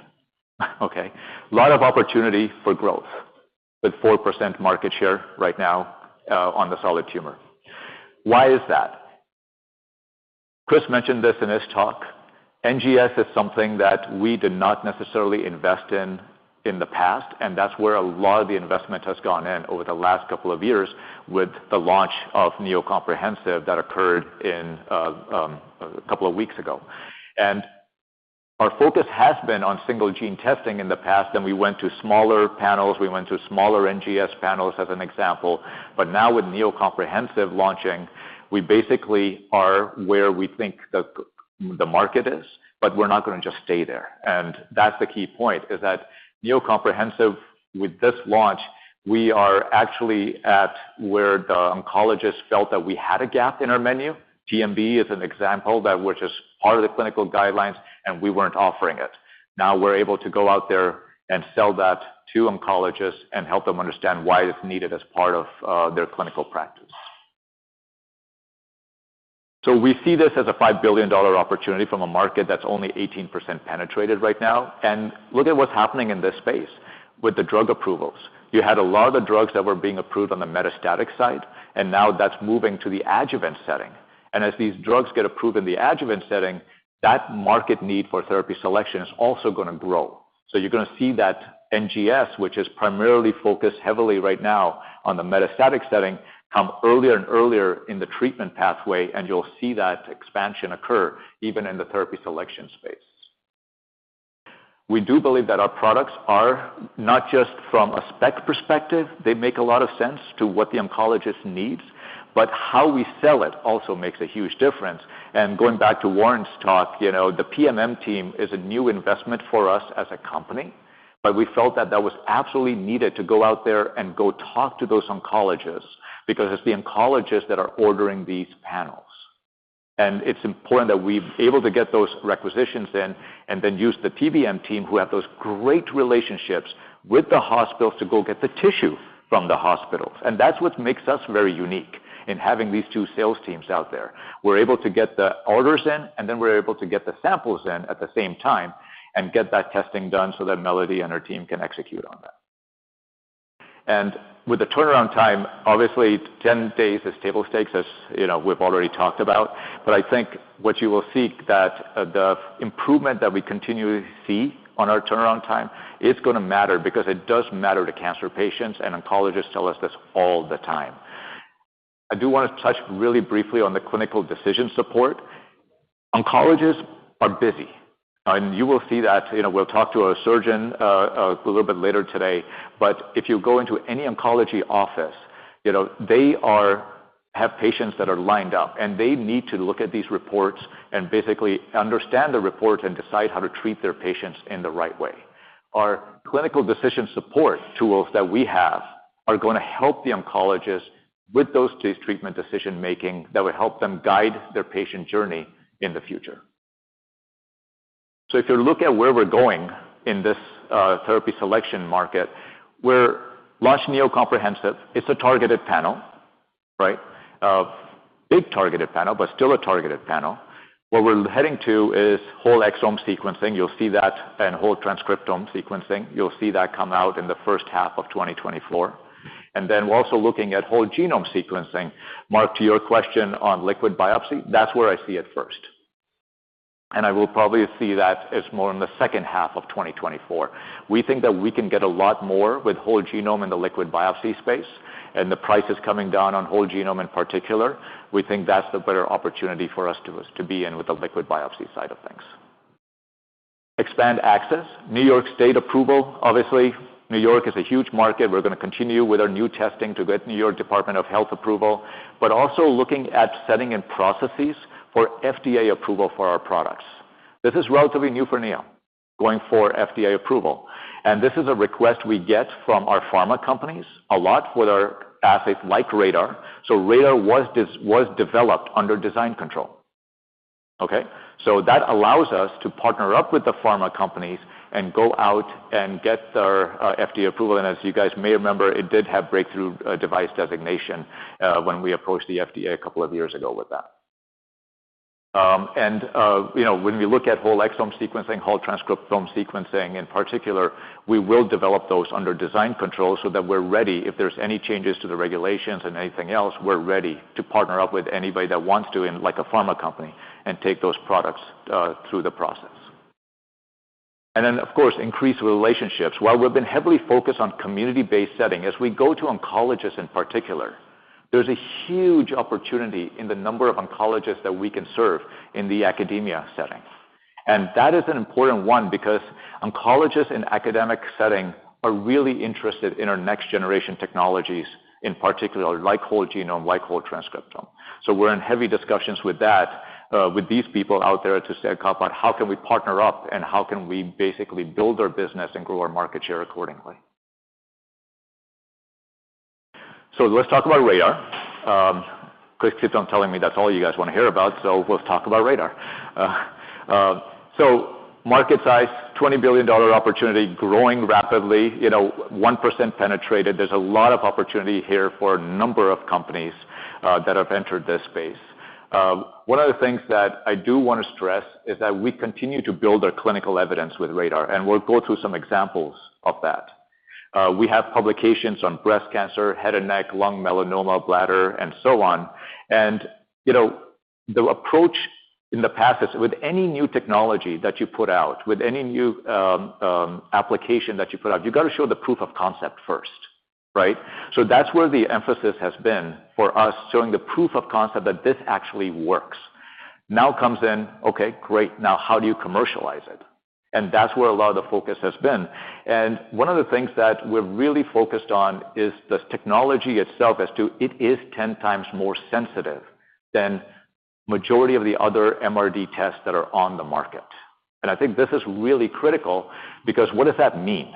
S13: Okay. A lot of opportunity for growth with 4% market share right now on the solid tumor. Why is that? Chris mentioned this in his talk. NGS is something that we did not necessarily invest in in the past, and that's where a lot of the investment has gone in over the last couple of years with the launch of Neo Comprehensive that occurred in a couple of weeks ago. Our focus has been on single gene testing in the past, then we went to smaller panels, we went to smaller NGS panels as an example. Now with Neo Comprehensive launching, we basically are where we think the market is, but we're not going to just stay there. That's the key point, is that Neo Comprehensive, with this launch, we are actually at where the oncologists felt that we had a gap in our menu. TMB is an example that which is part of the clinical guidelines, and we weren't offering it. Now we're able to go out there and sell that to oncologists and help them understand why it's needed as part of their clinical practice. We see this as a $5 billion opportunity from a market that's only 18% penetrated right now. Look at what's happening in this space with the drug approvals. You had a lot of the drugs that were being approved on the metastatic side, and now that's moving to the adjuvant setting. As these drugs get approved in the adjuvant setting, that market need for therapy selection is also going to grow. You're going to see that NGS, which is primarily focused heavily right now on the metastatic setting, come earlier and earlier in the treatment pathway, and you'll see that expansion occur even in the therapy selection space. We do believe that our products are not just from a spec perspective, they make a lot of sense to what the oncologist needs, but how we sell it also makes a huge difference. Going back to Warren's talk, you know, the PMM team is a new investment for us as a company, but we felt that that was absolutely needed to go out there and go talk to those oncologists because it's the oncologists that are ordering these panels. It's important that we're able to get those requisitions in and then use the PBM team who have those great relationships with the hospitals to go get the tissue from the hospitals. That's what makes us very unique in having these two sales teams out there. We're able to get the orders in, and then we're able to get the samples in at the same time and get that testing done so that Melody and her team can execute on that. With the turnaround time, obviously, 10 days is table stakes, as you know, we've already talked about. I think what you will see that the improvement that we continue to see on our turnaround time is going to matter because it does matter to cancer patients, and oncologists tell us this all the time. I do want to touch really briefly on the clinical decision support. Oncologists are busy, you will see that, you know, we'll talk to a surgeon a little bit later today. If you go into any oncology office, you know, they have patients that are lined up, and they need to look at these reports and basically understand the report and decide how to treat their patients in the right way. Our clinical decision support tools that we have are going to help the oncologist with those case treatment decision-making that will help them guide their patient journey in the future. If you look at where we're going in this therapy selection market, we're launching Neo Comprehensive. It's a targeted panel, right? A big targeted panel, but still a targeted panel. Where we're heading to is whole exome sequencing. You'll see that in whole transcriptome sequencing. You'll see that come out in the first half of 2024. We're also looking at whole genome sequencing. Mark, to your question on liquid biopsy, that's where I see it first. I will probably see that as more in the second half of 2024. We think that we can get a lot more with whole genome in the liquid biopsy space. And the price is coming down on whole genome in particular. We think that's the better opportunity for us to be in with the liquid biopsy side of things. Expand access. New York State approval. Obviously, New York is a huge market. We're gonna continue with our new testing to get New York Department of Health approval, but also looking at setting in processes for FDA approval for our products. This is relatively new for Neo, going for FDA approval. This is a request we get from our pharma companies a lot with our assets like RaDaR. RaDaR was developed under design control. Okay? That allows us to partner up with the pharma companies and go out and get our FDA approval. As you guys may remember, it did have breakthrough device designation when we approached the FDA a couple of years ago with that. You know, when we look at whole exome sequencing, whole transcriptome sequencing in particular, we will develop those under design control so that we're ready if there's any changes to the regulations and anything else, we're ready to partner up with anybody that wants to in like a pharma company and take those products through the process. Of course, increase relationships. While we've been heavily focused on community-based setting, as we go to oncologists in particular, there's a huge opportunity in the number of oncologists that we can serve in the academia setting. That is an important one because oncologists in academic setting are really interested in our next generation technologies, in particular, like whole genome, like whole transcriptome. We're in heavy discussions with that, with these people out there to set up on how can we partner up and how can we basically build our business and grow our market share accordingly. Let's talk about RaDaR. 'Cause Kit's been telling me that's all you guys wanna hear about, let's talk about RaDaR. Market size, $20 billion opportunity, growing rapidly, you know, 1% penetrated. There's a lot of opportunity here for a number of companies that have entered this space. One of the things that I do wanna stress is that we continue to build our clinical evidence with RaDaR, and we'll go through some examples of that. We have publications on breast cancer, head and neck, lung, melanoma, bladder, and so on. You know, the approach in the past is with any new technology that you put out, with any new application that you put out, you gotta show the proof of concept first, right? That's where the emphasis has been for us, showing the proof of concept that this actually works. Now comes in, okay, great. How do you commercialize it? That's where a lot of the focus has been. One of the things that we're really focused on is the technology itself as to it is 10 times more sensitive than majority of the other MRD tests that are on the market. I think this is really critical because what does that mean?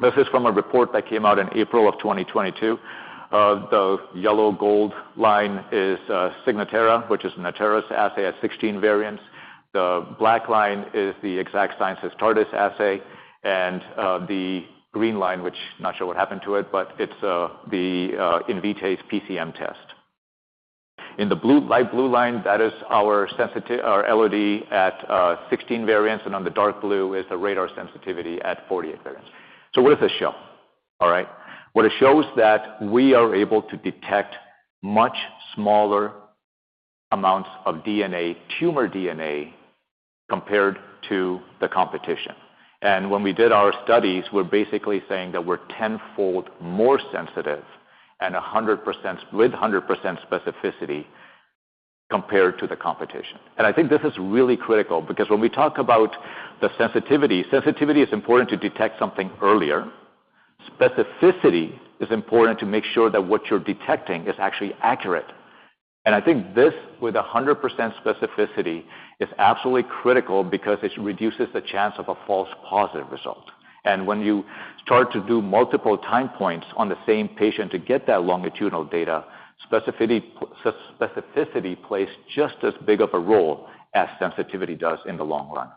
S13: This is from a report that came out in April of 2022. The yellow gold line is Signatera, which is Natera's assay at 16 variants. The black line is the Exact Sciences' TARDIS assay, and the green line, which I'm not sure what happened to it, but it's the Invitae's PCM test. In the light blue line, that is our LOD at 16 variants, and on the dark blue is the RaDaR sensitivity at 40 variants. What does this show? All right. What it shows that we are able to detect much smaller amounts of DNA, tumor DNA, compared to the competition. When we did our studies, we're basically saying that we're tenfold more sensitive and with 100% specificity compared to the competition. I think this is really critical because when we talk about the sensitivity is important to detect something earlier. Specificity is important to make sure that what you're detecting is actually accurate. I think this, with 100% specificity, is absolutely critical because it reduces the chance of a false positive result. When you start to do multiple time points on the same patient to get that longitudinal data, specificity plays just as big of a role as sensitivity does in the long run.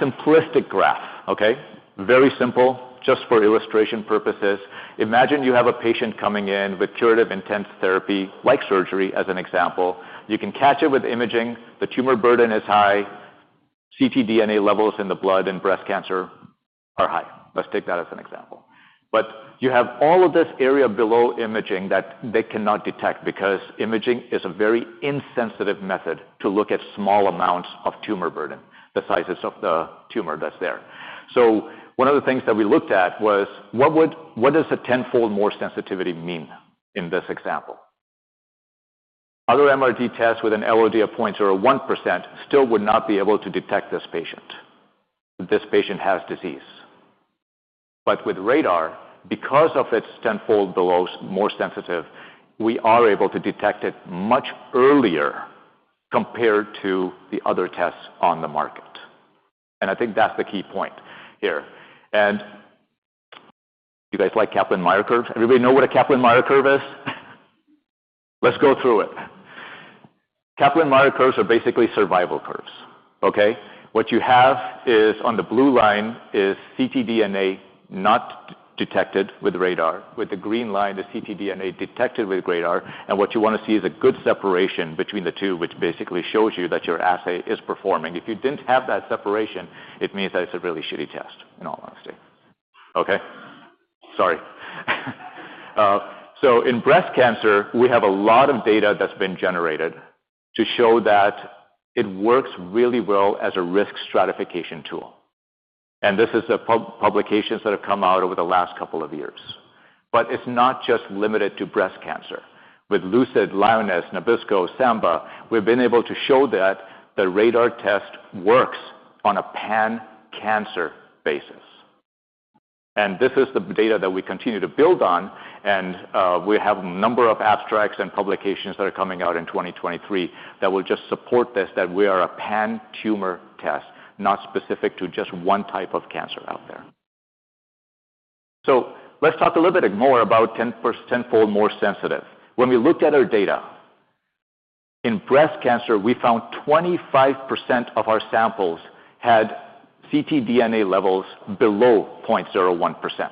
S13: Simplistic graph, okay? Very simple, just for illustration purposes. Imagine you have a patient coming in with curative intense therapy, like surgery as an example. You can catch it with imaging. The tumor burden is high. ctDNA levels in the blood and breast cancer are high. Let's take that as an example. You have all of this area below imaging that they cannot detect because imaging is a very insensitive method to look at small amounts of tumor burden, the sizes of the tumor that's there. One of the things that we looked at was what does a tenfold more sensitivity mean in this example? Other MRD tests with an LOD of 0.01% still would not be able to detect this patient. This patient has disease. With RaDaR, because of its tenfold below more sensitive, we are able to detect it much earlier compared to the other tests on the market. I think that's the key point here. Do you guys like Kaplan-Meier curve? Everybody know what a Kaplan-Meier curve is? Let's go through it. Kaplan-Meier curves are basically survival curves, okay? What you have is on the blue line is ctDNA not detected with RaDaR. With the green line, the ctDNA detected with RaDaR. What you wanna see is a good separation between the two, which basically shows you that your assay is performing. If you didn't have that separation, it means that it's a really shitty test, in all honesty, okay? Sorry. In breast cancer, we have a lot of data that's been generated to show that it works really well as a risk stratification tool. This is the publications that have come out over the last couple of years. It's not just limited to breast cancer. With LUCID, LIONESS, NABISCO, SAMBA, we've been able to show that the RaDaR test works on a pan-cancer basis. This is the data that we continue to build on, and we have a number of abstracts and publications that are coming out in 2023 that will just support this, that we are a pan-tumor test, not specific to just one type of cancer out there. Let's talk a little bit more about tenfold more sensitive. When we looked at our data, in breast cancer, we found 25% of our samples had ctDNA levels below 0.01%.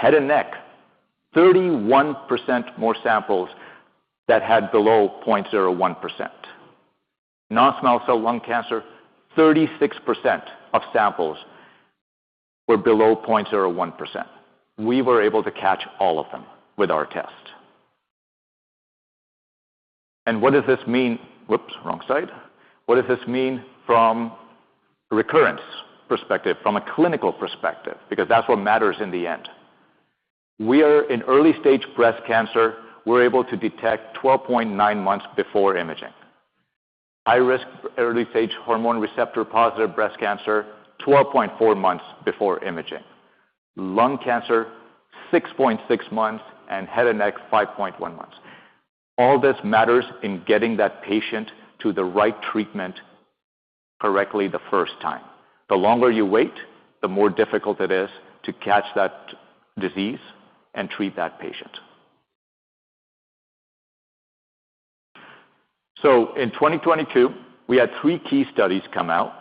S13: Head and neck, 31% more samples that had below 0.01%. Non-small cell lung cancer, 36% of samples were below 0.01%. We were able to catch all of them with our test. What does this mean? Whoops, wrong side. What does this mean from recurrence perspective, from a clinical perspective? That's what matters in the end. In early-stage breast cancer, we're able to detect 12.9 months before imaging. High risk early-stage hormone receptor-positive breast cancer, 12.4 months before imaging. Lung cancer, 6.6 months, and head and neck, 5.1 months. All this matters in getting that patient to the right treatment correctly the first time. The longer you wait, the more difficult it is to catch that disease and treat that patient. In 2022, we had three key studies come out.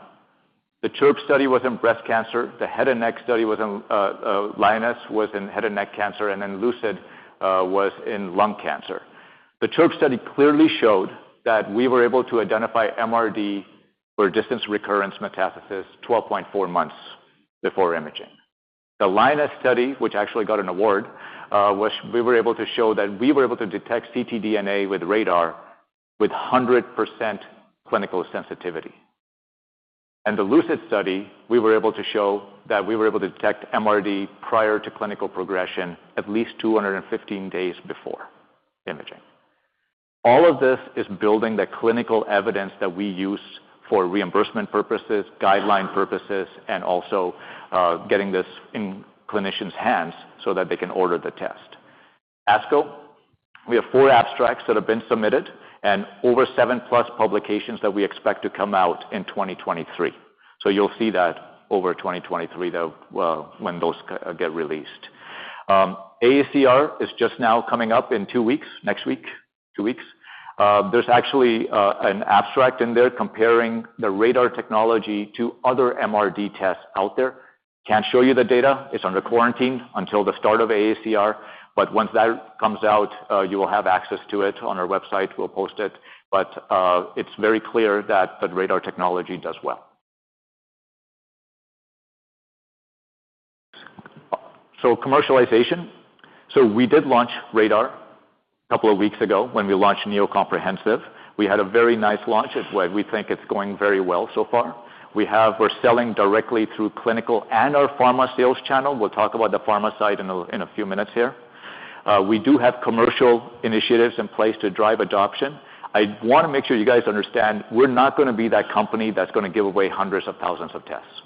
S13: The CHiRP study was in breast cancer, the head and neck study LIONESS was in head and neck cancer, and then LUCID was in lung cancer. The CHiRP study clearly showed that we were able to identify MRD for distant recurrence metastasis 12.4 months before imaging. The LIONESS study, which actually got an award, We were able to show that we were able to detect ctDNA with RaDaR with 100% clinical sensitivity. The LUCID study, we were able to show that we were able to detect MRD prior to clinical progression at least 215 days before imaging. All of this is building the clinical evidence that we use for reimbursement purposes, guideline purposes, and also, getting this in clinicians' hands so that they can order the test. ASCO, we have four abstracts that have been submitted and over 7+ publications that we expect to come out in 2023. You'll see that over 2023, the, when those get released. AACR is just now coming up in two weeks, next week, two weeks. There's actually an abstract in there comparing the RaDaR technology to other MRD tests out there. Can't show you the data. It's under quarantine until the start of AACR. Once that comes out, you will have access to it on our website. We'll post it. It's very clear that the RaDaR technology does well. Commercialization. We did launch RaDaR a couple of weeks ago when we launched Neo Comprehensive. We had a very nice launch. We think it's going very well so far. We're selling directly through clinical and our pharma sales channel. We'll talk about the pharma side in a few minutes here. We do have commercial initiatives in place to drive adoption. I want to make sure you guys understand we're not gonna be that company that's gonna give away hundreds of thousands of tests.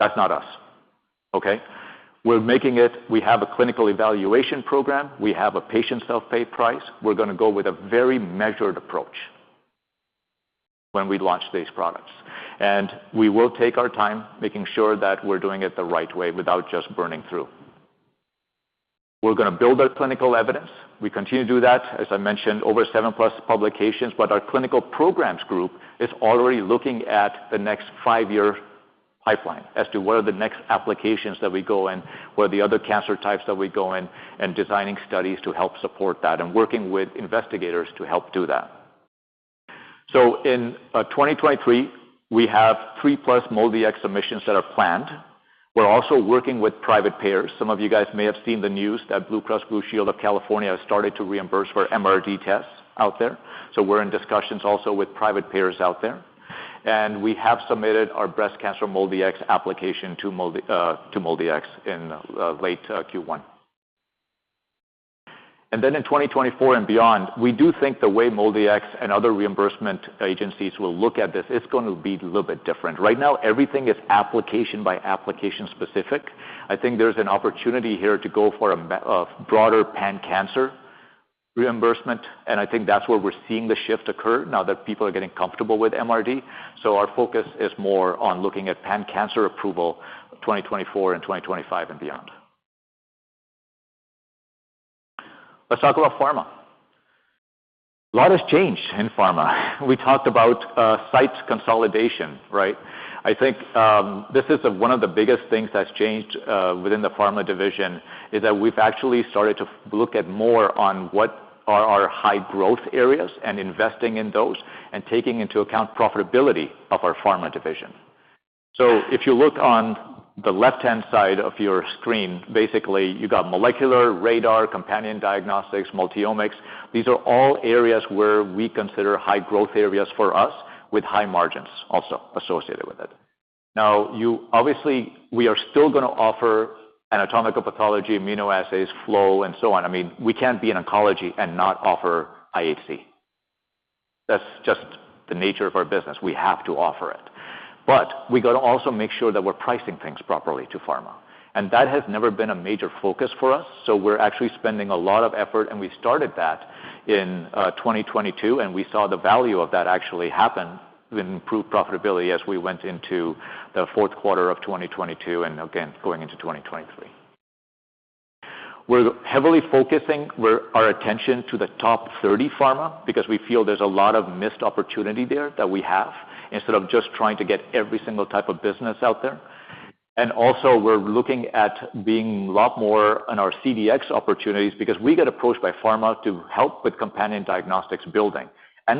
S13: That's not us. Okay? We have a clinical evaluation program. We have a patient self-pay price. We're gonna go with a very measured approach when we launch these products. We will take our time making sure that we're doing it the right way without just burning through. We're gonna build our clinical evidence. We continue to do that. As I mentioned, over 7+ publications, but our clinical programs group is already looking at the next 5-year pipeline as to what are the next applications that we go in, what are the other cancer types that we go in, and designing studies to help support that and working with investigators to help do that. In 2023, we have 3+ MolDX submissions that are planned. We're also working with private payers. Some of you guys may have seen the news that Blue Cross Blue Shield of California has started to reimburse for MRD tests out there. We're in discussions also with private payers out there. We have submitted our breast cancer MolDX application to MolDX in late Q1. In 2024 and beyond, we do think the way MolDX and other reimbursement agencies will look at this is gonna be a little bit different. Right now, everything is application by application specific. I think there's an opportunity here to go for a broader pan-cancer reimbursement, and I think that's where we're seeing the shift occur now that people are getting comfortable with MRD. Our focus is more on looking at pan-cancer approval 2024 and 2025 and beyond. Let's talk about pharma. A lot has changed in pharma. We talked about site consolidation, right? I think this is one of the biggest things that's changed within the pharma division, is that we've actually started to look at more on what are our high-growth areas and investing in those and taking into account profitability of our pharma division. If you look on the left-hand side of your screen, basically you got molecular, RaDaR, companion diagnostics, multiomics. These are all areas where we consider high growth areas for us with high margins also associated with it. Obviously, we are still gonna offer anatomical pathology, immunoassays, flow, and so on. I mean, we can't be in oncology and not offer IHC. That's just the nature of our business. We have to offer it. We got to also make sure that we're pricing things properly to pharma. That has never been a major focus for us, so we're actually spending a lot of effort, and we started that in 2022, and we saw the value of that actually happen with improved profitability as we went into the Q4 of 2022 and again going into 2023. We're heavily focusing our attention to the top 30 pharma because we feel there's a lot of missed opportunity there that we have instead of just trying to get every single type of business out there. Also we're looking at being a lot more on our CDX opportunities because we get approached by pharma to help with companion diagnostics building.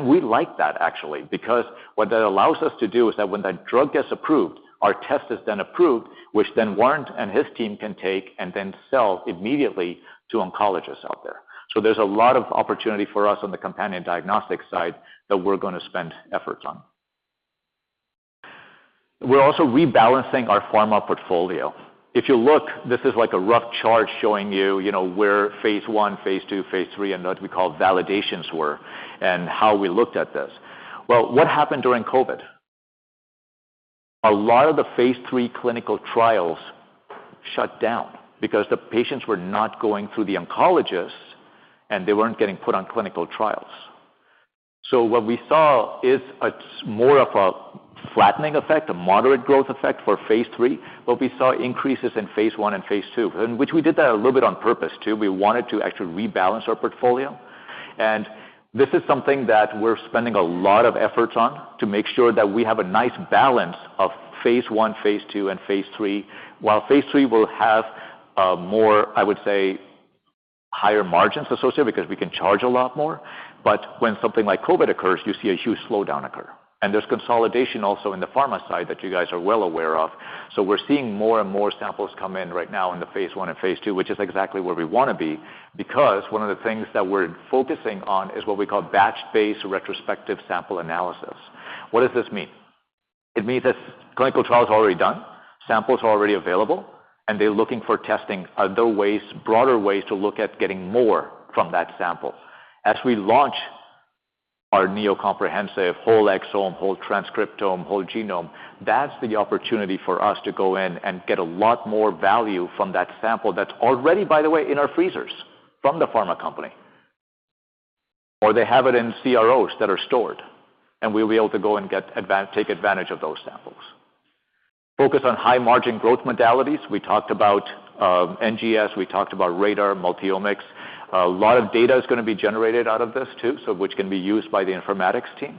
S13: We like that actually because what that allows us to do is that when that drug gets approved, our test is then approved, which then Warren and his team can take and then sell immediately to oncologists out there. There's a lot of opportunity for us on the companion diagnostics side that we're gonna spend efforts on. We're also rebalancing our pharma portfolio. If you look, this is like a rough chart showing you know, where phase I, phase II, phase III, and what we call validations were and how we looked at this. What happened during COVID? A lot of the phase III clinical trials shut down because the patients were not going through the oncologists and they weren't getting put on clinical trials. What we saw is a more of a flattening effect, a moderate growth effect for phase III, but we saw increases in phase I and phase II, in which we did that a little bit on purpose too. We wanted to actually rebalance our portfolio. This is something that we're spending a lot of efforts on to make sure that we have a nice balance of phase I, phase II, and phase III. Phase III will have more, I would say, higher margins associated because we can charge a lot more, but when something like COVID occurs, you see a huge slowdown occur. There's consolidation also in the pharma side that you guys are well aware of. We're seeing more and more samples come in right now in the phase I and phase II, which is exactly where we wanna be because one of the things that we're focusing on is what we call batch-based retrospective sample analysis. What does this mean? It means that clinical trial is already done, samples are already available, and they're looking for testing other ways, broader ways to look at getting more from that sample. As we launch our Neo Comprehensive whole exome, whole transcriptome, whole genome, that's the opportunity for us to go in and get a lot more value from that sample that's already, by the way, in our freezers from the pharma company. Or they have it in CROs that are stored, and we'll be able to go and take advantage of those samples. Focus on high-margin growth modalities. We talked about NGS, we talked about RaDaR, multiomics. A lot of data is gonna be generated out of this too, which can be used by the informatics team.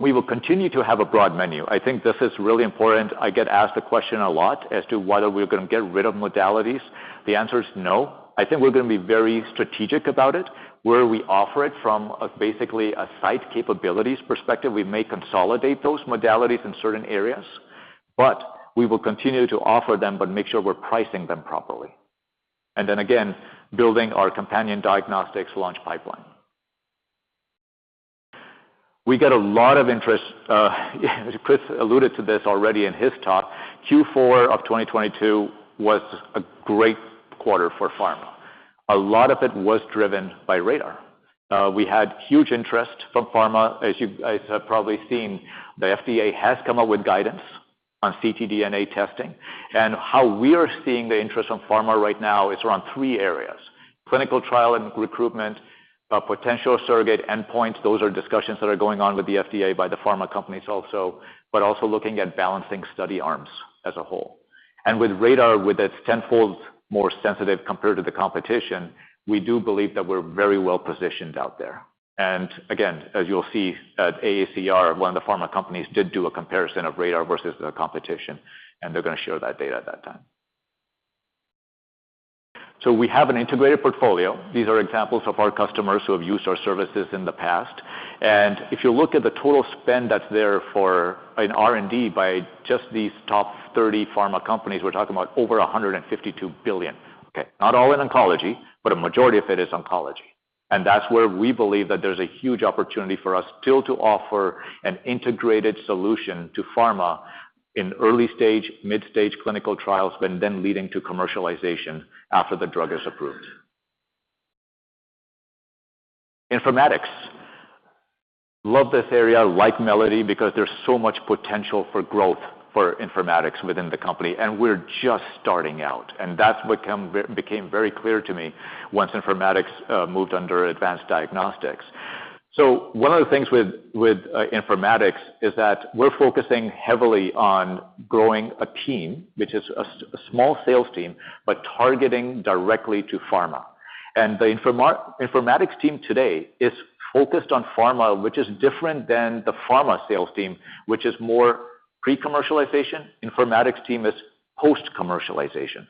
S13: We will continue to have a broad menu. I think this is really important. I get asked the question a lot as to whether we're gonna get rid of modalities. The answer is no. I think we're gonna be very strategic about it, where we offer it from a basically a site capabilities perspective. We may consolidate those modalities in certain areas, we will continue to offer them, but make sure we're pricing them properly. Again, building our companion diagnostics launch pipeline. We get a lot of interest, Chris alluded to this already in his talk. Q4 of 2022 was a great quarter for pharma. A lot of it was driven by RaDaR. We had huge interest from pharma. As you guys have probably seen, the FDA has come up with guidance on ctDNA testing. How we are seeing the interest from pharma right now is around three areas: clinical trial and recruitment, potential surrogate endpoints. Those are discussions that are going on with the FDA by the pharma companies also, but also looking at balancing study arms as a whole. With RaDaR, with its tenfold more sensitive compared to the competition, we do believe that we're very well-positioned out there. Again, as you'll see at AACR, one of the pharma companies did do a comparison of RaDaR versus the competition, and they're gonna show that data at that time. We have an integrated portfolio. These are examples of our customers who have used our services in the past. If you look at the total spend that's there for an R&D by just these top 30 pharma companies, we're talking about over $152 billion. Not all in oncology, but a majority of it is oncology. That's where we believe that there's a huge opportunity for us still to offer an integrated solution to pharma in early stage, mid-stage clinical trials when then leading to commercialization after the drug is approved. Informatics. Love this area like Melody because there's so much potential for growth for informatics within the company, and we're just starting out. That's became very clear to me once informatics moved under Advanced Diagnostics. One of the things with informatics is that we're focusing heavily on growing a team, which is a small sales team, but targeting directly to pharma. The informatics team today is focused on pharma, which is different than the pharma sales team, which is more pre-commercialization. Informatics team is post-commercialization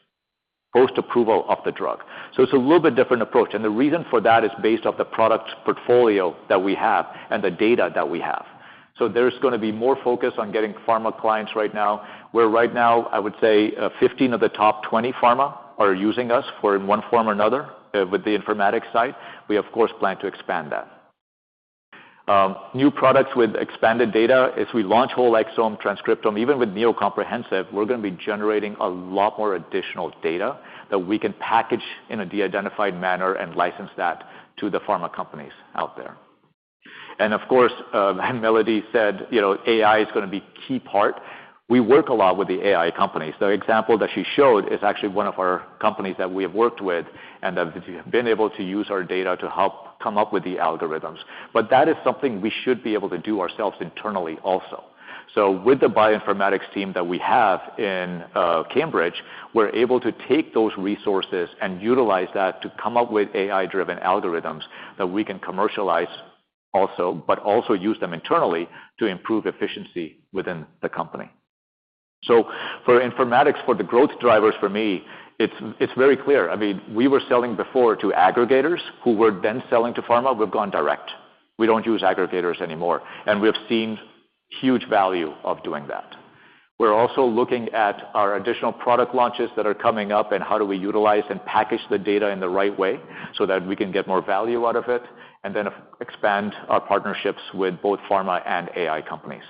S13: Post-approval of the drug. It's a little bit different approach, and the reason for that is based off the product portfolio that we have and the data that we have. There's gonna be more focus on getting pharma clients right now, where right now, I would say, 15 of the top 20 pharma are using us for in one form or another with the informatics side. We of course plan to expand that. New products with expanded data. As we launch whole exome, transcriptome, even with Neo Comprehensive, we're gonna be generating a lot more additional data that we can package in a de-identified manner and license that to the pharma companies out there. Of course, Melody said, you know, AI is gonna be key part. We work a lot with the AI companies. The example that she showed is actually one of our companies that we have worked with and have been able to use our data to help come up with the algorithms. That is something we should be able to do ourselves internally also. With the bioinformatics team that we have in Cambridge, we're able to take those resources and utilize that to come up with AI-driven algorithms that we can commercialize also, but also use them internally to improve efficiency within the company. For informatics, for the growth drivers for me, it's very clear. I mean, we were selling before to aggregators who were then selling to pharma. We've gone direct. We don't use aggregators anymore. We've seen huge value of doing that. We're also looking at our additional product launches that are coming up and how do we utilize and package the data in the right way so that we can get more value out of it, and then expand our partnerships with both pharma and AI companies.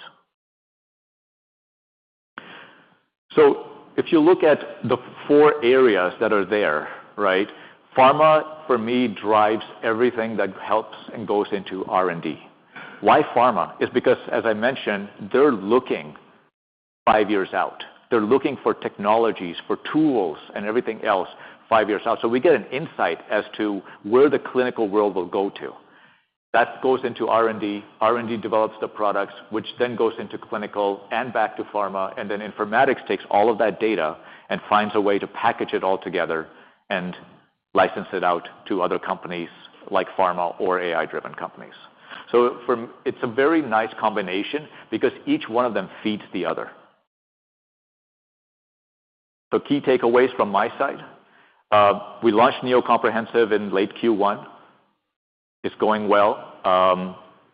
S13: If you look at the four areas that are there, right, pharma, for me, drives everything that helps and goes into R&D. Why pharma? Is because, as I mentioned, they're looking five years out. They're looking for technologies, for tools, and everything else five years out. We get an insight as to where the clinical world will go to. That goes into R&D. R&D develops the products, which then goes into clinical and back to pharma, and then informatics takes all of that data and finds a way to package it all together and license it out to other companies like pharma or AI-driven companies. It's a very nice combination because each one of them feeds the other. The key takeaways from my side, we launched Neo Comprehensive in late Q1. It's going well.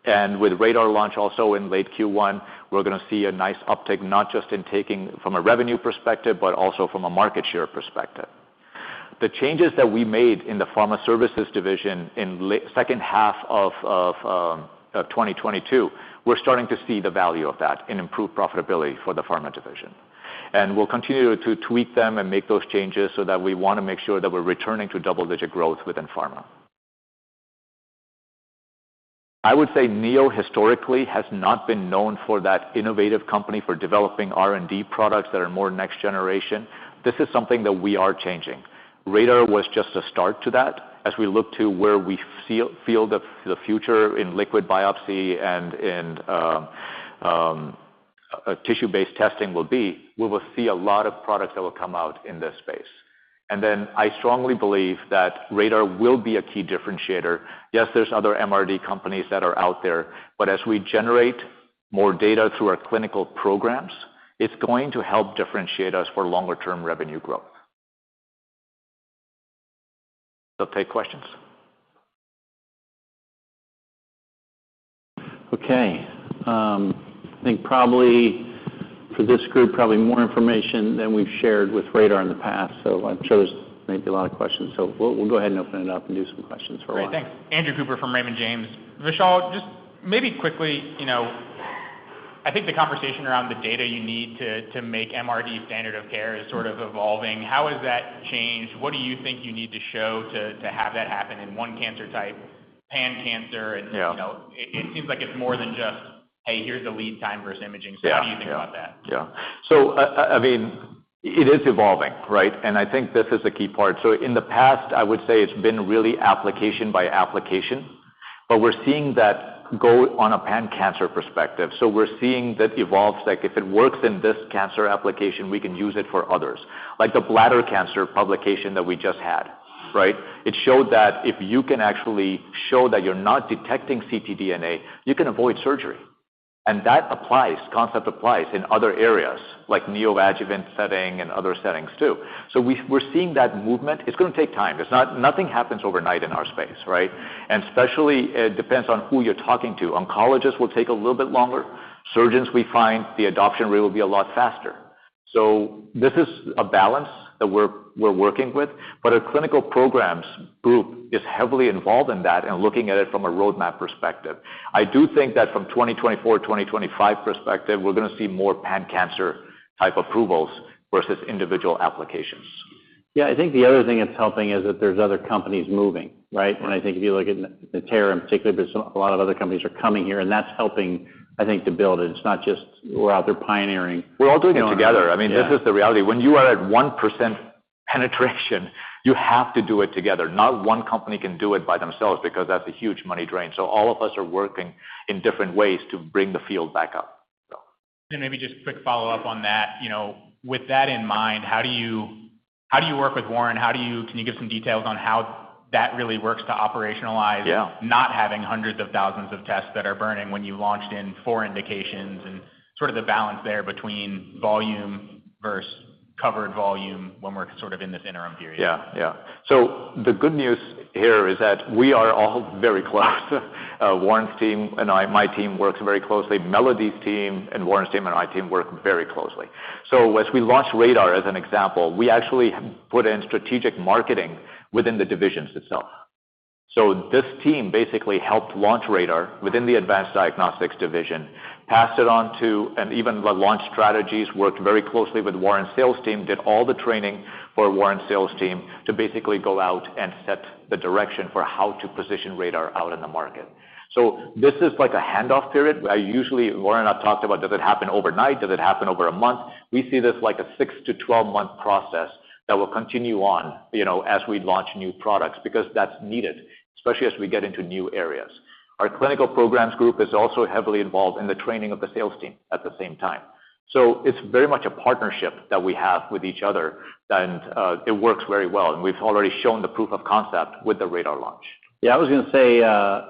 S13: And with RaDaR launch also in late Q1, we're gonna see a nice uptick, not just in taking from a revenue perspective, but also from a market share perspective. The changes that we made in the pharma services division in second half 2022, we're starting to see the value of that and improve profitability for the pharma division. We'll continue to tweak them and make those changes so that we wanna make sure that we're returning to double-digit growth within pharma. I would say Neo historically has not been known for that innovative company for developing R&D products that are more next generation. This is something that we are changing. RaDaR was just a start to that. As we look to where we feel the future in liquid biopsy and in tissue-based testing will be, we will see a lot of products that will come out in this space. I strongly believe that RaDaR will be a key differentiator. Yes, there's other MRD companies that are out there, but as we generate more data through our clinical programs, it's going to help differentiate us for longer term revenue growth. Take questions.
S3: I think probably for this group, probably more information than we've shared with RaDaR in the past. I'm sure there's maybe a lot of questions. We'll go ahead and open it up and do some questions for a while.
S14: Great. Thanks. Andrew Cooper from Raymond James. Vishal, just maybe quickly, you know, I think the conversation around the data you need to make MRD standard of care is sort of evolving. How has that changed? What do you think you need to show to have that happen in one cancer type, pan-cancer?
S13: Yeah.
S14: You know, it seems like it's more than just, "Hey, here's a lead time versus imaging.
S13: Yeah.
S14: What do you think about that?
S13: I mean, it is evolving, right? I think this is the key part. In the past, I would say it's been really application by application, but we're seeing that go on a pan-cancer perspective. We're seeing that evolves, like if it works in this cancer application, we can use it for others. Like the bladder cancer publication that we just had, right? It showed that if you can actually show that you're not detecting ctDNA, you can avoid surgery. That applies, concept applies in other areas like neoadjuvant setting and other settings too. We're seeing that movement. It's gonna take time. It's not nothing happens overnight in our space, right? Especially, it depends on who you're talking to. Oncologists will take a little bit longer. Surgeons, we find the adoption rate will be a lot faster. This is a balance that we're working with, but our clinical programs group is heavily involved in that and looking at it from a roadmap perspective. I do think that from 2024, 2025 perspective, we're gonna see more pan-cancer type approvals versus individual applications.
S3: Yeah. I think the other thing that's helping is that there's other companies moving, right?
S13: Right.
S3: When I think if you look at Natera in particular, but a lot of other companies are coming here, and that's helping, I think, to build it. It's not just we're out there pioneering.
S13: We're all doing it together.
S3: Yeah.
S13: I mean, this is the reality. When you are at 1% penetration, you have to do it together. Not one company can do it by themselves because that's a huge money drain. All of us are working in different ways to bring the field back up.
S14: maybe just quick follow-up on that. You know, with that in mind, how do you work with Warren? Can you give some details on how? That really works to
S13: Yeah...
S14: not having hundreds of thousands of tests that are burning when you launched in four indications and sort of the balance there between volume versus covered volume when we're sort of in this interim period.
S13: Yeah. Yeah. The good news here is that we are all very close. Warren's team and my team works very closely. Melody's team and Warren's team and my team work very closely. As we launched RaDaR, as an example, we actually put in strategic marketing within the divisions itself. This team basically helped launch RaDaR within the Advanced Diagnostics division, and even the launch strategies, worked very closely with Warren's sales team, did all the training for Warren's sales team to basically go out and set the direction for how to position RaDaR out in the market. This is like a handoff period. Warren and I talked about, does it happen overnight? Does it happen over a month? We see this like a 6-12 month process that will continue on, you know, as we launch new products, because that's needed, especially as we get into new areas. Our clinical programs group is also heavily involved in the training of the sales team at the same time. It's very much a partnership that we have with each other, and it works very well. We've already shown the proof of concept with the RaDaR launch.
S3: Yeah, I was gonna say,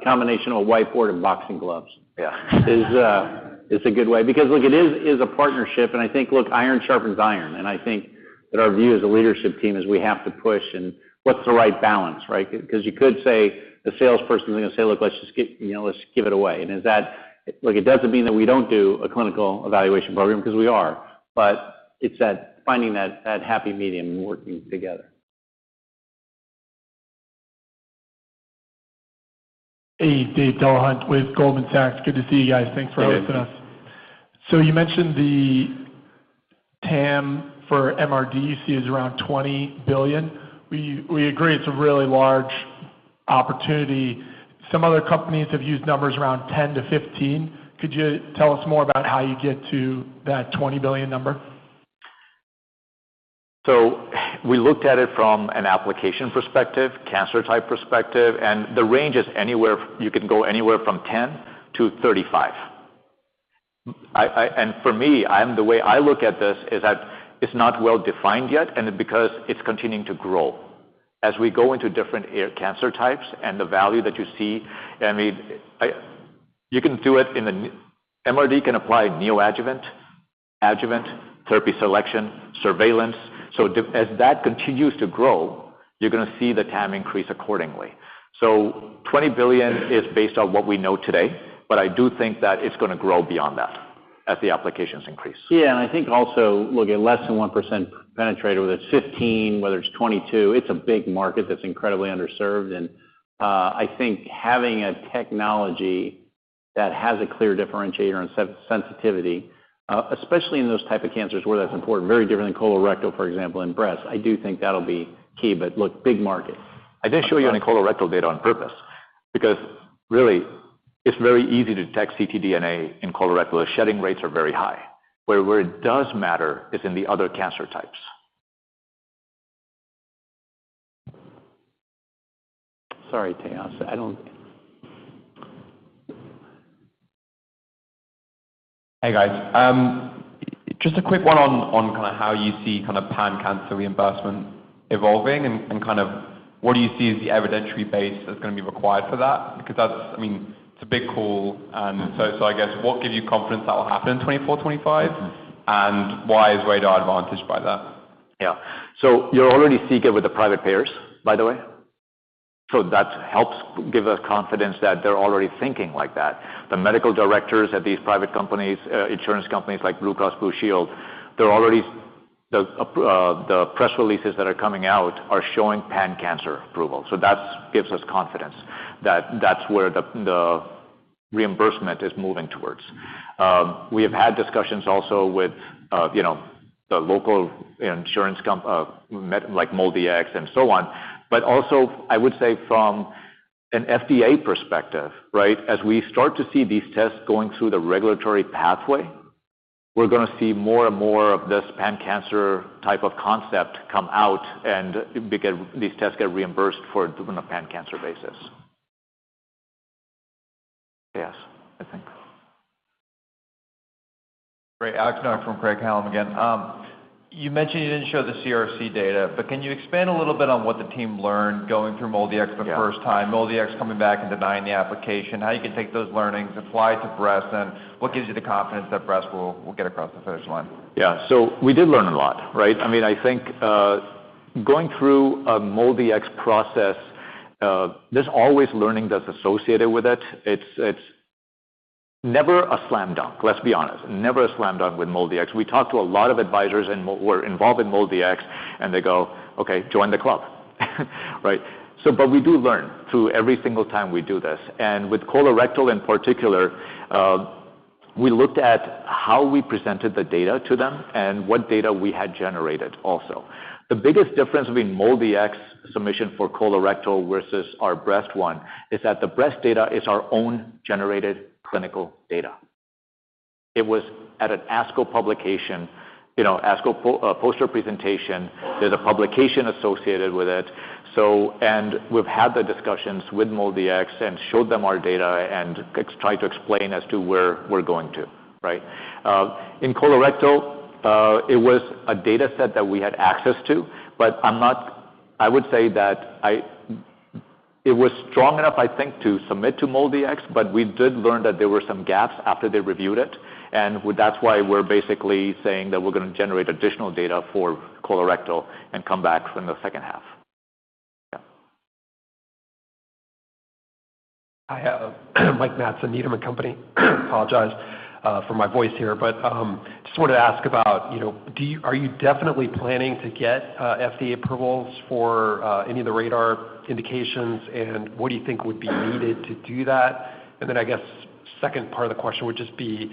S3: combination of a whiteboard and boxing gloves-
S13: Yeah.
S3: Is a good way. Look, it is a partnership, and I think, look, iron sharpens iron. I think that our view as a leadership team is we have to push and what's the right balance, right? 'Cause you could say the salesperson is gonna say, "Look, let's just get you know, let's give it away." Is that Look, it doesn't mean that we don't do a clinical evaluation program, 'cause we are. It's that finding that happy medium and working together.
S15: Hey, Dave Deohunt with Goldman Sachs. Good to see you guys. Thanks for getting us.
S13: Right.
S15: You mentioned the TAM for MRD, you see, is around $20 billion. We agree it's a really large opportunity. Some other companies have used numbers around $10 billion-$15 billion. Could you tell us more about how you get to that $20 billion number?
S13: We looked at it from an application perspective, cancer type perspective, and the range is you can go anywhere from 10 to 35. For me, the way I look at this is that it's not well-defined yet, and because it's continuing to grow. We go into different cancer types and the value that you see, I mean, you can do it. MRD can apply neoadjuvant, adjuvant, therapy selection, surveillance. As that continues to grow, you're gonna see the TAM increase accordingly. $20 billion is based on what we know today, but I do think that it's gonna grow beyond that as the applications increase.
S3: Yeah. I think also, look, at less than 1% penetrator, whether it's 15, whether it's 22, it's a big market that's incredibly underserved. I think having a technology that has a clear differentiator and sensitivity, especially in those type of cancers where that's important, very different than colorectal, for example, and breast. I do think that'll be key. Look, big market.
S13: I didn't show you any colorectal data on purpose because really it's very easy to detect ctDNA in colorectal. The shedding rates are very high, where it does matter is in the other cancer types.
S3: Sorry, Tayosa. I don't...
S12: Hey, guys. just a quick one on kinda how you see kind of pan-cancer reimbursement evolving and kind of what do you see as the evidentiary base that's gonna be required for that? Because I mean, it's a big call. so I guess what gives you confidence that will happen in 2024, 2025? Why is RaDaR advantaged by that?
S13: You already see it with the private payers, by the way. That helps give us confidence that they're already thinking like that. The medical directors at these private companies, insurance companies like Blue Cross Blue Shield, the press releases that are coming out are showing pan-cancer approval. That's gives us confidence that that's where the reimbursement is moving towards. We have had discussions also with, you know, the local insurance like MolDX and so on. Also, I would say from an FDA perspective, right? As we start to see these tests going through the regulatory pathway, we're gonna see more and more of this pan-cancer type of concept come out and these tests get reimbursed for it on a pan-cancer basis. Yes, I think.
S9: Great. Alex Nowak from Craig-Hallum again. you mentioned you didn't show the CRC data, but can you expand a little bit on what the team learned going through MolDX the first time?
S13: Yeah
S9: MolDX coming back and denying the application, how you can take those learnings, apply it to breast, and what gives you the confidence that breast will get across the finish line?
S13: Yeah. We did learn a lot, right? I mean, I think, going through a MolDX process, there's always learning that's associated with it. It's never a slam dunk. Let's be honest. Never a slam dunk with MolDX. We talked to a lot of advisors and who were involved in MolDX, and they go, "Okay, join the club." Right. But we do learn through every single time we do this. With colorectal, in particular, we looked at how we presented the data to them and what data we had generated also. The biggest difference between MolDX submission for colorectal versus our breast one is that the breast data is our own generated clinical data. It was at an ASCO publication, you know, ASCO poster presentation. There's a publication associated with it. And we've had the discussions with MolDX and showed them our data and tried to explain as to where we're going to, right? In colorectal, it was a data set that we had access to, but I would say that it was strong enough, I think, to submit to MolDX, but we did learn that there were some gaps after they reviewed it, and that's why we're basically saying that we're gonna generate additional data for colorectal and come back in the second half. Yeah.
S16: Hi. Mike Matson, Needham & Company. Apologize for my voice here, but just wanted to ask about, you know, are you definitely planning to get FDA approvals for any of the RaDaR indications, and what do you think would be needed to do that? Then I guess second part of the question would just be,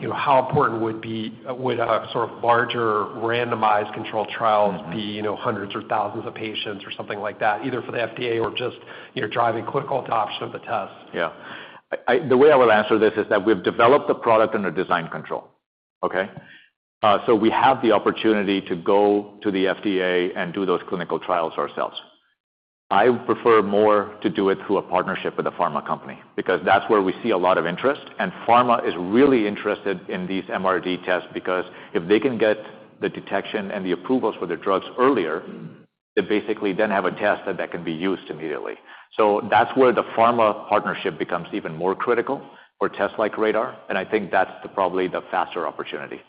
S16: you know, how important would a sort of larger randomized controlled trials be, you know, hundreds or thousands of patients or something like that, either for the FDA or just, you're driving clinical adoption of the test?
S13: Yeah. The way I would answer this is that we've developed the product under design control, okay? So we have the opportunity to go to the FDA and do those clinical trials ourselves. I would prefer more to do it through a partnership with a pharma company, because that's where we see a lot of interest, and pharma is really interested in these MRD tests, because if they can get the detection and the approvals for their drugs earlier. Mm-hmm. They basically then have a test that can be used immediately. That's where the pharma partnership becomes even more critical for tests like RaDaR, and I think that's the probably the faster opportunity.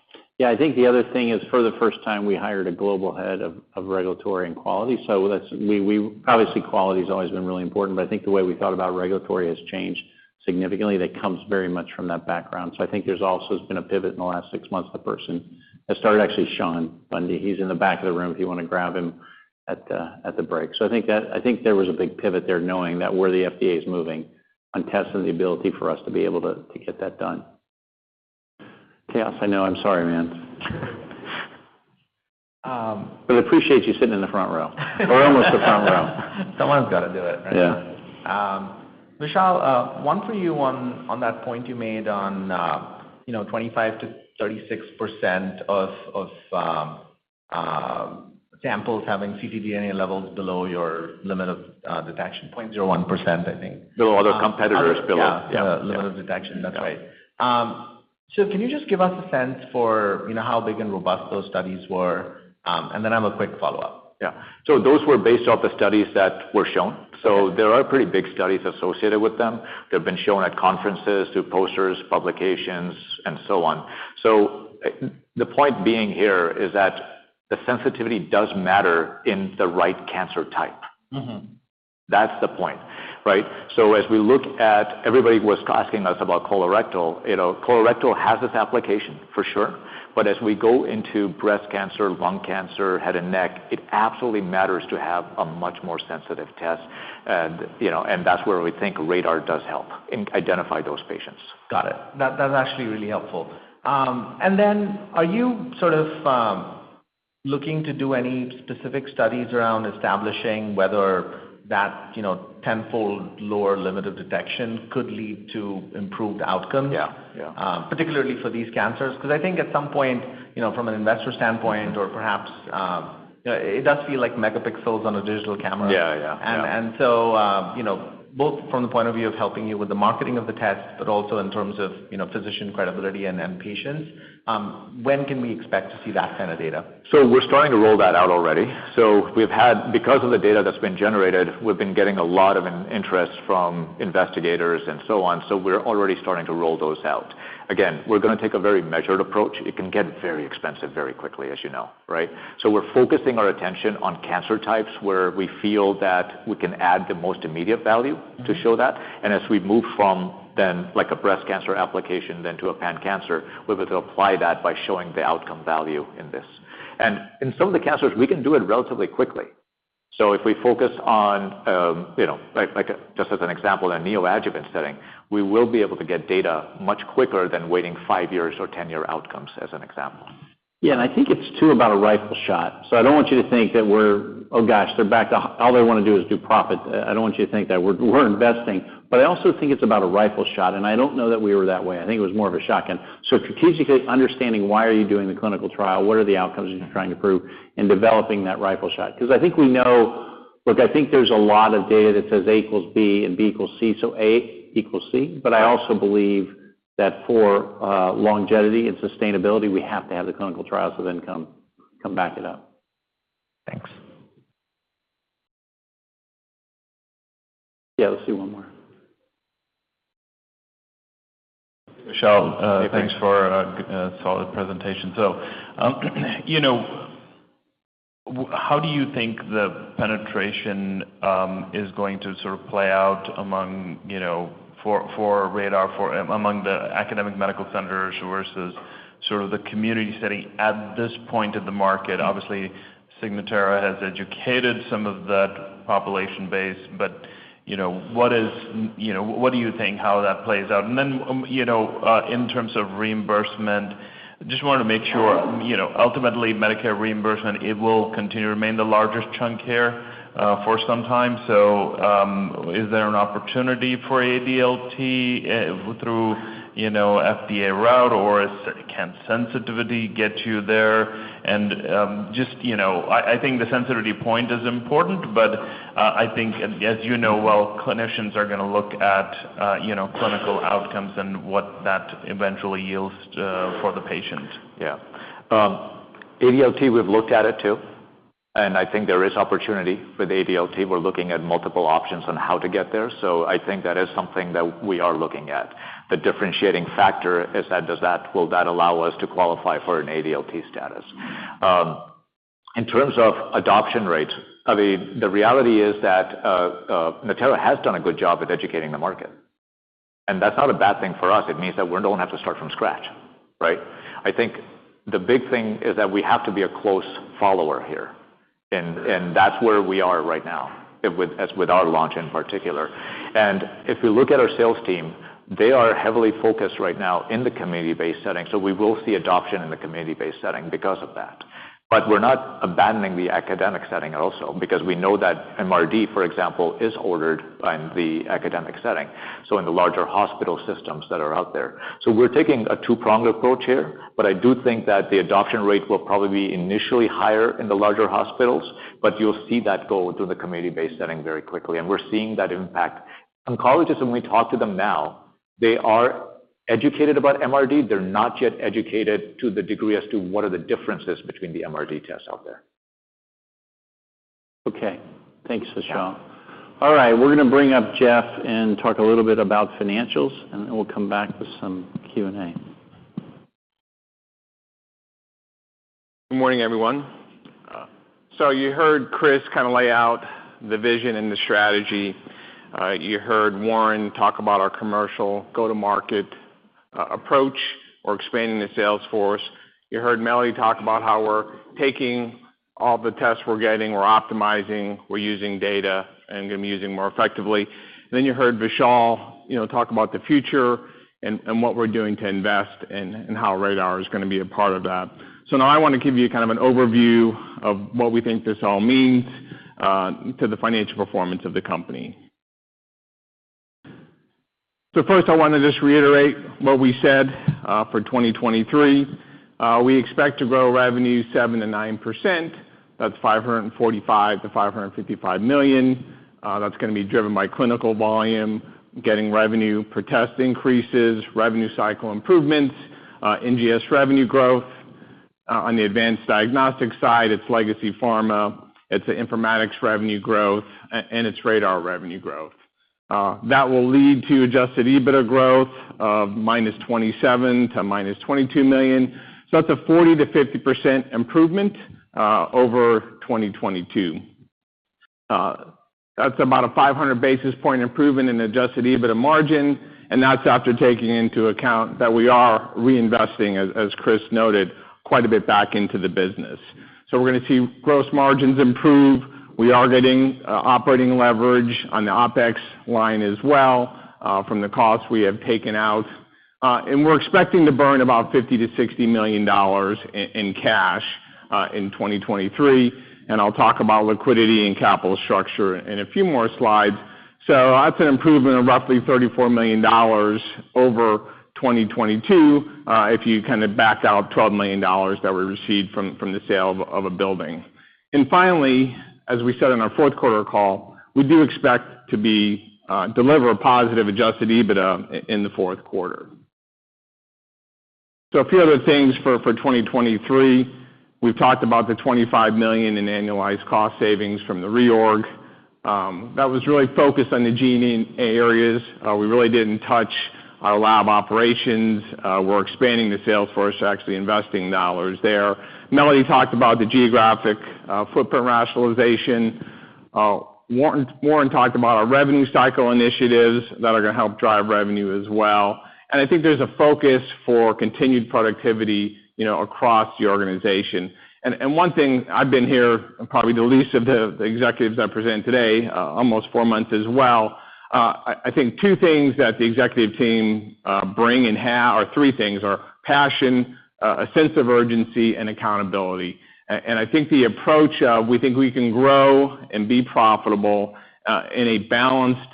S3: I think the other thing is for the first time, we hired a global head of regulatory and quality. Obviously, quality's always been really important, but I think the way we thought about regulatory has changed significantly. That comes very much from that background. I think there's also has been a pivot in the last six months, the person that started, actually, Sean Bundy. He's in the back of the room if you wanna grab him at the break. I think there was a big pivot there knowing that where the FDA is moving on tests and the ability for us to be able to get that done. Chaos, I know. I'm sorry, man. Appreciate you sitting in the front row. Almost the front row. Someone's gotta do it, right? Yeah.
S16: Vishal, one for you on that point you made on, you know, 25%-36% of samples having ctDNA levels below your limit of detection point, 0.01%, I think.
S13: Below other competitors, below.
S16: Yeah. Yeah. Limit of detection. That's right. Can you just give us a sense for, you know, how big and robust those studies were? I have a quick follow-up.
S13: Yeah. Those were based off the studies that were shown. Okay. There are pretty big studies associated with them. They've been shown at conferences through posters, publications, and so on. The point being here is that the sensitivity does matter in the right cancer type.
S16: Mm-hmm.
S13: That's the point, right? As we look at... Everybody was asking us about colorectal. You know, colorectal has this application, for sure. As we go into breast cancer, lung cancer, head and neck, it absolutely matters to have a much more sensitive test and, you know, and that's where we think RaDaR does help identify those patients.
S16: Got it. That is actually really helpful. Are you sort of looking to do any specific studies around establishing whether that, you know, tenfold lower limit of detection could lead to improved outcomes, particularly for these cancers? I think at some point, you know, from an investor standpoint. Mm-hmm. Or perhaps, you know, it does feel like megapixels on a digital camera.
S13: Yeah.
S16: You know, both from the point of view of helping you with the marketing of the test, but also in terms of, you know, physician credibility and patients, when can we expect to see that kind of data?
S13: We're starting to roll that out already. Because of the data that's been generated, we've been getting a lot of interest from investigators and so on. We're already starting to roll those out. Again, we're gonna take a very measured approach. It can get very expensive very quickly, as you know, right? We're focusing our attention on cancer types where we feel that we can add the most immediate value to show that. As we move from then, like a breast cancer application then to a pan-cancer, we'll be able to apply that by showing the outcome value in this. In some of the cancers, we can do it relatively quickly. If we focus on, you know, just as an example, a neoadjuvant setting, we will be able to get data much quicker than waiting five years or 10-year outcomes as an example.
S3: Yeah, I think it's too about a rifle shot. I don't want you to think that we're, oh gosh, they're back to all they wanna do is do profit. I don't want you to think that. We're investing, but I also think it's about a rifle shot, and I don't know that we were that way. I think it was more of a shotgun. Strategically understanding why are you doing the clinical trial? What are the outcomes you're trying to prove? Developing that rifle shot. 'Cause I think we know. Look, I think there's a lot of data that says A equals B and B equals C, so A equals C. I also believe that for longevity and sustainability, we have to have the clinical trials so then come back it up.
S16: Thanks.
S3: Yeah, let's do one more.
S5: Vishal,
S13: Hey, Puneet.
S5: Thanks for a solid presentation. How do you think the penetration is going to sort of play out among for RaDaR among the academic medical centers versus sort of the community setting at this point of the market? Obviously, Signatera has educated some of that population base, but what is what do you think how that plays out? Then in terms of reimbursement, just wanted to make sure ultimately Medicare reimbursement, it will continue to remain the largest chunk here for some time. Is there an opportunity for ADLT through FDA route, or can sensitivity get you there? Just, you know, I think the sensitivity point is important, but, I think as you know well, clinicians are gonna look at, you know, clinical outcomes and what that eventually yields for the patient.
S13: Yeah. ADLT, we've looked at it too. I think there is opportunity with ADLT. We're looking at multiple options on how to get there. I think that is something that we are looking at. The differentiating factor is that will that allow us to qualify for an ADLT status? In terms of adoption rates, I mean, the reality is that Natera has done a good job at educating the market, and that's not a bad thing for us. It means that we don't have to start from scratch, right? I think the big thing is that we have to be a close follower here, and that's where we are right now with, as with our launch in particular. If we look at our sales team, they are heavily focused right now in the community-based setting, so we will see adoption in the community-based setting because of that. We're not abandoning the academic setting also because we know that MRD, for example, is ordered in the academic setting, so in the larger hospital systems that are out there. We're taking a two-pronged approach here, but I do think that the adoption rate will probably be initially higher in the larger hospitals, but you'll see that go to the community-based setting very quickly, and we're seeing that impact. Oncologists, when we talk to them now, they are educated about MRD. They're not yet educated to the degree as to what are the differences between the MRD tests out there.
S8: Okay. Thanks, Vishal. All right. We're gonna bring up Jeff and talk a little bit about financials, and then we'll come back with some Q&A.
S6: Good morning, everyone. You heard Chris kind of lay out the vision and the strategy. You heard Warren talk about our commercial go-to-market approach. We're expanding the sales force. You heard Melody talk about how we're taking all the tests we're getting, we're optimizing, we're using data, and gonna be using more effectively. You heard Vishal, you know, talk about the future and what we're doing to invest and how RaDaR is gonna be a part of that. Now I want to give you kind of an overview of what we think this all means to the financial performance of the company. First, I want to just reiterate what we said for 2023. We expect to grow revenue 7%-9%. That's $545 million-$555 million. That's gonna be driven by clinical volume, getting revenue per test increases, revenue cycle improvements, NGS revenue growth. On the advanced diagnostic side, it's legacy pharma, it's the informatics revenue growth, and it's RaDaR revenue growth. That will lead to adjusted EBITDA growth of -$27 million to -$22 million. That's a 40%-50% improvement over 2022. That's about a 500 basis point improvement in adjusted EBITDA margin, and that's after taking into account that we are reinvesting, as Chris noted, quite a bit back into the business. We're gonna see gross margins improve. We are getting operating leverage on the OpEx line as well from the costs we have taken out. We're expecting to burn about $50 million-$60 million in cash in 2023. I'll talk about liquidity and capital structure in a few more slides. That's an improvement of roughly $34 million over 2022, if you kind of back out $12 million that we received from the sale of a building. Finally, as we said in our fourth quarter call, we do expect to deliver a positive adjusted EBITDA in the fourth quarter. A few other things for 2023. We've talked about the $25 million in annualized cost savings from the reorg that was really focused on the gene areas. We really didn't touch our lab operations. We're expanding the sales force, actually investing dollars there. Melody talked about the geographic footprint rationalization. Warren talked about our revenue cycle initiatives that are gonna help drive revenue as well. I think there's a focus for continued productivity, you know, across the organization. One thing, I've been here probably the least of the executives that present today, almost four months as well. I think two things that the executive team bring or three things are passion, a sense of urgency, and accountability. I think the approach of we think we can grow and be profitable, in a balanced,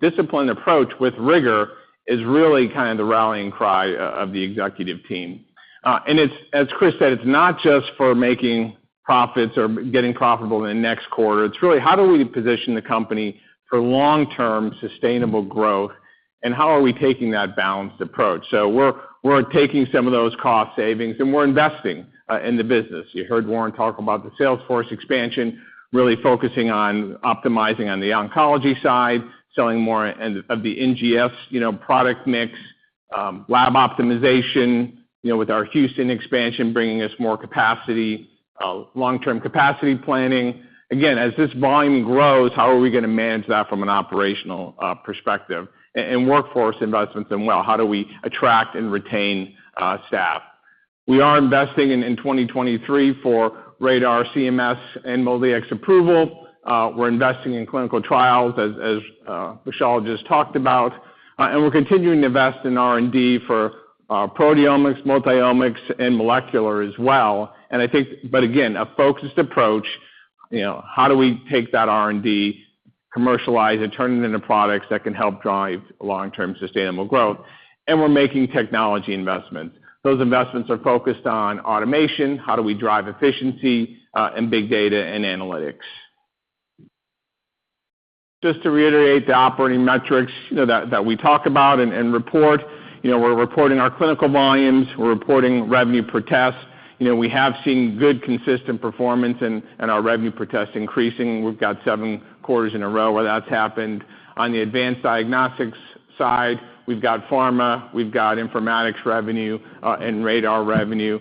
S6: disciplined approach with rigor is really kind of the rallying cry of the executive team. It's, as Chris said, it's not just for making profits or getting profitable in the next quarter. It's really how do we position the company for long-term sustainable growth, and how are we taking that balanced approach? We're taking some of those cost savings, and we're investing in the business. You heard Warren talk about the Salesforce expansion, really focusing on optimizing on the oncology side, selling more of the NGS, you know, product mix, lab optimization, you know, with our Houston expansion bringing us more capacity, long-term capacity planning. Again, as this volume grows, how are we gonna manage that from an operational perspective? Workforce investments in well, how do we attract and retain staff? We are investing in 2023 for RaDaR CMS and MolDX approval. We're investing in clinical trials as Vishal just talked about. We're continuing to invest in R&D for proteomics, multiomics, and molecular as well. Again, a focused approach, you know, how do we take that R&D, commercialize it, turn it into products that can help drive long-term sustainable growth? We're making technology investments. Those investments are focused on automation, how do we drive efficiency, and big data and analytics? Just to reiterate the operating metrics, you know, that we talk about and report. You know, we're reporting our clinical volumes, we're reporting revenue per test. You know, we have seen good consistent performance and our revenue per test increasing. We've got seven quarters in a row where that's happened. On the advanced diagnostics side, we've got pharma, we've got informatics revenue, and RaDaR revenue.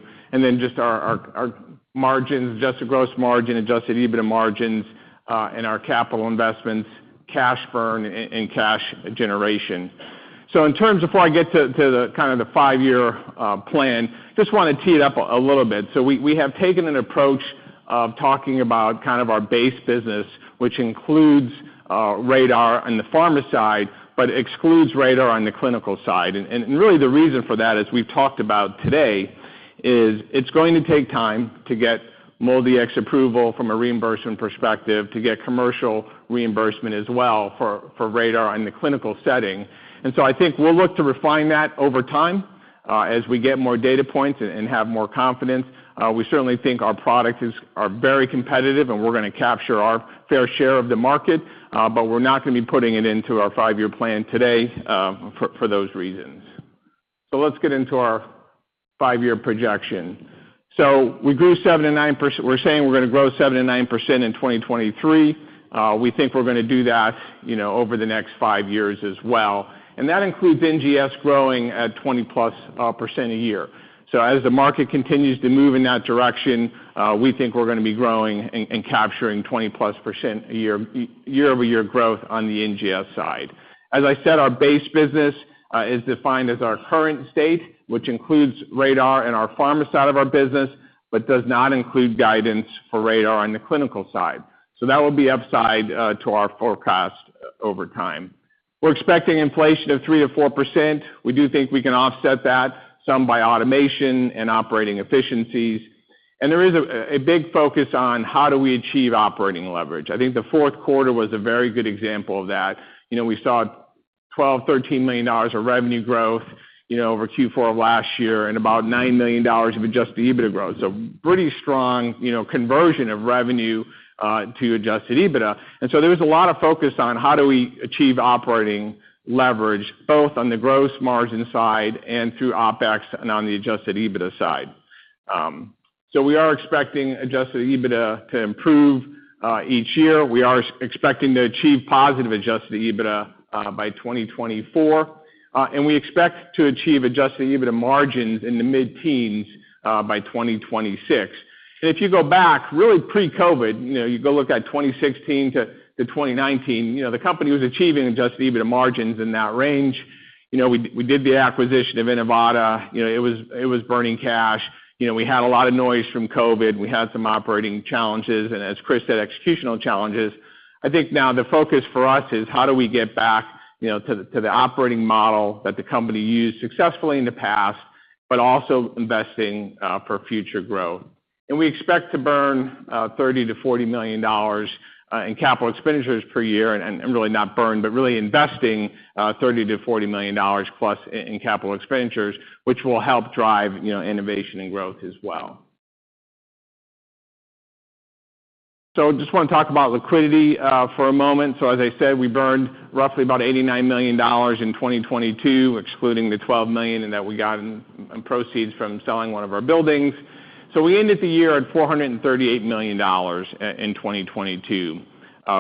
S6: Just our margins, adjusted gross margin, adjusted EBITDA margins, and our capital investments, cash burn and cash generation. In terms, before I get to the kind of the 5-year plan, just want to tee it up a little bit. We have taken an approach of talking about kind of our base business, which includes RaDaR on the pharma side, but excludes RaDaR on the clinical side. Really the reason for that, as we've talked about today, is it's going to take time to get MolDX approval from a reimbursement perspective to get commercial reimbursement as well for RaDaR in the clinical setting. I think we'll look to refine that over time, as we get more data points and have more confidence. We certainly think our products are very competitive, and we're gonna capture our fair share of the market, but we're not gonna be putting it into our 5-year plan today, for those reasons. Let's get into our 5-year projection. We grew 7%-9%. We're saying we're going to grow 7%-9% in 2023. We think we're gonna do that, you know, over the next five years as well. That includes NGS growing at 20%+ a year. As the market continues to move in that direction, we think we're gonna be growing and capturing 20%+ a year-over-year growth on the NGS side. As I said, our base business is defined as our current state, which includes RaDaR and our pharma side of our business, but does not include guidance for RaDaR on the clinical side. That will be upside to our forecast over time. We're expecting inflation of 3%-4%. We do think we can offset that some by automation and operating efficiencies. There is a big focus on how do we achieve operating leverage. I think the fourth quarter was a very good example of that. You know, we saw $12 million-$13 million of revenue growth, you know, over Q4 of last year and about $9 million of adjusted EBITDA growth. Pretty strong, you know, conversion of revenue to adjusted EBITDA. There was a lot of focus on how do we achieve operating leverage, both on the gross margin side and through OpEx and on the adjusted EBITDA side. We are expecting adjusted EBITDA to improve each year. We are expecting to achieve positive adjusted EBITDA by 2024, and we expect to achieve adjusted EBITDA margins in the mid-teens by 2026. If you go back really pre-COVID, you know, you go look at 2016 to 2019, you know, the company was achieving adjusted EBITDA margins in that range. You know, we did the acquisition of Inivata. You know, it was burning cash. You know, we had a lot of noise from COVID. We had some operating challenges and as Chris said, executional challenges. I think now the focus for us is how do we get back, you know, to the operating model that the company used successfully in the past, but also investing for future growth. We expect to burn $30 million-$40 million in CapEx per year, and really not burn, but really investing $30 million-$40 million+ in CapEx, which will help drive, you know, innovation and growth as well. Just want to talk about liquidity for a moment. As I said, we burned roughly about $89 million in 2022, excluding the $12 million that we got in proceeds from selling one of our buildings. We ended the year at $438 million in 2022.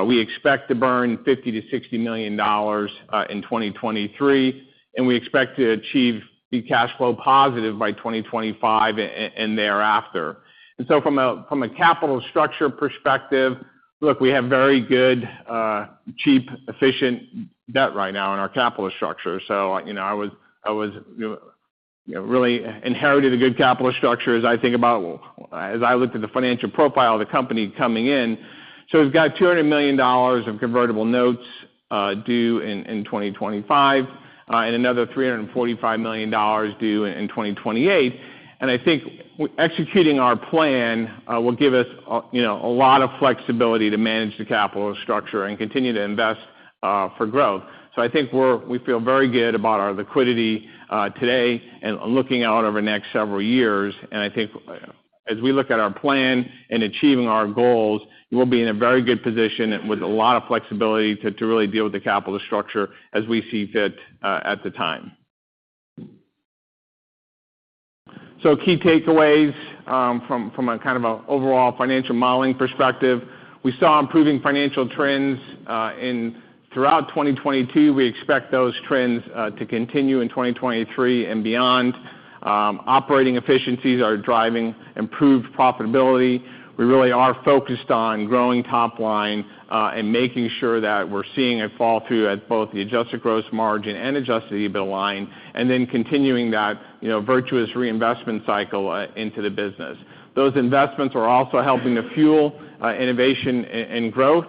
S6: We expect to burn $50 million-$60 million in 2023, and we expect to achieve be cash flow positive by 2025 and thereafter. From a capital structure perspective, look, we have very good, cheap, efficient debt right now in our capital structure. I was, you know, really inherited a good capital structure as I looked at the financial profile of the company coming in. We've got $200 million of convertible notes due in 2025, and another $345 million due in 2028. I think executing our plan, you know, will give us a lot of flexibility to manage the capital structure and continue to invest for growth. I think we feel very good about our liquidity today and looking out over the next several years. I think as we look at our plan and achieving our goals, we'll be in a very good position with a lot of flexibility to really deal with the capital structure as we see fit at the time. Key takeaways from a kind of overall financial modeling perspective. We saw improving financial trends throughout 2022. We expect those trends to continue in 2023 and beyond. Operating efficiencies are driving improved profitability. We really are focused on growing top line and making sure that we're seeing a fall through at both the adjusted gross margin and adjusted EBITDA line, and then continuing that, you know, virtuous reinvestment cycle into the business. Those investments are also helping to fuel innovation and growth.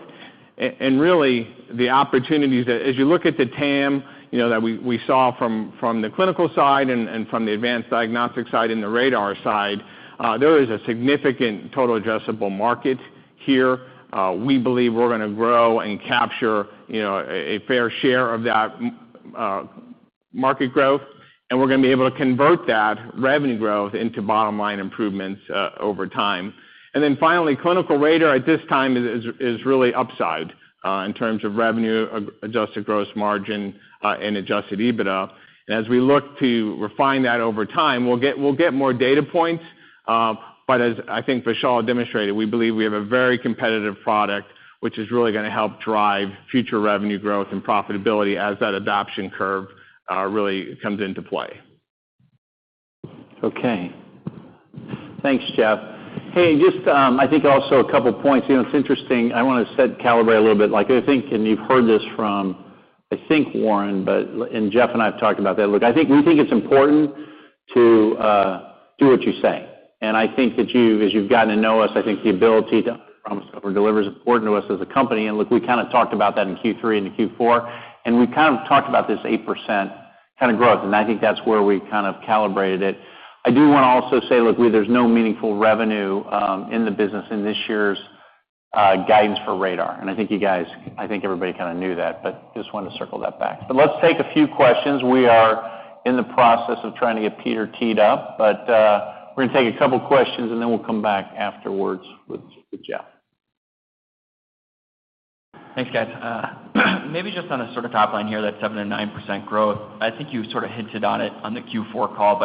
S6: Really the opportunities that as you look at the TAM, you know, that we saw from the clinical side and from the advanced diagnostic side and the RaDaR side, there is a significant total addressable market here. We believe we're gonna grow and capture, you know, a fair share of that market growth, and we're gonna be able to convert that revenue growth into bottom line improvements over time. Finally, clinical RaDaR at this time is really upside in terms of revenue, adjusted gross margin, and adjusted EBITDA. As we look to refine that over time, we'll get more data points, as I think Vishal demonstrated, we believe we have a very competitive product, which is really gonna help drive future revenue growth and profitability as that adoption curve, really comes into play.
S3: Okay. Thanks, Jeff. Hey, just, I think also a couple points. You know, it's interesting, I wanna set calibrate a little bit like I think, and you've heard this from, I think Warren, but and Jeff and I have talked about that. Look, I think we think it's important to do what you say. I think that you, as you've gotten to know us, I think the ability to promise deliver is important to us as a company. Look, we kinda talked about that in Q3 into Q4, and we kind of talked about this 8% kind of growth, and I think that's where we kind of calibrated it. I do wanna also say, look, there's no meaningful revenue in the business in this year's guidance for RaDaR. I think everybody kinda knew that, but just wanted to circle that back. Let's take a few questions. We are in the process of trying to get Peter teed up, but, we're gonna take a couple questions and then we'll come back afterwards with Jeff.
S11: Thanks, guys. Maybe just on a sort of top line here, that 7%-9% growth. I think you sort of hinted on it on the Q4 call,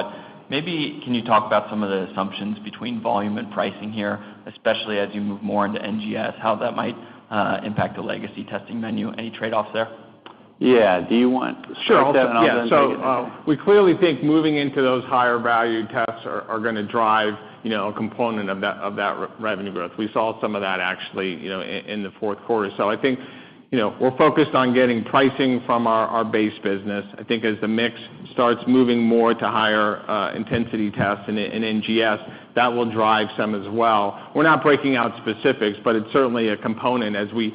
S11: but maybe can you talk about some of the assumptions between volume and pricing here, especially as you move more into NGS, how that might impact the legacy testing menu? Any trade-offs there?
S3: Yeah. Do you want-
S6: Sure.
S3: I'll.
S6: Yeah. We clearly think moving into those higher value tests are gonna drive, you know, a component of that, of that re-revenue growth. We saw some of that actually, you know, in the fourth quarter. I think, you know, we're focused on getting pricing from our base business. I think as the mix starts moving more to higher intensity tests and NGS, that will drive some as well. We're not breaking out specifics, but it's certainly a component. We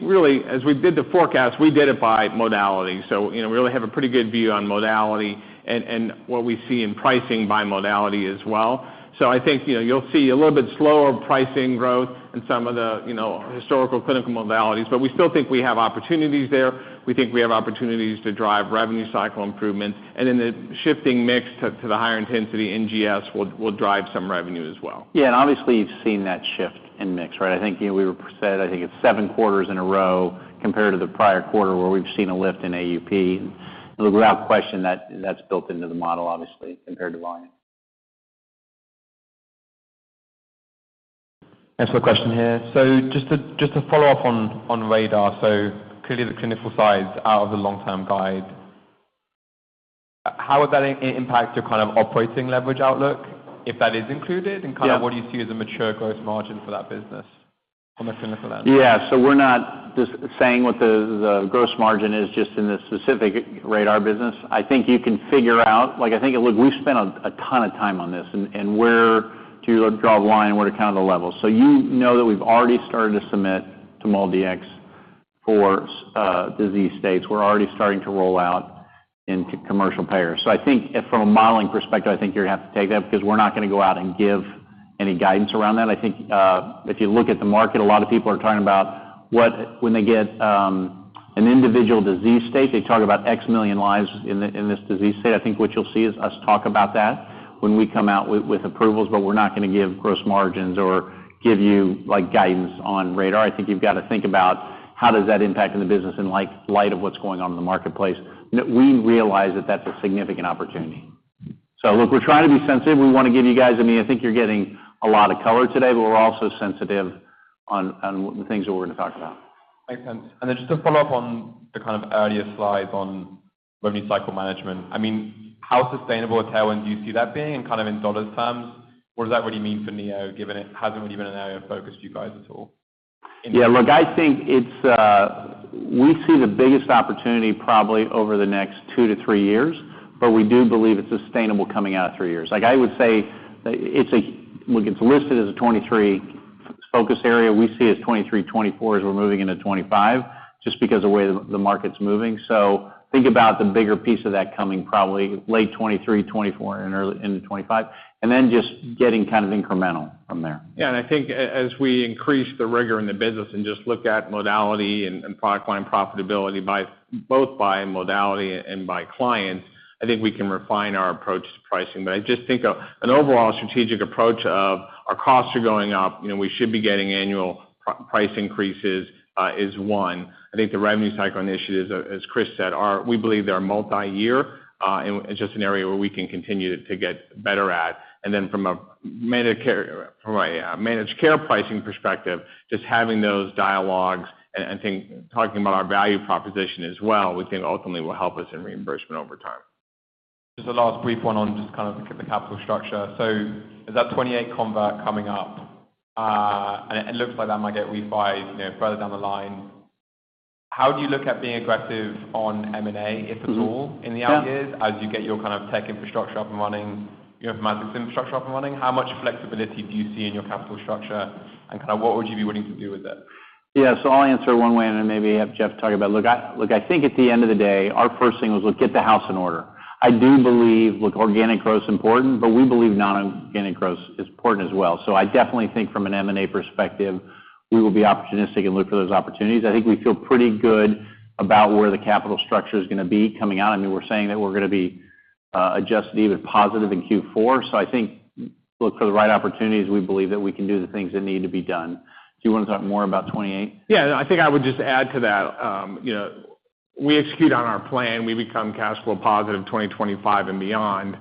S6: really, as we did the forecast, we did it by modality. You know, we really have a pretty good view on modality and what we see in pricing by modality as well. I think, you know, you'll see a little bit slower pricing growth in some of the, you know, historical clinical modalities, but we still think we have opportunities there. We think we have opportunities to drive revenue cycle improvements, and in the shifting mix to the higher intensity NGS will drive some revenue as well.
S3: Obviously, you've seen that shift in mix, right? I think, you know, we said, I think it's 7 quarters in a row compared to the prior quarter where we've seen a lift in AUP. Without question that's built into the model obviously compared to volume.
S12: Excellent question here. Just to follow up on RaDaR. Clearly, the clinical side is out of the long-term guide. How would that impact your kind of operating leverage outlook if that is included?
S3: Yeah.
S12: Kind of what do you see as a mature growth margin for that business on the clinical end?
S3: Yeah. We're not just saying what the gross margin is just in the specific RaDaR business. I think you can figure out... Like, I think Look, we've spent a ton of time on this and where to draw the line, where to count the levels. You know that we've already started to submit to MolDX for disease states. We're already starting to roll out into commercial payers. I think from a modeling perspective, I think you're going to have to take that because we're not going to go out and give any guidance around that. I think, if you look at the market, a lot of people are talking about when they get an individual disease state, they talk about X million lives in this disease state. I think what you'll see is us talk about that when we come out with approvals, but we're not gonna give gross margins or give you, like, guidance on RaDaR. I think you've got to think about how does that impact in the business in like light of what's going on in the marketplace. We realize that that's a significant opportunity. Look, we're trying to be sensitive. We wanna give you guys. I mean, I think you're getting a lot of color today, but we're also sensitive on the things that we're gonna talk about.
S12: Makes sense. Then just to follow up on the kind of earlier slides on revenue cycle management, I mean, how sustainable a tailwind do you see that being in kind of in dollar terms? What does that really mean for Neo, given it hasn't really been an area of focus for you guys at all?
S3: Yeah. Look, I think it's. We see the biggest opportunity probably over the next 2 to 3 years, we do believe it's sustainable coming out of three years. Like, I would say it's. When it's listed as a 2023 focus area, we see it 2023, 2024, as we're moving into 2025, just because the way the market's moving. Think about the bigger piece of that coming probably late 2023, 2024 and early into 2025, then just getting kind of incremental from there.
S6: I think as we increase the rigor in the business and just look at modality and product line profitability by, both by modality and by clients, I think we can refine our approach to pricing. I just think of an overall strategic approach of our costs are going up. You know, we should be getting annual price increases, is one. I think the revenue cycle initiatives, as Chris said, we believe they are multi-year, and just an area where we can continue to get better at. From a Medicare-- From a managed care pricing perspective, just having those dialogues and think talking about our value proposition as well, we think ultimately will help us in reimbursement over time.
S12: Just a last brief one on just kind of the capital structure. Is that 2028 convert coming up? And it looks like that might get revised, you know, further down the line. How do you look at being aggressive on M&A, if at all, in the out years, as you get your kind of tech infrastructure up and running, your informatics infrastructure up and running? How much flexibility do you see in your capital structure, and kind of what would you be willing to do with it?
S3: Yeah. I'll answer one way and then maybe have Jeff talk about. Look, I think at the end of the day, our first thing was, look, get the house in order. I do believe, look, organic growth is important, but we believe non-organic growth is important as well. I definitely think from an M&A perspective. We will be opportunistic and look for those opportunities. I think we feel pretty good about where the capital structure is gonna be coming out. I mean, we're saying that we're gonna be adjusted even positive in Q4. I think look for the right opportunities, we believe that we can do the things that need to be done. Do you wanna talk more about 2028?
S6: Yeah. I think I would just add to that, you know, we execute on our plan, we become cash flow positive 2025 and beyond,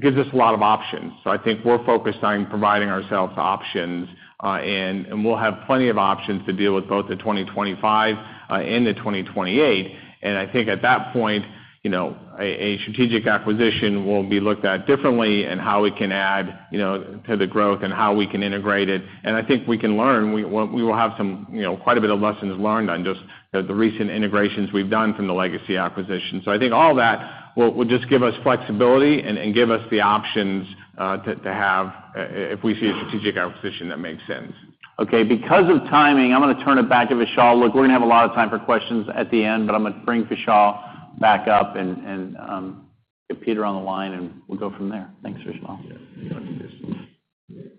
S6: gives us a lot of options. I think we're focused on providing ourselves options, and we'll have plenty of options to deal with both the 2025 and the 2028. I think at that point, you know, a strategic acquisition will be looked at differently and how we can add, you know, to the growth and how we can integrate it. I think we can learn. We will have some, you know, quite a bit of lessons learned on just the recent integrations we've done from the legacy acquisition. I think all that will just give us flexibility and give us the options, to have if we see a strategic acquisition that makes sense.
S3: Okay. Because of timing, I'm gonna turn it back to Vishal. Look, we're gonna have a lot of time for questions at the end, but I'm gonna bring Vishal back up and get Peter on the line, and we'll go from there. Thanks, Vishal.
S13: Yeah. No worries.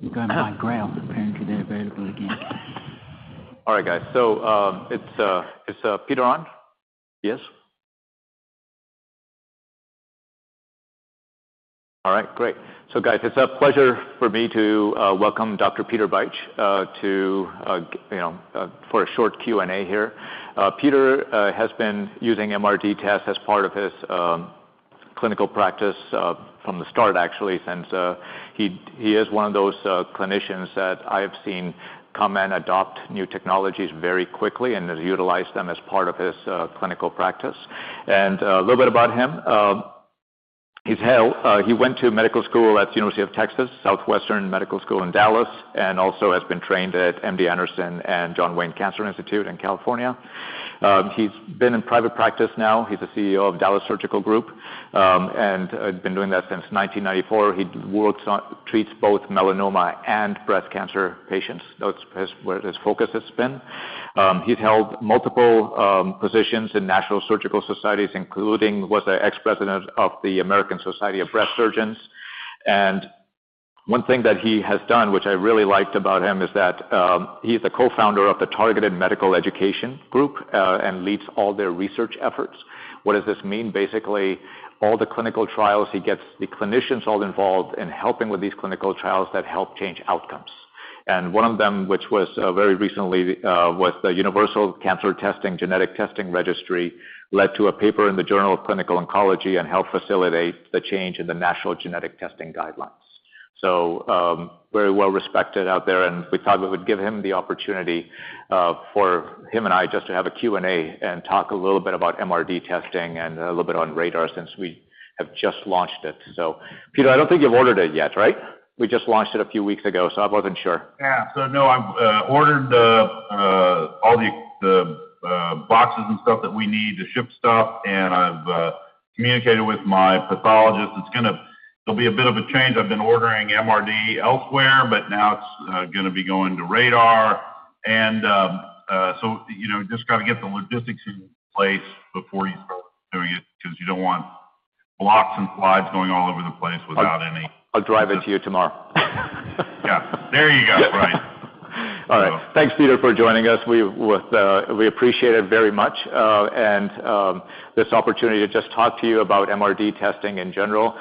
S6: You got Mike Graham apparently available again.
S13: All right, guys. Is Peter on?
S17: Yes.
S13: All right. Great. Guys, it's a pleasure for me to welcome Dr. Peter Beitsch to, you know, for a short Q&A here. Peter has been using MRD tests as part of his clinical practice from the start, actually, since he is one of those clinicians that I have seen come and adopt new technologies very quickly and have utilized them as part of his clinical practice. A little bit about him. He went to medical school at UT Southwestern Medical School in Dallas, and also has been trained at MD Anderson and John Wayne Cancer Institute in California. He's been in private practice now. He's the CEO of Dallas Surgical Group, and been doing that since 1994. He treats both melanoma and breast cancer patients. That's where his focus has been. He's held multiple positions in national surgical societies, including was the ex-president of the American Society of Breast Surgeons. One thing that he has done, which I really liked about him, is that he is the co-founder of the Targeted Medical Education group, and leads all their research efforts. What does this mean? Basically, all the clinical trials, he gets the clinicians all involved in helping with these clinical trials that help change outcomes. One of them, which was very recently was the Universal Cancer Genetic Testing Registry, led to a paper in the Journal of Clinical Oncology and helped facilitate the change in the national genetic testing guidelines. Very well-respected out there, and we thought we would give him the opportunity, for him and I just to have a Q&A and talk a little bit about MRD testing and a little bit on RaDaR since we have just launched it. Peter, I don't think you've ordered it yet, right? We just launched it a few weeks ago, so I wasn't sure.
S17: Yeah. No, I've ordered all the boxes and stuff that we need to ship stuff, and I've communicated with my pathologist. It'll be a bit of a change. I've been ordering MRD elsewhere, but now it's gonna be going to RaDaR. You know, just gotta get the logistics in place before you start doing it because you don't want blocks and slides going all over the place without any...
S13: I'll drive it to you tomorrow.
S17: Yeah. There you go. Right.
S13: All right. Thanks, Peter, for joining us. We appreciate it very much, and this opportunity to just talk to you about MRD testing in general.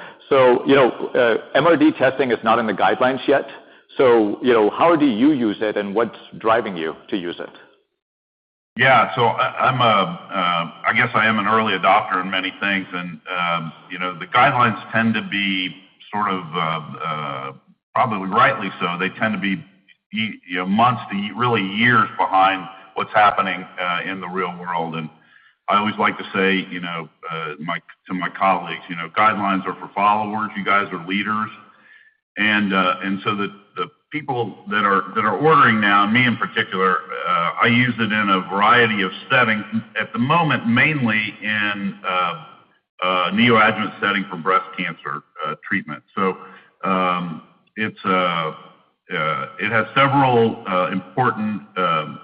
S13: you know, MRD testing is not in the guidelines yet. you know, how do you use it, and what's driving you to use it?
S17: Yeah. I'm, I guess I am an early adopter in many things. You know, the guidelines tend to be sort of, probably rightly so. They tend to be you know, months to really years behind what's happening in the real world. I always like to say, you know, to my colleagues, you know, "Guidelines are for followers. You guys are leaders." The people that are ordering now, me in particular, I use it in a variety of settings, at the moment, mainly in neoadjuvant setting for breast cancer treatment. It's, it has several important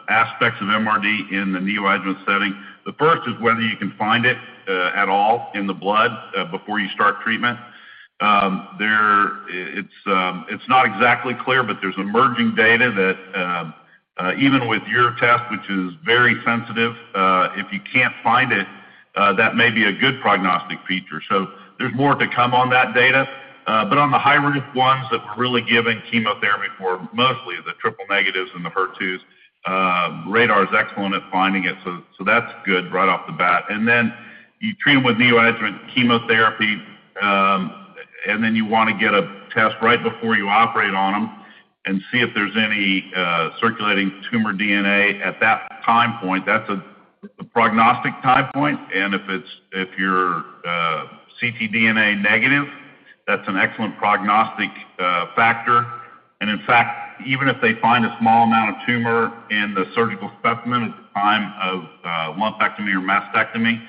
S17: aspects of MRD in the neoadjuvant setting. The first is whether you can find it at all in the blood before you start treatment. There, it's not exactly clear, but there's emerging data that, even with your test, which is very sensitive, if you can't find it, that may be a good prognostic feature. There's more to come on that data. On the high-risk ones that we're really giving chemotherapy for, mostly the triple negatives and the HER2s, RaDaR is excellent at finding it. That's good right off the bat. You treat them with neoadjuvant chemotherapy, and then you wanna get a test right before you operate on them and see if there's any circulating tumor DNA at that time point. That's the prognostic time point. If you're ctDNA negative, that's an excellent prognostic factor. In fact, even if they find a small amount of tumor in the surgical specimen at the time of lumpectomy or mastectomy,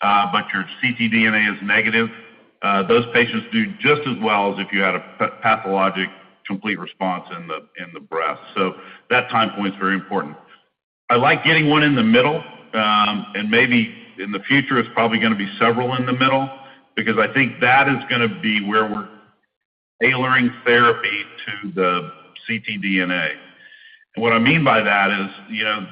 S17: but your ctDNA is negative, those patients do just as well as if you had a pathologic complete response in the breast. That time point is very important. I like getting one in the middle, and maybe in the future, it's probably gonna be several in the middle because I think that is gonna be where we're tailoring therapy to the ctDNA. What I mean by that is, you know,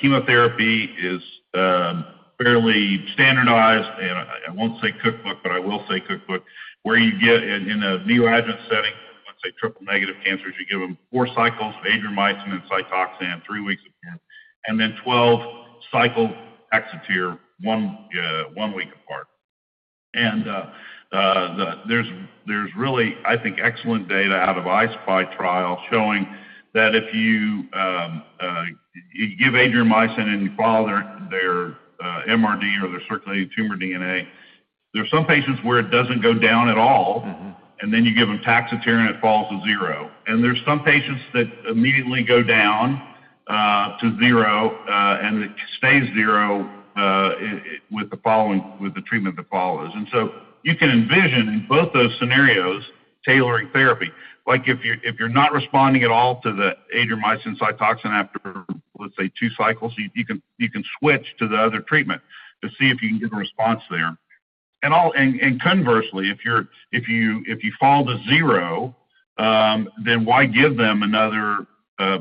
S17: chemotherapy is fairly standardized, and I won't say cookbook, but I will say cookbook, where you get in a neoadjuvant setting for, let's say, triple-negative cancers, you give them 4 cycles of Adriamycin and Cytoxan, three weeks apart, and then 12 cycles of Taxotere one week apart. There's really, I think, excellent data out of I-SPY trial showing that if you give Adriamycin and you follow their MRD or their circulating tumor DNA, there are some patients where it doesn't go down at all.
S13: Mm-hmm.
S17: You give them Taxotere, and it falls to 0. There's some patients that immediately go down to 0 and it stays 0 with the treatment that follows. You can envision in both those scenarios tailoring therapy. Like if you're not responding at all to the Adriamycin/Cytoxan after, let's say, 2 cycles, you can switch to the other treatment to see if you can get a response there. Conversely, if you fall to 0, why give them another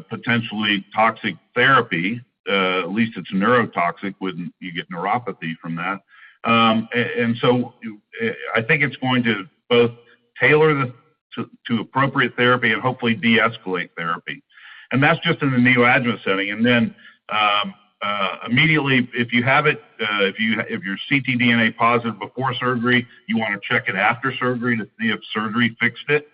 S17: potentially toxic therapy? At least it's neurotoxic when you get neuropathy from that. I think it's going to both tailor to appropriate therapy and hopefully deescalate therapy. That's just in the neoadjuvant setting. Immediately, if you have it, if you're ctDNA positive before surgery, you wanna check it after surgery to see if surgery fixed it.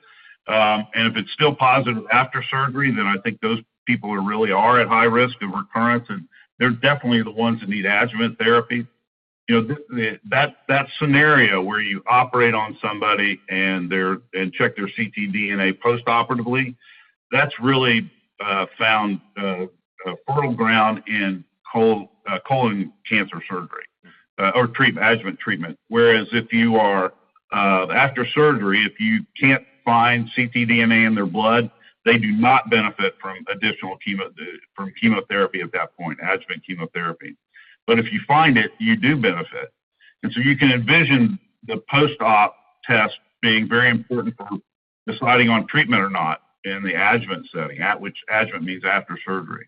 S17: If it's still positive after surgery, then I think those people really are at high risk of recurrence, and they're definitely the ones that need adjuvant therapy. You know, that scenario where you operate on somebody and check their ctDNA post-operatively, that's really found a fertile ground in colon cancer surgery or adjuvant treatment. Whereas if you are after surgery, if you can't find ctDNA in their blood, they do not benefit from additional from chemotherapy at that point, adjuvant chemotherapy. If you find it, you do benefit. You can envision the post-op test being very important for deciding on treatment or not in the adjuvant setting. Adjuvant means after surgery.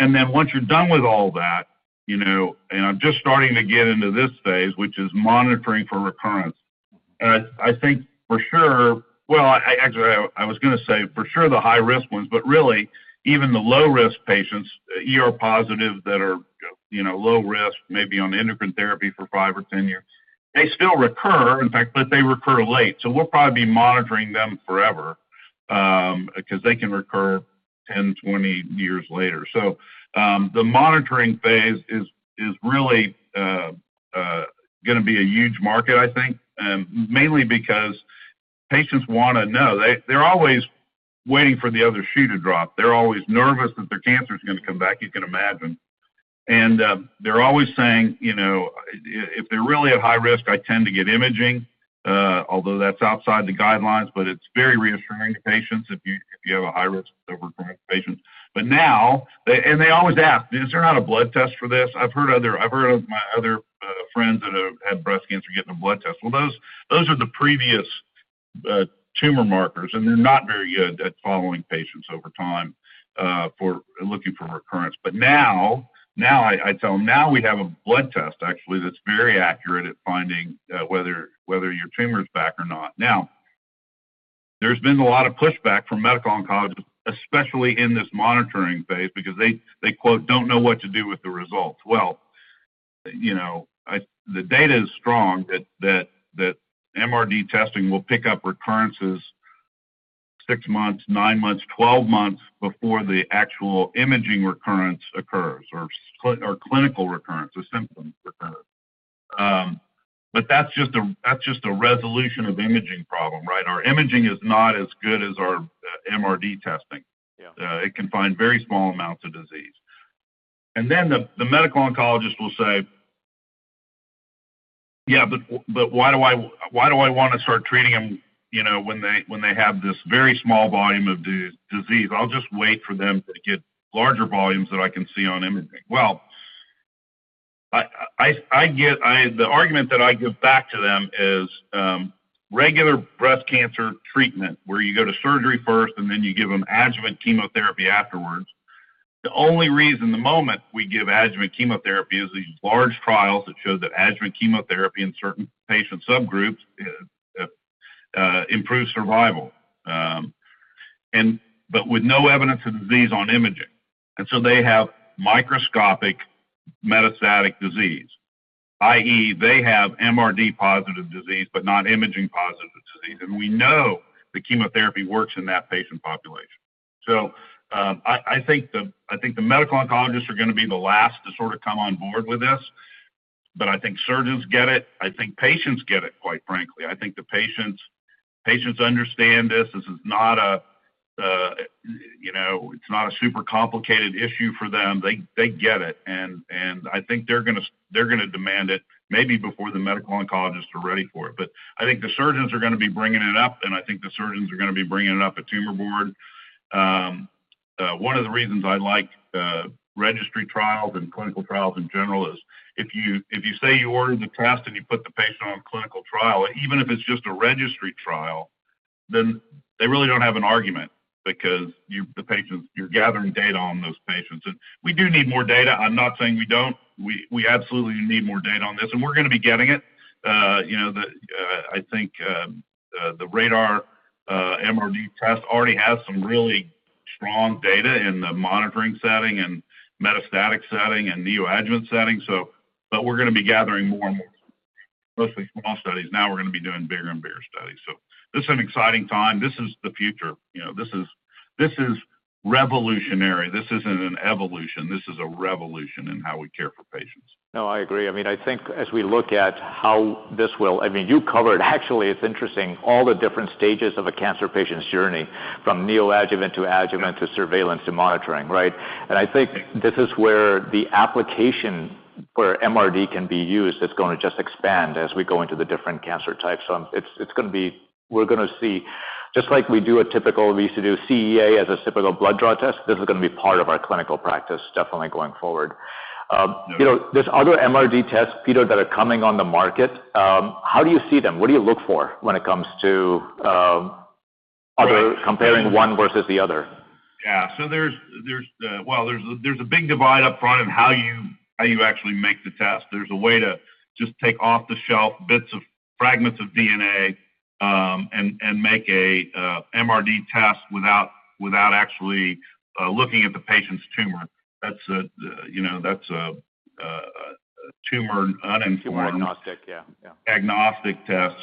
S17: Once you're done with all that, you know, and I'm just starting to get into this phase, which is monitoring for recurrence. I think for sure... Well, actually, I was gonna say for sure the high-risk ones, but really even the low-risk patients, ER positive that are, you know, low risk, maybe on endocrine therapy for 5 or 10 years, they still recur, in fact, but they recur late. We'll probably be monitoring them forever because they can recur 10, 20 years later. The monitoring phase is really gonna be a huge market, I think, mainly because patients wanna know. They're always waiting for the other shoe to drop. They're always nervous that their cancer is going to come back, you can imagine. They're always saying, you know, if they're really at high risk, I tend to get imaging, although that's outside the guidelines, but it's very reassuring to patients if you have a high risk of recurrence patients. Now they always ask, "Is there not a blood test for this? I've heard of my other friends that have had breast cancer getting a blood test." Well, those are the previous tumor markers, and they're not very good at following patients over time for looking for recurrence. Now, I tell them, "Now we have a blood test actually that's very accurate at finding whether your tumor is back or not." There's been a lot of pushback from medical oncologists, especially in this monitoring phase, because they, quote, "don't know what to do with the results." Well, you know, the data is strong that MRD testing will pick up recurrences six months, nine months, 12 months before the actual imaging recurrence occurs or clinical recurrence or symptoms recur. That's just a resolution of imaging problem, right? Our imaging is not as good as our MRD testing.
S13: Yeah.
S17: It can find very small amounts of disease. The medical oncologist will say, "Yeah, but why do I wanna start treating them, you know, when they have this very small volume of disease? I'll just wait for them to get larger volumes that I can see on imaging." Well, the argument that I give back to them is, regular breast cancer treatment where you go to surgery first and then you give them adjuvant chemotherapy afterwards. The only reason the moment we give adjuvant chemotherapy is these large trials that show that adjuvant chemotherapy in certain patient subgroups improve survival, and but with no evidence of disease on imaging. They have microscopic metastatic disease, i.e., they have MRD positive disease but not imaging positive disease. We know the chemotherapy works in that patient population. I think the medical oncologists are gonna be the last to sort of come on board with this, but I think surgeons get it. I think patients get it, quite frankly. I think the patients understand this. This is not a, you know, it's not a super complicated issue for them. They get it, I think they're gonna demand it maybe before the medical oncologists are ready for it. I think the surgeons are gonna be bringing it up, and I think the surgeons are gonna be bringing it up at tumor board. One of the reasons I like registry trials and clinical trials in general is if you say you ordered the test and you put the patient on a clinical trial, even if it's just a registry trial, then they really don't have an argument because you're gathering data on those patients. We do need more data. I'm not saying we don't. We absolutely need more data on this, and we're going to be getting it. You know, the, I think, the RaDaR MRD test already has some really strong data in the monitoring setting and metastatic setting and neoadjuvant setting, so but we're going to be gathering more and more. Mostly small studies. Now we're going to be doing bigger and bigger studies. This is an exciting time. This is the future. You know, this is, this is revolutionary. This isn't an evolution. This is a revolution in how we care for patients.
S13: No, I agree. I mean, you covered actually, it's interesting, all the different stages of a cancer patient's journey, from neoadjuvant to adjuvant to surveillance to monitoring, right? I think this is where the application where MRD can be used is going to just expand as we go into the different cancer types. We're going to see just like we do a typical, we used to do CEA as a typical blood draw test, this is going to be part of our clinical practice, definitely going forward. You know, there's other MRD tests, Peter, that are coming on the market. How do you see them? What do you look for when it comes to...
S17: Right.
S13: Other comparing one versus the other?
S17: Yeah. There's, well, there's a big divide up front in how you actually make the test. There's a way to just take off-the-shelf bits of fragments of DNA and make a MRD test without actually looking at the patient's tumor. That's a, you know, that's a tumor uninformed-
S13: Tumor agnostic. Yeah. Yeah.
S17: Agnostic test.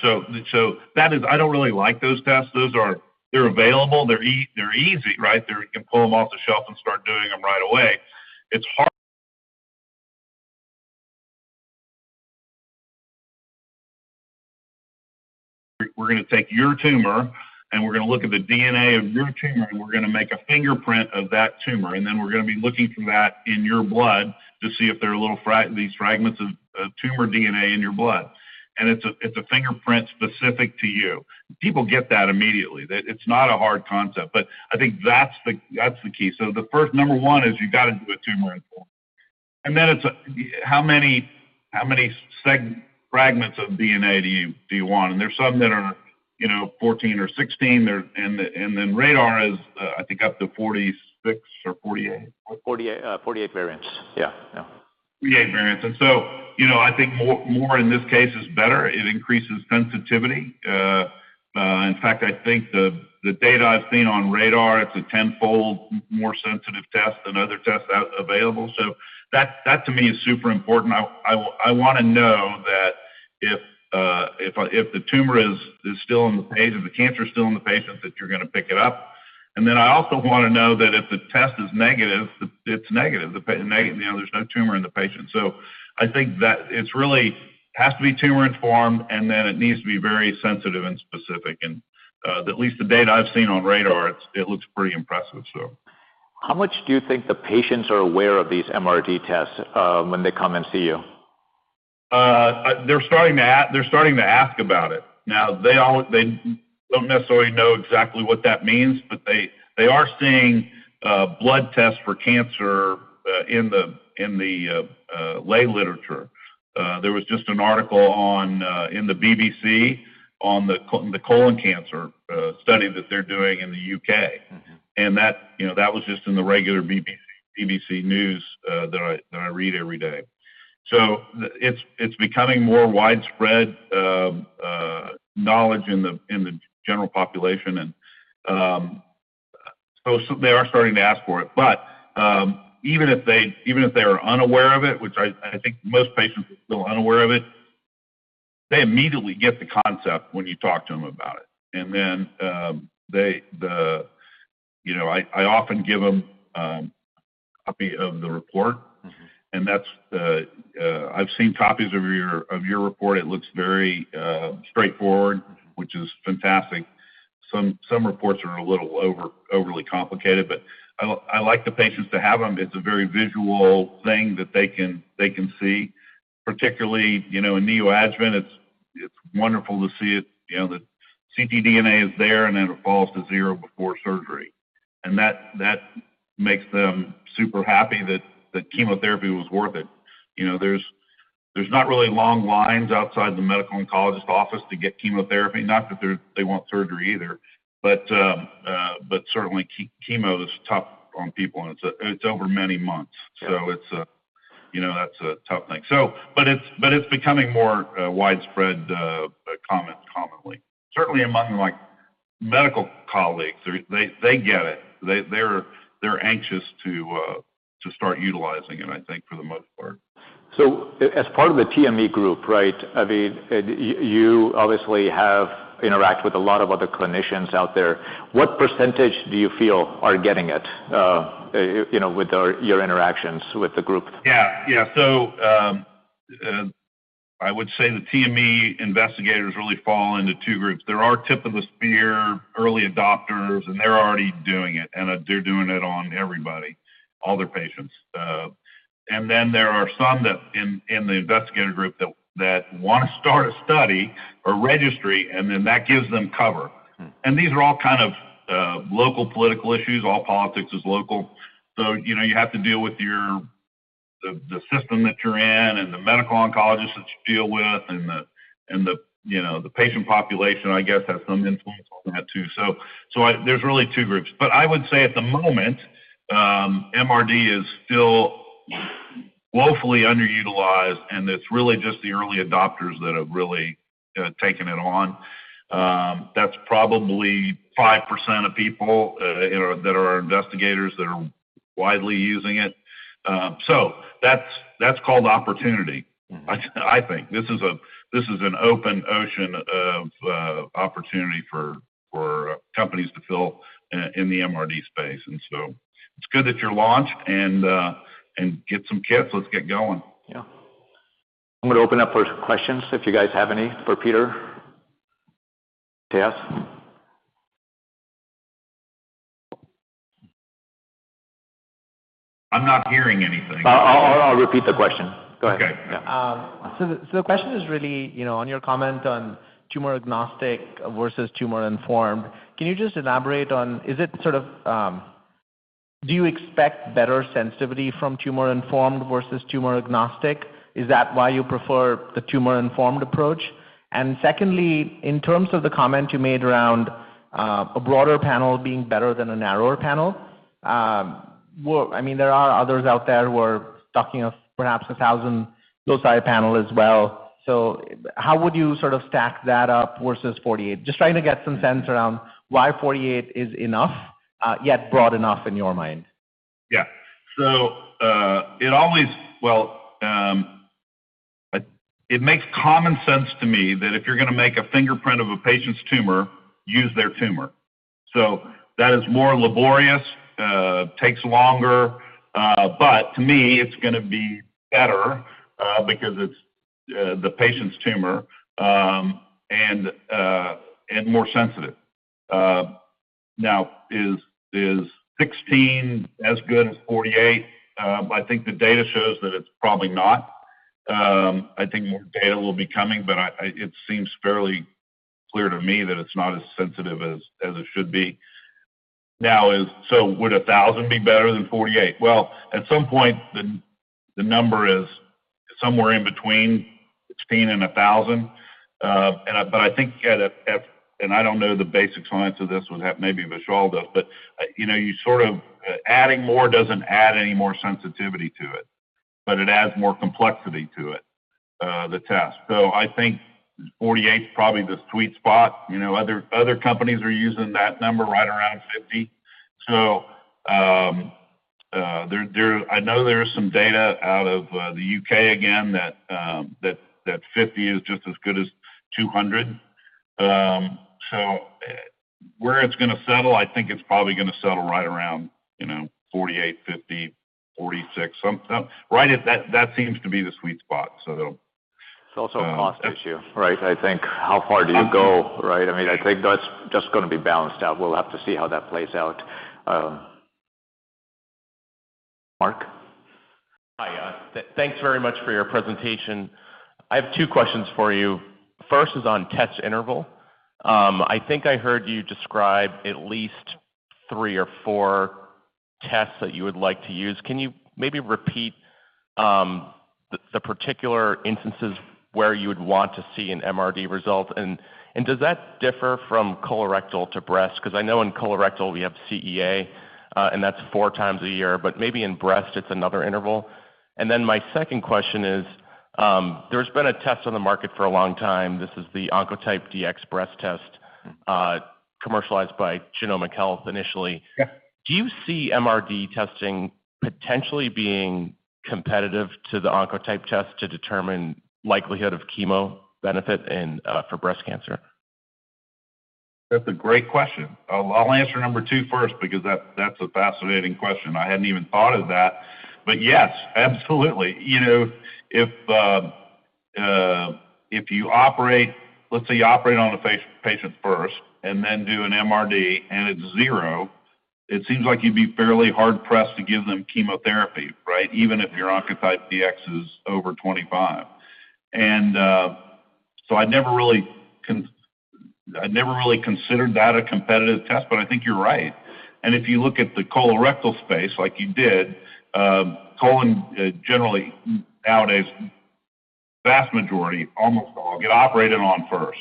S17: That is I don't really like those tests. Those are. They're available. They're easy, right? You can pull them off the shelf and start doing them right away. It's hard. We're going to take your tumor, and we're going to look at the DNA of your tumor, and we're going to make a fingerprint of that tumor, and then we're going to be looking for that in your blood to see if there are little fragments of tumor DNA in your blood. It's a, it's a fingerprint specific to you. People get that immediately. That it's not a hard concept, but I think that's the, that's the key. The first number one is you've got to do a tumor inform. Then it's how many fragments of DNA do you want? There's some that are, you know, 14 or 16. And then RaDaR is, I think up to 46 or 48.
S13: 48 variants. Yeah. Yeah.
S17: 48 variants. You know, I think more, more in this case is better. It increases sensitivity. In fact, I think the data I've seen on RaDaR, it's a tenfold more sensitive test than other tests out available. That, that to me is super important. I want to know that if the tumor is still in the patient, the cancer is still in the patient, that you're going to pick it up. I also want to know that if the test is negative, it's negative. You know, there's no tumor in the patient. I think that it's really has to be tumor-informed, and then it needs to be very sensitive and specific. At least the data I've seen on RaDaR, it's, it looks pretty impressive, so.
S13: How much do you think the patients are aware of these MRD tests, when they come and see you?
S17: They're starting to ask about it. Now, they don't necessarily know exactly what that means, but they are seeing blood tests for cancer in the lay literature. There was just an article on, in the BBC on the colon cancer study that they're doing in the U.K.
S13: Mm-hmm.
S17: That, you know, that was just in the regular BBC news that I read every day. It's becoming more widespread knowledge in the general population. They are starting to ask for it. Even if they, even if they are unaware of it, which I think most patients are still unaware of it, they immediately get the concept when you talk to them about it. Then, they the, you know, I often give them a copy of the report.
S13: Mm-hmm.
S17: That's the... I've seen copies of your report. It looks very straightforward...
S13: Mm-hmm.
S17: Which is fantastic. Some reports are a little overly complicated, but I like the patients to have them. It's a very visual thing that they can, they can see. Particularly, you know, in neoadjuvant, it's wonderful to see it, you know, the ctDNA is there, and then it falls to 0 before surgery. That, that makes them super happy that chemotherapy was worth it. You know, there's not really long lines outside the medical oncologist office to get chemotherapy, not that they want surgery either. Certainly chemo is tough on people, and it's over many months.
S13: Yeah.
S17: It's, you know, that's a tough thing. But it's becoming more, widespread, common, commonly. Certainly among my medical colleagues, they're, they get it. They're anxious to start utilizing it, I think for the most part.
S13: As part of the TME group, right, I mean, you obviously have interacted with a lot of other clinicians out there. What % do you feel are getting it, you know, with your interactions with the group?
S17: Yeah. Yeah. I would say the TME investigators really fall into two groups. There are tip-of-the-spear early adopters, and they're already doing it, and they're doing it on everybody, all their patients. There are some that in the investigator group that wanna start a study or registry, and then that gives them cover.
S13: Mm-hmm.
S17: These are all kind of, local political issues. All politics is local. You know, you have to deal with the system that you're in and the medical oncologist that you deal with and the patient population, I guess, has some influence on that too. There's really two groups. I would say at the moment, MRD is still woefully underutilized, and it's really just the early adopters that have really taken it on. That's probably 5% of people, you know, that are investigators that are widely using it. That's, that's called opportunity.
S13: Mm-hmm.
S17: I think this is an open ocean of opportunity for companies to fill in the MRD space. It's good that you're launched and get some kits. Let's get going.
S13: Yeah. I'm gonna open up for questions if you guys have any for Peter to ask.
S17: I'm not hearing anything.
S13: I'll repeat the question. Go ahead.
S17: Okay.
S13: Yeah.
S7: The question is really, you know, on your comment on tumor agnostic versus tumor-informed. Can you just elaborate on? Is it sort of, do you expect better sensitivity from tumor-informed versus tumor agnostic? Is that why you prefer the tumor-informed approach? Secondly, in terms of the comment you made around a broader panel being better than a narrower panel, well, I mean, there are others out there who are talking of perhaps a 1,000 low side panel as well. How would you sort of stack that up versus 48, just trying to get some sense around why 48 is enough, yet broad enough in your mind?
S17: Well, it makes common sense to me that if you're gonna make a fingerprint of a patient's tumor, use their tumor. That is more laborious, takes longer, but to me it's gonna be better because it's the patient's tumor and more sensitive. Now is 16 as good as 48? I think the data shows that it's probably not. I think more data will be coming, but it seems fairly clear to me that it's not as sensitive as it should be. Now would 1,000 be better than 48? Well, at some point, the number is somewhere in between 16 and 1,000. I think at... I don't know the basic science of this, which maybe Vishal does, but, you know, you sort of. Adding more doesn't add any more sensitivity to it, but it adds more complexity to it, the test. I think 48 is probably the sweet spot. You know, other companies are using that number right around 50. I know there is some data out of the U.K. again that 50 is just as good as 200. Where it's gonna settle, I think it's probably gonna settle right around, you know, 48, 50, 46, some, right at that seems to be the sweet spot. It'll.
S13: It's also a cost issue, right? I think how far do you go, right? I mean, I think that's just gonna be balanced out. We'll have to see how that plays out. Mark.
S8: Hi. Thanks very much for your presentation. I have two questions for you. First is on test interval. I think I heard you describe at least three or four tests that you would like to use. Can you maybe repeat the particular instances where you would want to see an MRD result? Does that differ from colorectal to breast? 'Cause I know in colorectal we have CEA, and that's four times a year, but maybe in breast it's another interval. My second question is, there's been a test on the market for a long time. This is the Oncotype DX breast test, commercialized by Genomic Health initially.
S17: Yeah.
S8: Do you see MRD testing potentially being competitive to the Oncotype test to determine likelihood of chemo benefit in for breast cancer?
S17: That's a great question. I'll answer number two first because that's a fascinating question. I hadn't even thought of that. But yes, absolutely. You know, if you operate, let's say you operate on a patient first and then do an MRD and it's 0, it seems like you'd be fairly hard pressed to give them chemotherapy, right? Even if your Oncotype DX is over 25. So I'd never really considered that a competitive test, but I think you're right. If you look at the colorectal space like you did, colon, generally nowadays, vast majority, almost all get operated on first,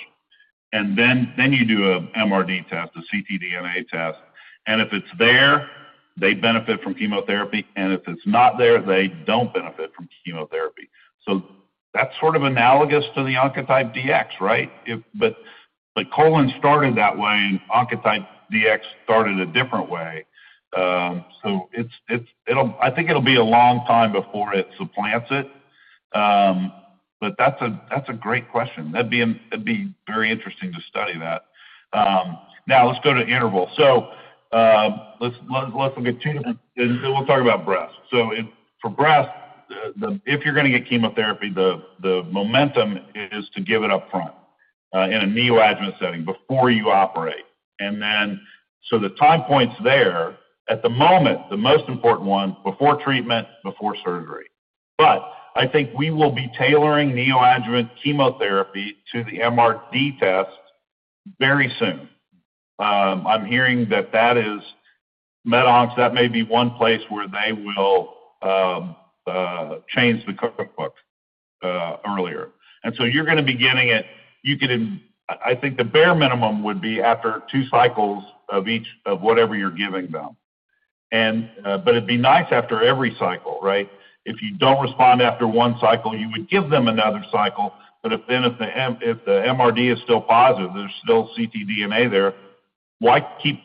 S17: and then you do a MRD test, a ctDNA test, and if it's there, they benefit from chemotherapy, and if it's not there, they don't benefit from chemotherapy. That's sort of analogous to the Oncotype DX, right? but colon started that way and Oncotype DX started a different way. it's I think it'll be a long time before it supplants it. That's a great question. That'd be very interesting to study that. Now let's go to interval. let's look at two of them. We'll talk about breast. For breast, the if you're gonna get chemotherapy, the momentum is to give it up front. in a neoadjuvant setting before you operate. The time points there at the moment, the most important one before treatment, before surgery. I think we will be tailoring neoadjuvant chemotherapy to the MRD test very soon. I'm hearing that that is MedOncs, that may be one place where they will change the cookbook earlier. You're gonna be getting it. I think the bare minimum would be after 2 cycles of each of whatever you're giving them. It'd be nice after every cycle, right? If you don't respond after 1 cycle, you would give them another cycle. If the MRD is still positive, there's still ctDNA there, why keep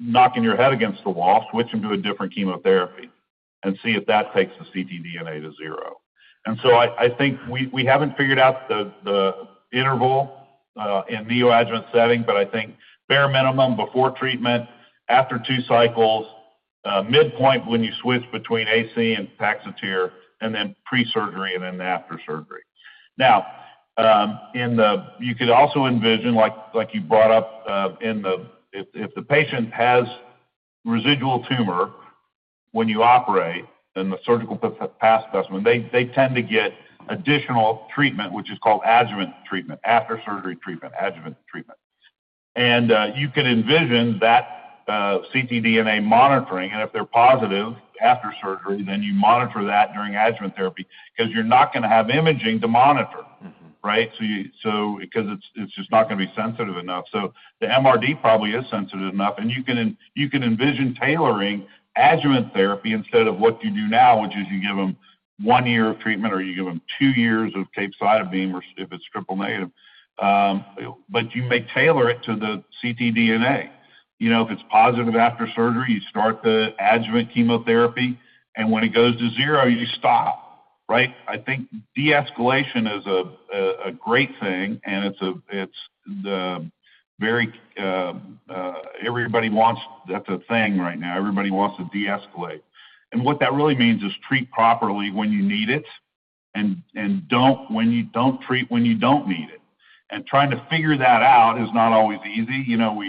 S17: knocking your head against the wall? Switch them to a different chemotherapy and see if that takes the ctDNA to 0. I think we haven't figured out the interval in neoadjuvant setting, but I think bare minimum before treatment, after 2 cycles, midpoint when you switch between AC and Taxotere and then pre-surgery and then after surgery. In the you could also envision like you brought up in the if the patient has residual tumor when you operate, then the surgical path specimen, they tend to get additional treatment, which is called adjuvant treatment, after surgery treatment. You can envision that ctDNA monitoring, and if they're positive after surgery, then you monitor that during adjuvant therapy because you're not gonna have imaging to monitor.
S13: Mm-hmm.
S17: Right? Because it's just not gonna be sensitive enough. The MRD probably is sensitive enough, and you can envision tailoring adjuvant therapy instead of what you do now, which is you give them one year of treatment or you give them two years of capecitabine or if it's triple negative. You may tailor it to the ctDNA. You know, if it's positive after surgery, you start the adjuvant chemotherapy, and when it goes to 0, you stop, right? I think de-escalation is a great thing, and it's the very, everybody wants... That's a thing right now. Everybody wants to deescalate. What that really means is treat properly when you need it and don't treat when you don't need it. Trying to figure that out is not always easy. You know,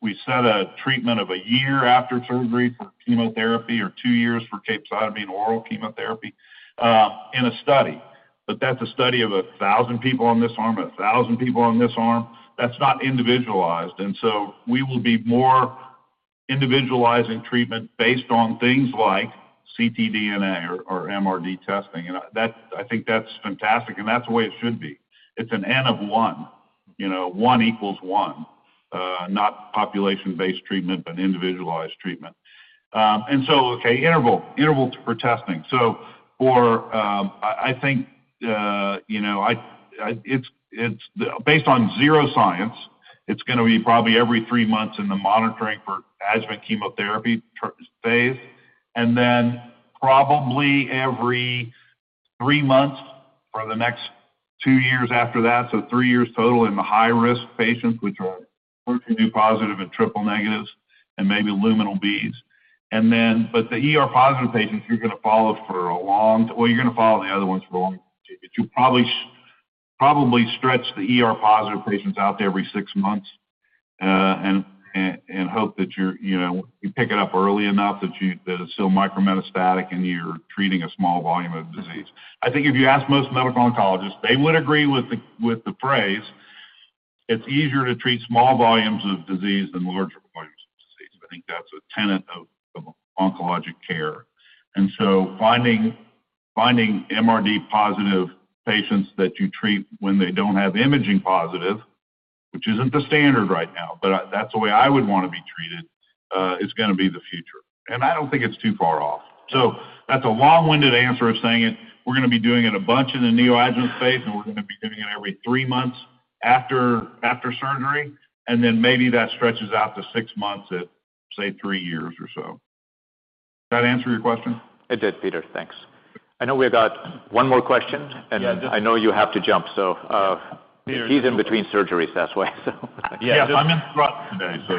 S17: we set a treatment of a year after surgery for chemotherapy or two years for capecitabine oral chemotherapy in a study. That's a study of 1,000 people on this arm, 1,000 people on this arm. That's not individualized. We will be more individualizing treatment based on things like ctDNA or MRD testing. That I think that's fantastic, and that's the way it should be. It's an N of 1. You know, 1 equals 1. Not population-based treatment, but individualized treatment. Okay, interval for testing. For I think, you know, it's based on Zero Science, it's gonna be probably every three months in the monitoring for adjuvant chemotherapy phase, and then probably every three months for the next two years after that. Three years total in the high-risk patients, which are HER2/neu positive and triple negatives and maybe luminal Bs. The ER-positive patients. Well, you're gonna follow the other ones for a long time too, but you probably stretch the ER-positive patients out to every six months, and hope that you're, you know, you pick it up early enough that it's still micrometastatic and you're treating a small volume of disease. If you ask most medical oncologists, they would agree with the phrase, it's easier to treat small volumes of disease than larger volumes of disease. That's a tenet of oncologic care. Finding MRD positive patients that you treat when they don't have imaging positive, which isn't the standard right now, but that's the way I would want to be treated, is gonna be the future. I don't think it's too far off. That's a long-winded answer of saying it. We're gonna be doing it a bunch in the neoadjuvant phase, and we're gonna be doing it every three months after surgery, and then maybe that stretches out to six months at, say, three years or so. Does that answer your question?
S13: It did, Peter. Thanks. I know we got one more question, and I know you have to jump, so.
S17: Peter-
S13: He's in between surgeries. That's why, so
S17: Yeah, I'm in throughout the day, so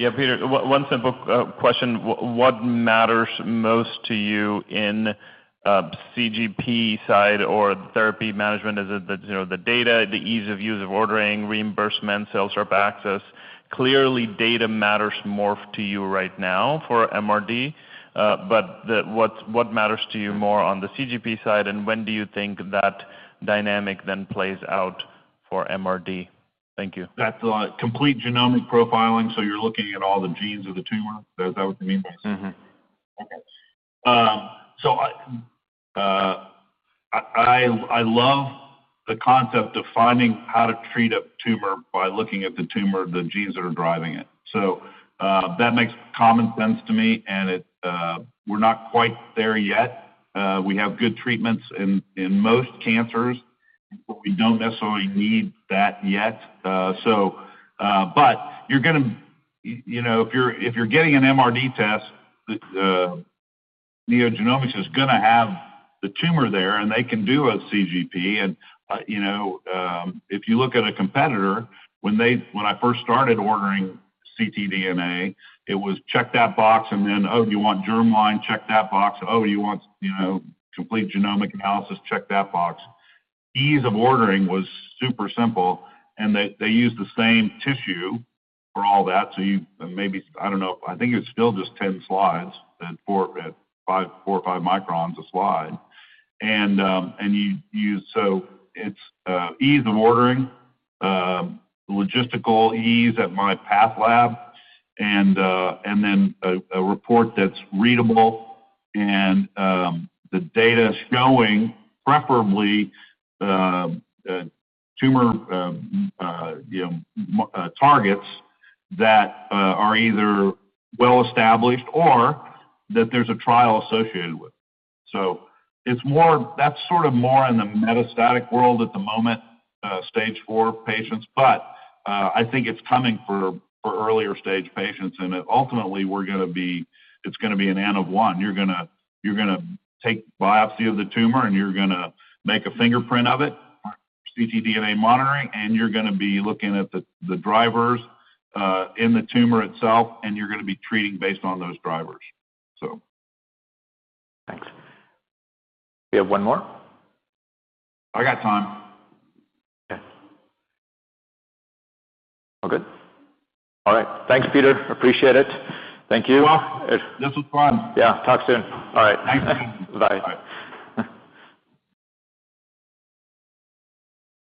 S17: yeah.
S5: Peter, one simple question. What matters most to you in CGP side or therapy management? Is it the, you know, the data, the ease of use of ordering, reimbursement, sales rep access? Clearly, data matters more to you right now for MRD, but what matters to you more on the CGP side, when do you think that dynamic then plays out for MRD? Thank you.
S17: That's complete genomic profiling, so you're looking at all the genes of the tumor. Is that what you mean?
S5: Mm-hmm.
S17: I love the concept of finding how to treat a tumor by looking at the tumor, the genes that are driving it. That makes common sense to me, and it, we're not quite there yet. We have good treatments in most cancers, but we don't necessarily need that yet. You're gonna, you know, if you're getting an MRD test, the NeoGenomics is gonna have the tumor there, and they can do a CGP. You know, if you look at a competitor, when I first started ordering ctDNA. It was check that box and then, oh, do you want germline? Check that box. Oh, you want, you know, complete genomic analysis, check that box. Ease of ordering was super simple, and they used the same tissue for all that. You maybe I don't know, I think it's still just 10 slides at 4 or 5 microns a slide. It's ease of ordering, logistical ease at MyPath Lab, and then a report that's readable and the data showing preferably tumor, you know, targets that are either well-established or that there's a trial associated with. It's more that's sort of more in the metastatic world at the moment, stage 4 patients. I think it's coming for earlier stage patients, and ultimately, we're gonna be it's gonna be an N of 1. You're gonna take biopsy of the tumor, and you're gonna make a fingerprint of it for ctDNA monitoring, and you're gonna be looking at the drivers in the tumor itself, and you're gonna be treating based on those drivers.
S13: Thanks. We have one more?
S17: I got time.
S13: Okay. All good? All right. Thanks, Peter. Appreciate it. Thank you.
S17: Well, this was fun.
S13: Yeah. Talk soon. All right.
S17: Thanks.
S13: Bye.
S17: Bye.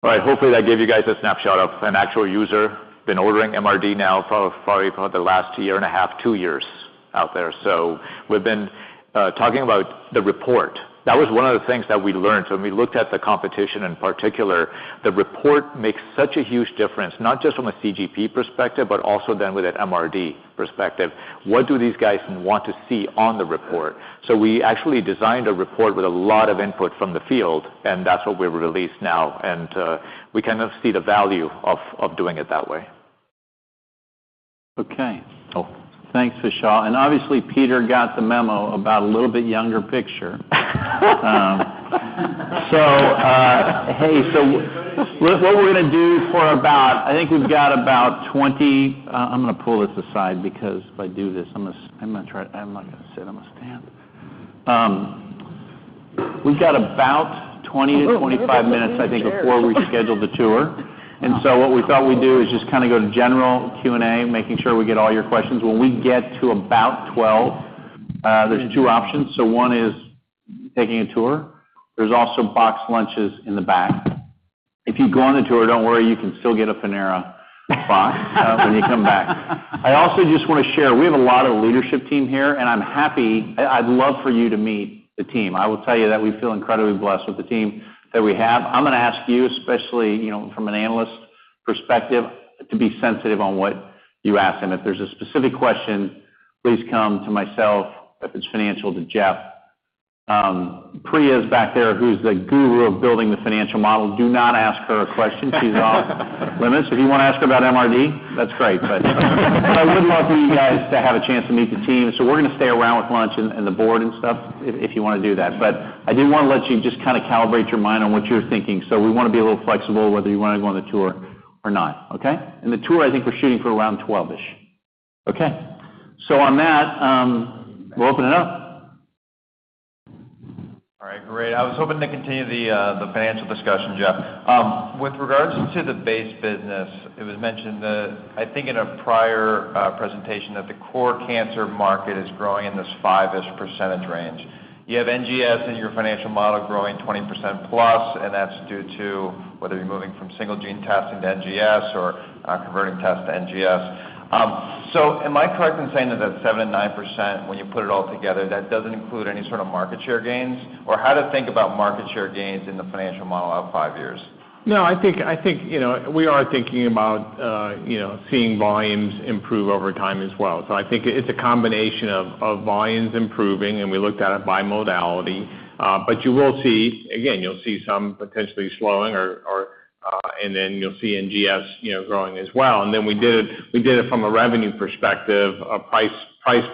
S13: All right. Hopefully, that gave you guys a snapshot of an actual user. Been ordering MRD now for the last year and a half, two years out there. We've been talking about the report. That was one of the things that we learned. When we looked at the competition, in particular, the report makes such a huge difference, not just from a CGP perspective, but also then with an MRD perspective. What do these guys want to see on the report? We actually designed a report with a lot of input from the field. That's what we've released now. We kind of see the value of doing it that way.
S3: Okay. Thanks, Vishal. Obviously, Peter got the memo about a little bit younger picture. Hey, so what we're gonna do for about... I think we've got about 20... I'm gonna pull this aside because if I do this, I'm not gonna sit, I'm gonna stand. We've got about 20-25 minutes, I think, before we schedule the tour. What we thought we'd do is just kind of go to general Q&A, making sure we get all your questions. When we get to about 12, there's two options. One is taking a tour. There's also boxed lunches in the back. If you go on the tour, don't worry, you can still get a Panera box when you come back. I also just want to share, we have a lot of leadership team here, I'd love for you to meet the team. I will tell you that we feel incredibly blessed with the team that we have. I'm going to ask you, especially, you know, from an analyst perspective, to be sensitive on what you ask. If there's a specific question, please come to myself. If it's financial, to Jeff. Priya is back there, who's the guru of building the financial model. Do not ask her a question. She's off-limits. If you want to ask her about MRD, that's great. I would love for you guys to have a chance to meet the team. We're going to stay around with lunch and the board and stuff if you want to do that. I do want to let you just kind of calibrate your mind on what you're thinking. We want to be a little flexible whether you want to go on the tour or not, okay? The tour, I think we're shooting for around 12-ish. Okay. On that, we'll open it up.
S7: All right. Great. I was hoping to continue the financial discussion, Jeff. With regards to the base business, it was mentioned that, I think in a prior presentation, that the core cancer market is growing in this 5-ish % range. You have NGS in your financial model growing 20%+ plus, and that's due to whether you're moving from single gene testing to NGS or converting tests to NGS. Am I correct in saying that that 7% and 9%, when you put it all together, that doesn't include any sort of market share gains? Or how to think about market share gains in the financial model out 5 years?
S6: No. I think, you know, we are thinking about, you know, seeing volumes improve over time as well. I think it's a combination of volumes improving, and we looked at it by modality. Again, you'll see some potentially slowing or, and then you'll see NGS, you know, growing as well. We did it from a revenue perspective, a price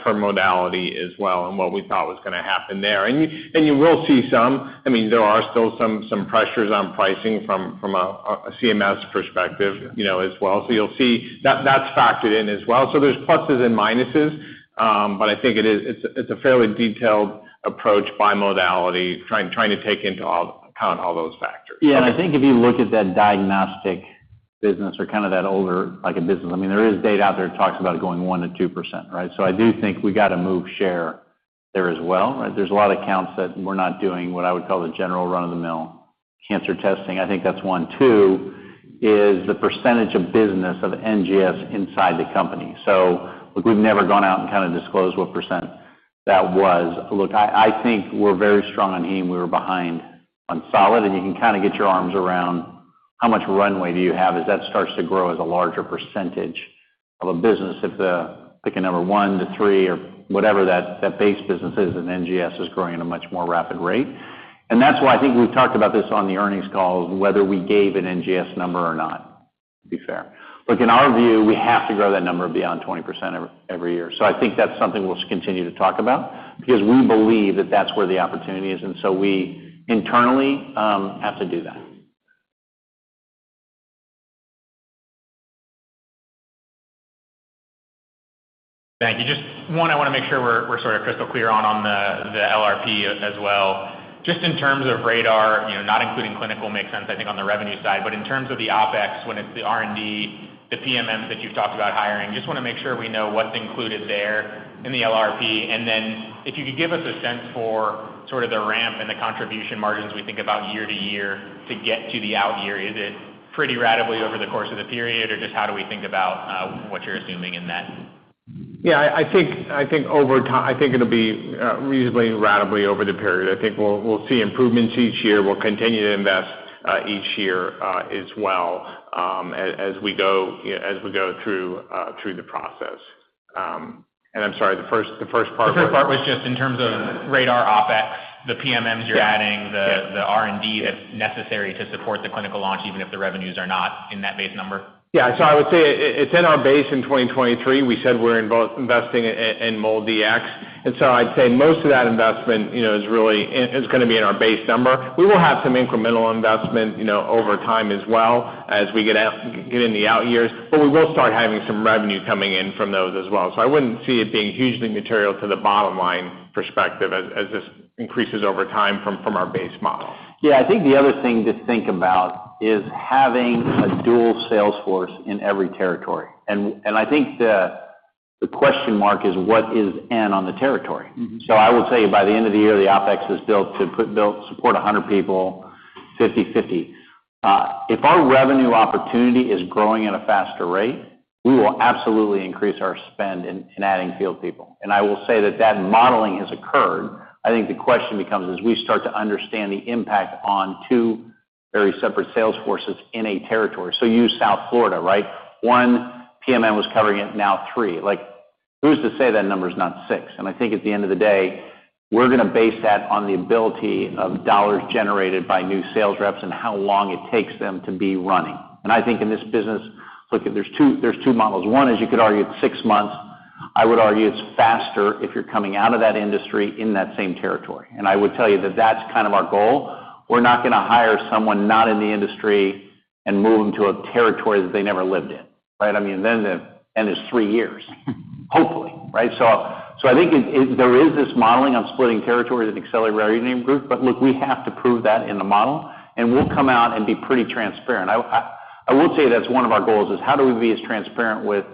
S6: per modality as well, and what we thought was gonna happen there. You will see. I mean, there are still some pressures on pricing from a CMS perspective, you know, as well. You'll see that's factored in as well. There's pluses and minuses. I think it is. It's a fairly detailed approach by modality, trying to take into account all those factors.
S3: Yeah. I think if you look at that diagnostic business or kind of that older, like a business, I mean, there is data out there that talks about it going 1%-2%, right? I do think we got to move share there as well, right? There's a lot of accounts that we're not doing what I would call the general run-of-the-mill cancer testing. I think that's one. Two is the percentage of business of NGS inside the company. Look, we've never gone out and kind of disclosed what % that was. Look, I think we're very strong on heme. We were behind on solid, and you can kind of get your arms around how much runway do you have as that starts to grow as a larger percentage of a business if the... Picking number 1 to 3 or whatever that base business is. NGS is growing at a much more rapid rate. That's why I think we've talked about this on the earnings call, whether we gave an NGS number or not, to be fair. Look, in our view, we have to grow that number beyond 20% every year. I think that's something we'll continue to talk about because we believe that that's where the opportunity is. We internally have to do that.
S14: Thank you. Just one, I want to make sure we're sort of crystal clear on the LRP as well. Just in terms of RaDaR, you know, not including clinical makes sense, I think, on the revenue side. But in terms of the OpEx, when it's the R&D, the PMMs that you've talked about hiring, just want to make sure we know what's included there in the LRP. If you could give us a sense for sort of the ramp and the contribution margins we think about year-to-year to get to the out year. Is it pretty ratably over the course of the period? Just how do we think about what you're assuming in that?
S6: Yeah, I think it'll be reasonably ratably over the period. I think we'll see improvements each year. We'll continue to invest each year as well, as we go, you know, as we go through the process. I'm sorry, the first part was?
S14: The first part was just in terms of RaDaR OpEx, the PMMs you're adding-
S6: Yeah.
S14: The R&D that's necessary to support the clinical launch, even if the revenues are not in that base number.
S6: Yeah. I would say it's in our base in 2023. We said we're investing in MolDX. I'd say most of that investment, you know, is gonna be in our base number. We will have some incremental investment, you know, over time as well as we get out, get in the out years, but we will start having some revenue coming in from those as well. I wouldn't see it being hugely material to the bottom line perspective as this increases over time from our base model.
S3: Yeah. I think the other thing to think about is having a dual sales force in every territory. I think the question mark is what is N on the territory?
S14: Mm-hmm.
S3: I will tell you by the end of the year, the OpEx is built support 100 people, 50/50. If our revenue opportunity is growing at a faster rate, we will absolutely increase our spend in adding field people. I will say that that modeling has occurred. I think the question becomes, as we start to understand the impact on two very separate sales forces in a territory. Use South Florida, right? One PMM was covering it, now three. Like, who's to say that number is not six? I think at the end of the day, we're gonna base that on the ability of dollars generated by new sales reps and how long it takes them to be running. I think in this business, look, there's two models. One is you could argue it's six months. I would argue it's faster if you're coming out of that industry in that same territory. I would tell you that that's kind of our goal. We're not gonna hire someone not in the industry and move them to a territory that they never lived in, right? I mean, then the end is three years, hopefully, right? I think there is this modeling on splitting territories and accelerating revenue group. Look, we have to prove that in the model, and we'll come out and be pretty transparent. I will say that's one of our goals, is how do we be as transparent with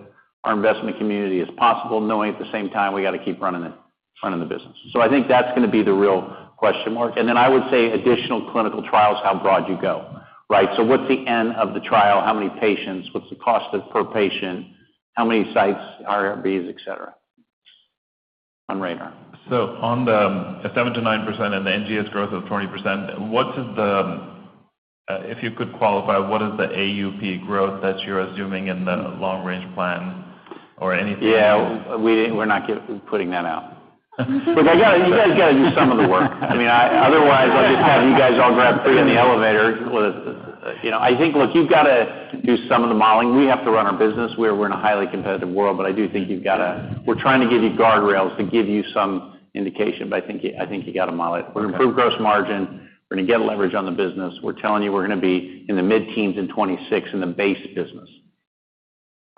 S3: our investment community as possible, knowing at the same time we gotta keep running the business. I think that's gonna be the real question mark. I would say additional clinical trials, how broad you go, right? What's the end of the trial? How many patients? What's the cost per patient? How many sites, IRBs, et cetera, on RaDaR?
S5: On the 7%-9% and the NGS growth of 20%, if you could qualify, what is the AUP growth that you're assuming in the long range plan or anything?
S3: Yeah. We're not putting that out. Look, I gotta. You guys got to do some of the work. I mean, otherwise, I'll just have you guys all grab three in the elevator with. You know, I think, look, you've got to do some of the modeling. We have to run our business. We're in a highly competitive world, but I do think you've got to. We're trying to give you guardrails to give you some indication, but I think you got to model it.
S5: Okay.
S3: We're gonna improve gross margin. We're gonna get leverage on the business. We're telling you we're gonna be in the mid-teens in 2026 in the base business,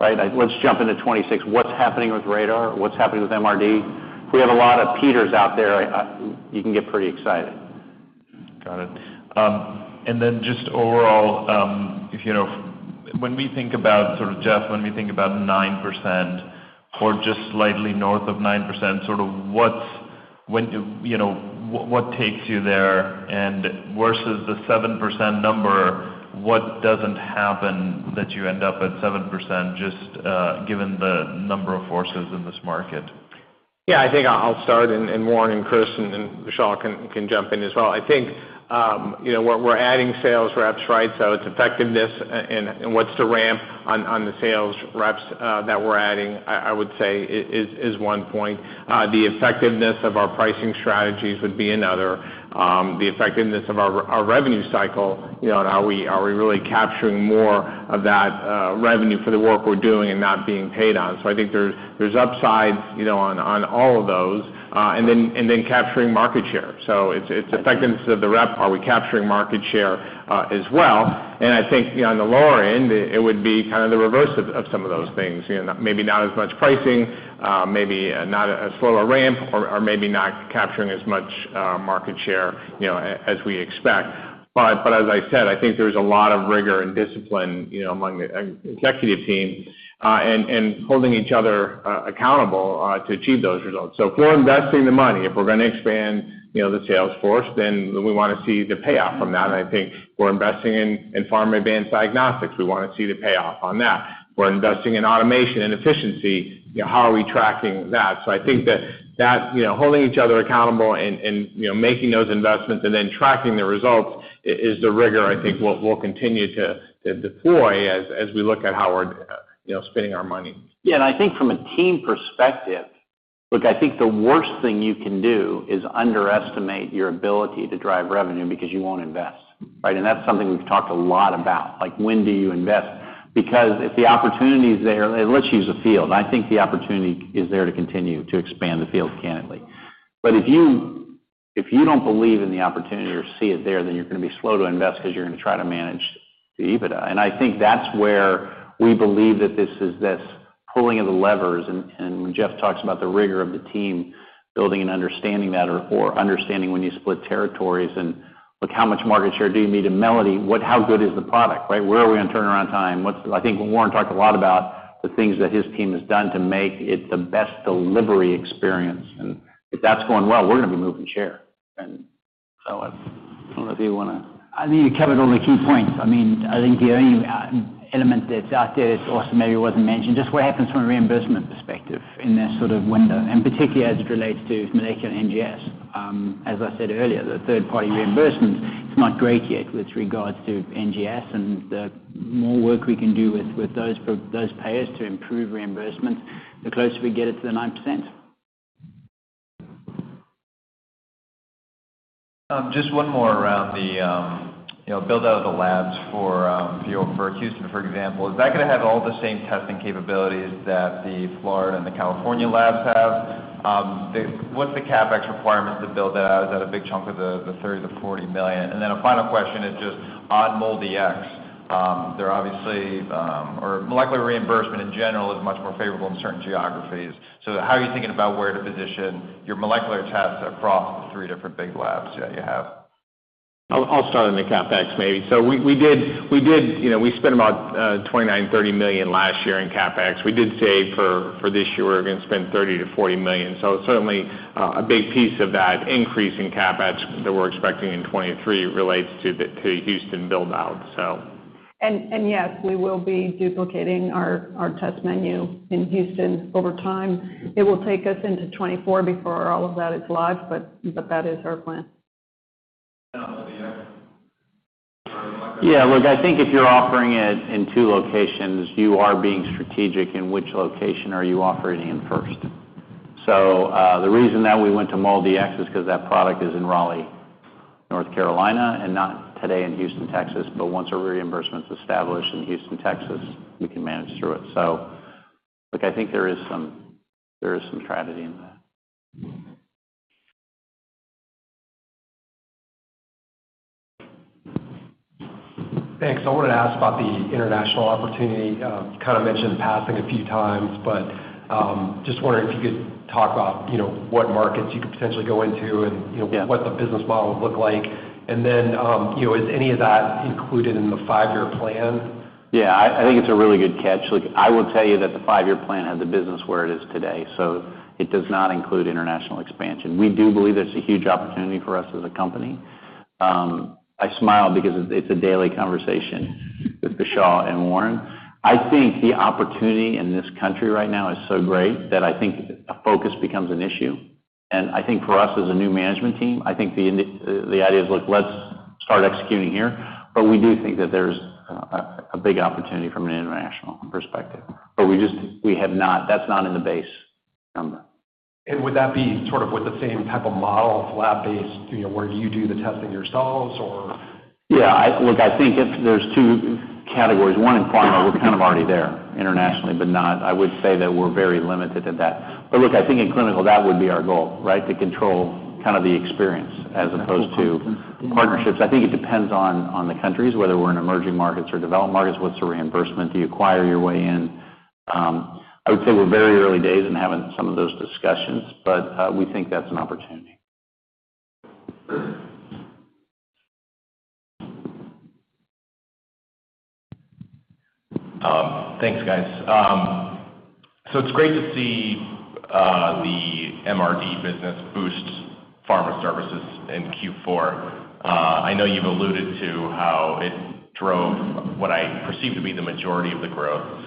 S3: right? Let's jump into 2026. What's happening with RaDaR? What's happening with MRD? We have a lot of Peters out there. You can get pretty excited.
S5: Got it. Just overall, if, you know, when we think about, sort of, Jeff, when we think about 9% or just slightly north of 9%, sort of, when do, you know, what takes you there and versus the 7% number, what doesn't happen that you end up at 7% just, given the number of forces in this market?
S6: Yeah, I think I'll start, and Warren and Chris and Vishal can jump in as well. I think, you know, we're adding sales reps, right? It's effectiveness and what's the ramp on the sales reps that we're adding, I would say is one point. The effectiveness of our pricing strategies would be another. The effectiveness of our revenue cycle, you know, and are we really capturing more of that revenue for the work we're doing and not being paid on? I think there's upsides, you know, on all of those. Then capturing market share. It's effectiveness of the rep. Are we capturing market share as well? I think, you know, on the lower end, it would be kind of the reverse of some of those things. You know, maybe not as much pricing, maybe not as slow a ramp or maybe not capturing as much market share, you know, as we expect. As I said, I think there's a lot of rigor and discipline, you know, among the executive team, and holding each other accountable to achieve those results. If we're investing the money, if we're gonna expand, you know, the sales force, then we wanna see the payoff from that. I think we're investing in pharma-advanced diagnostics. We wanna see the payoff on that. We're investing in automation and efficiency. You know, how are we tracking that? I think that, you know, holding each other accountable and, you know, making those investments and then tracking the results is the rigor I think we'll continue to deploy as we look at how we're, you know, spending our money.
S3: Yeah. I think from a team perspective, look, I think the worst thing you can do is underestimate your ability to drive revenue because you won't invest, right? That's something we've talked a lot about, like, when do you invest? If the opportunity is there, let's use the field. I think the opportunity is there to continue to expand the field, candidly. If you don't believe in the opportunity or see it there, then you're going to be slow to invest because you're going to try to manage the EBITDA. I think that's where we believe that this pulling of the levers. Jeff talks about the rigor of the team building and understanding that or understanding when you split territories and, look, how much market share do you need in Melody? How good is the product, right? Where are we on turnaround time? I think Warren talked a lot about the things that his team has done to make it the best delivery experience. If that's going well, we're going to be moving share. I don't know if you want to-
S4: I think you covered all the key points. I mean, I think the only element that's out there that also maybe wasn't mentioned, just what happens from a reimbursement perspective in that sort of window, and particularly as it relates to molecular NGS. As I said earlier, the third-party reimbursement is not great yet with regards to NGS. The more work we can do with those payers to improve reimbursement, the closer we get it to the 9%.
S8: Just one more around the build out of the labs for Houston, for example. Is that going to have all the same testing capabilities that the Florida and the California labs have? What's the CapEx requirement to build that out? Is that a big chunk of the $30 million-$40 million? A final question is just on MolDX. They're obviously, or molecular reimbursement in general is much more favorable in certain geographies. How are you thinking about where to position your molecular tests across the three different big labs that you have?
S3: I'll start on the CapEx maybe. We did. You know, we spent about $29 million-$30 million last year in CapEx. We did say for this year, we're going to spend $30 million-$40 million. Certainly, a big piece of that increase in CapEx that we're expecting in 2023 relates to Houston build out, so.
S10: Yes, we will be duplicating our test menu in Houston over time. It will take us into 2024 before all of that is live. That is our plan.
S3: Yeah. Look, I think if you're offering it in two locations, you are being strategic in which location are you offering it in first. The reason that we went to MolDX is 'cause that product is in Raleigh, North Carolina, and not today in Houston, Texas. Once a reimbursement's established in Houston, Texas, we can manage through it. Look, I think there is some strategy in that.
S7: Thanks. I wanted to ask about the international opportunity. You kind of mentioned in passing a few times, but, just wondering if you could talk about, you know, what markets you could potentially go into and, you know...
S3: Yeah.
S7: What the business model would look like. You know, is any of that included in the five-year plan?
S3: Yeah. I think it's a really good catch. Look, I will tell you that the 5-year plan has a business where it is today, so it does not include international expansion. We do believe there's a huge opportunity for us as a company. I smile because it's a daily conversation with Vishal and Warren. I think the opportunity in this country right now is so great that I think a focus becomes an issue. I think for us as a new management team, I think the idea is, look, let's start executing here. We do think that there's a big opportunity from an international perspective. We have not... That's not in the base number.
S7: Would that be sort of with the same type of model, lab-based, you know, where you do the testing yourselves or?
S3: Yeah. Look, I think there's two categories. One, in pharma, we're kind of already there internationally, but not... I would say that we're very limited at that. Look, I think in clinical, that would be our goal, right? To control kind of the experience as opposed to partnerships. I think it depends on the countries, whether we're in emerging markets or developed markets. What's the reimbursement? Do you acquire your way in? I would say we're very early days in having some of those discussions, but we think that's an opportunity.
S8: Thanks, guys. It's great to see the MRD business boost pharma services in Q4. I know you've alluded to how it drove what I perceive to be the majority of the growth.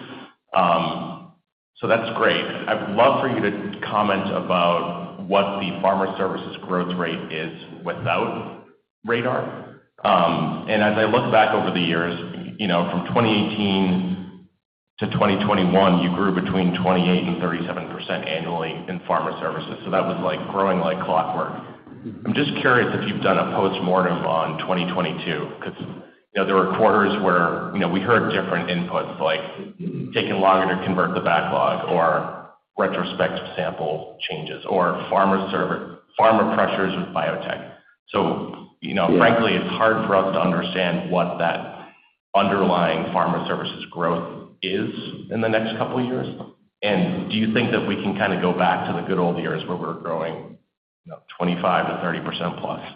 S8: That's great. I would love for you to comment about what the pharma services growth rate is without RaDaR. And as I look back over the years, you know, from 2018 to 2021, you grew between 28% and 37% annually in pharma services. That was, like, growing like clockwork. I'm just curious if you've done a postmortem on 2022 'cause, you know, there were quarters where, you know, we heard different inputs, like taking longer to convert the backlog or retrospective sample changes or pharma pressures with biotech. You know.
S3: Yeah.
S8: Frankly, it's hard for us to understand what that underlying pharma services growth is in the next couple of years. Do you think that we can kind of go back to the good old years where we're growing, you know, 25%-30% plus?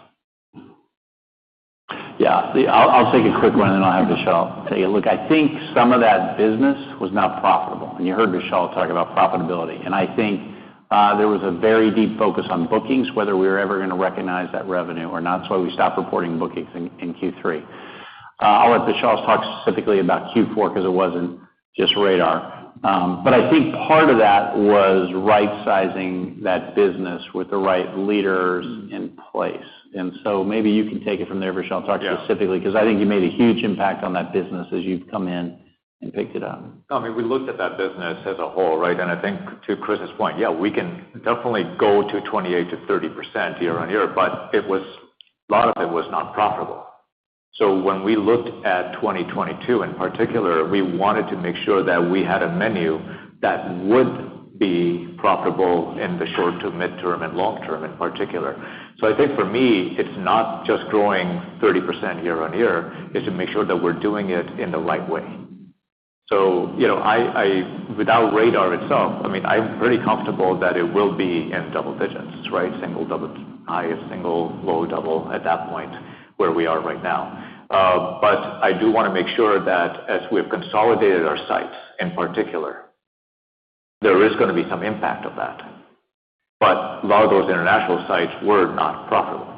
S3: See, I'll take a quick one, and then I'll have Vishal tell you. Look, I think some of that business was not profitable. You heard Vishal talk about profitability. I think there was a very deep focus on bookings, whether we were ever gonna recognize that revenue or not. That's why we stopped reporting bookings in Q3. I'll let Vishal talk specifically about Q4 'cause it wasn't just RaDaR. But I think part of that was right-sizing that business with the right leaders in place. Maybe you can take it from there, Vishal, and talk specifically.
S4: Yeah.
S3: I think you made a huge impact on that business as you've come in and picked it up.
S13: I mean, wwe looked at that business as a whole, right? I think to Chris's point, yeah, we can definitely go to 28%-30% year-on-year, but a lot of it was not profitable. When we looked at 2022 in particular, we wanted to make sure that we had a menu that would be profitable in the short to mid-term and long-term in particular. I think for me, it's not just growing 30% year-on-year, it's to make sure that we're doing it in the right way. You know, I, without RaDaR itself, I mean, I'm very comfortable that it will be in double digits, right. Single, double, high single, low double at that point where we are right now. But I do wanna make sure that as we've consolidated our sites in particular, there is gonna be some impact of that. A lot of those international sites were not profitable.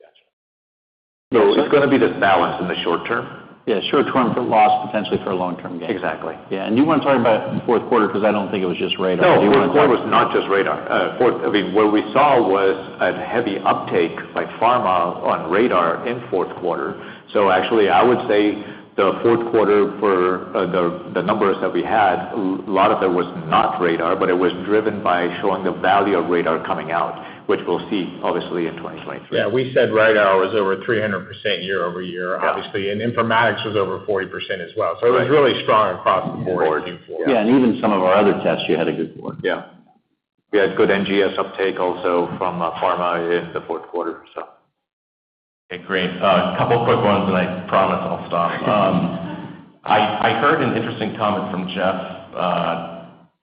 S8: Gotcha.
S13: It's gonna be this balance in the short term.
S6: Yeah, short term for loss, potentially for a long-term gain.
S13: Exactly.
S6: Yeah. you wanna talk about fourth quarter 'cause I don't think it was just RaDaR. Do you wanna?
S13: No, fourth quarter was not just RaDaR. I mean, what we saw was a heavy uptake by pharma on RaDaR in fourth quarter. Actually, I would say the fourth quarter for the numbers that we had, lot of it was not RaDaR, but it was driven by showing the value of RaDaR coming out, which we'll see obviously in 2023.
S6: Yeah, we said RaDaR was over 300% year-over-year, obviously.
S13: Yeah.
S6: Informatics was over 40% as well.
S13: Right.
S6: It was really strong across the board in Q4.
S13: Board.
S3: Yeah, even some of our other tests, you had a good board.
S13: Yeah. We had good NGS uptake also from pharma in the fourth quarter.
S8: Okay, great. A couple of quick ones, I promise I'll stop. I heard an interesting comment from Jeff,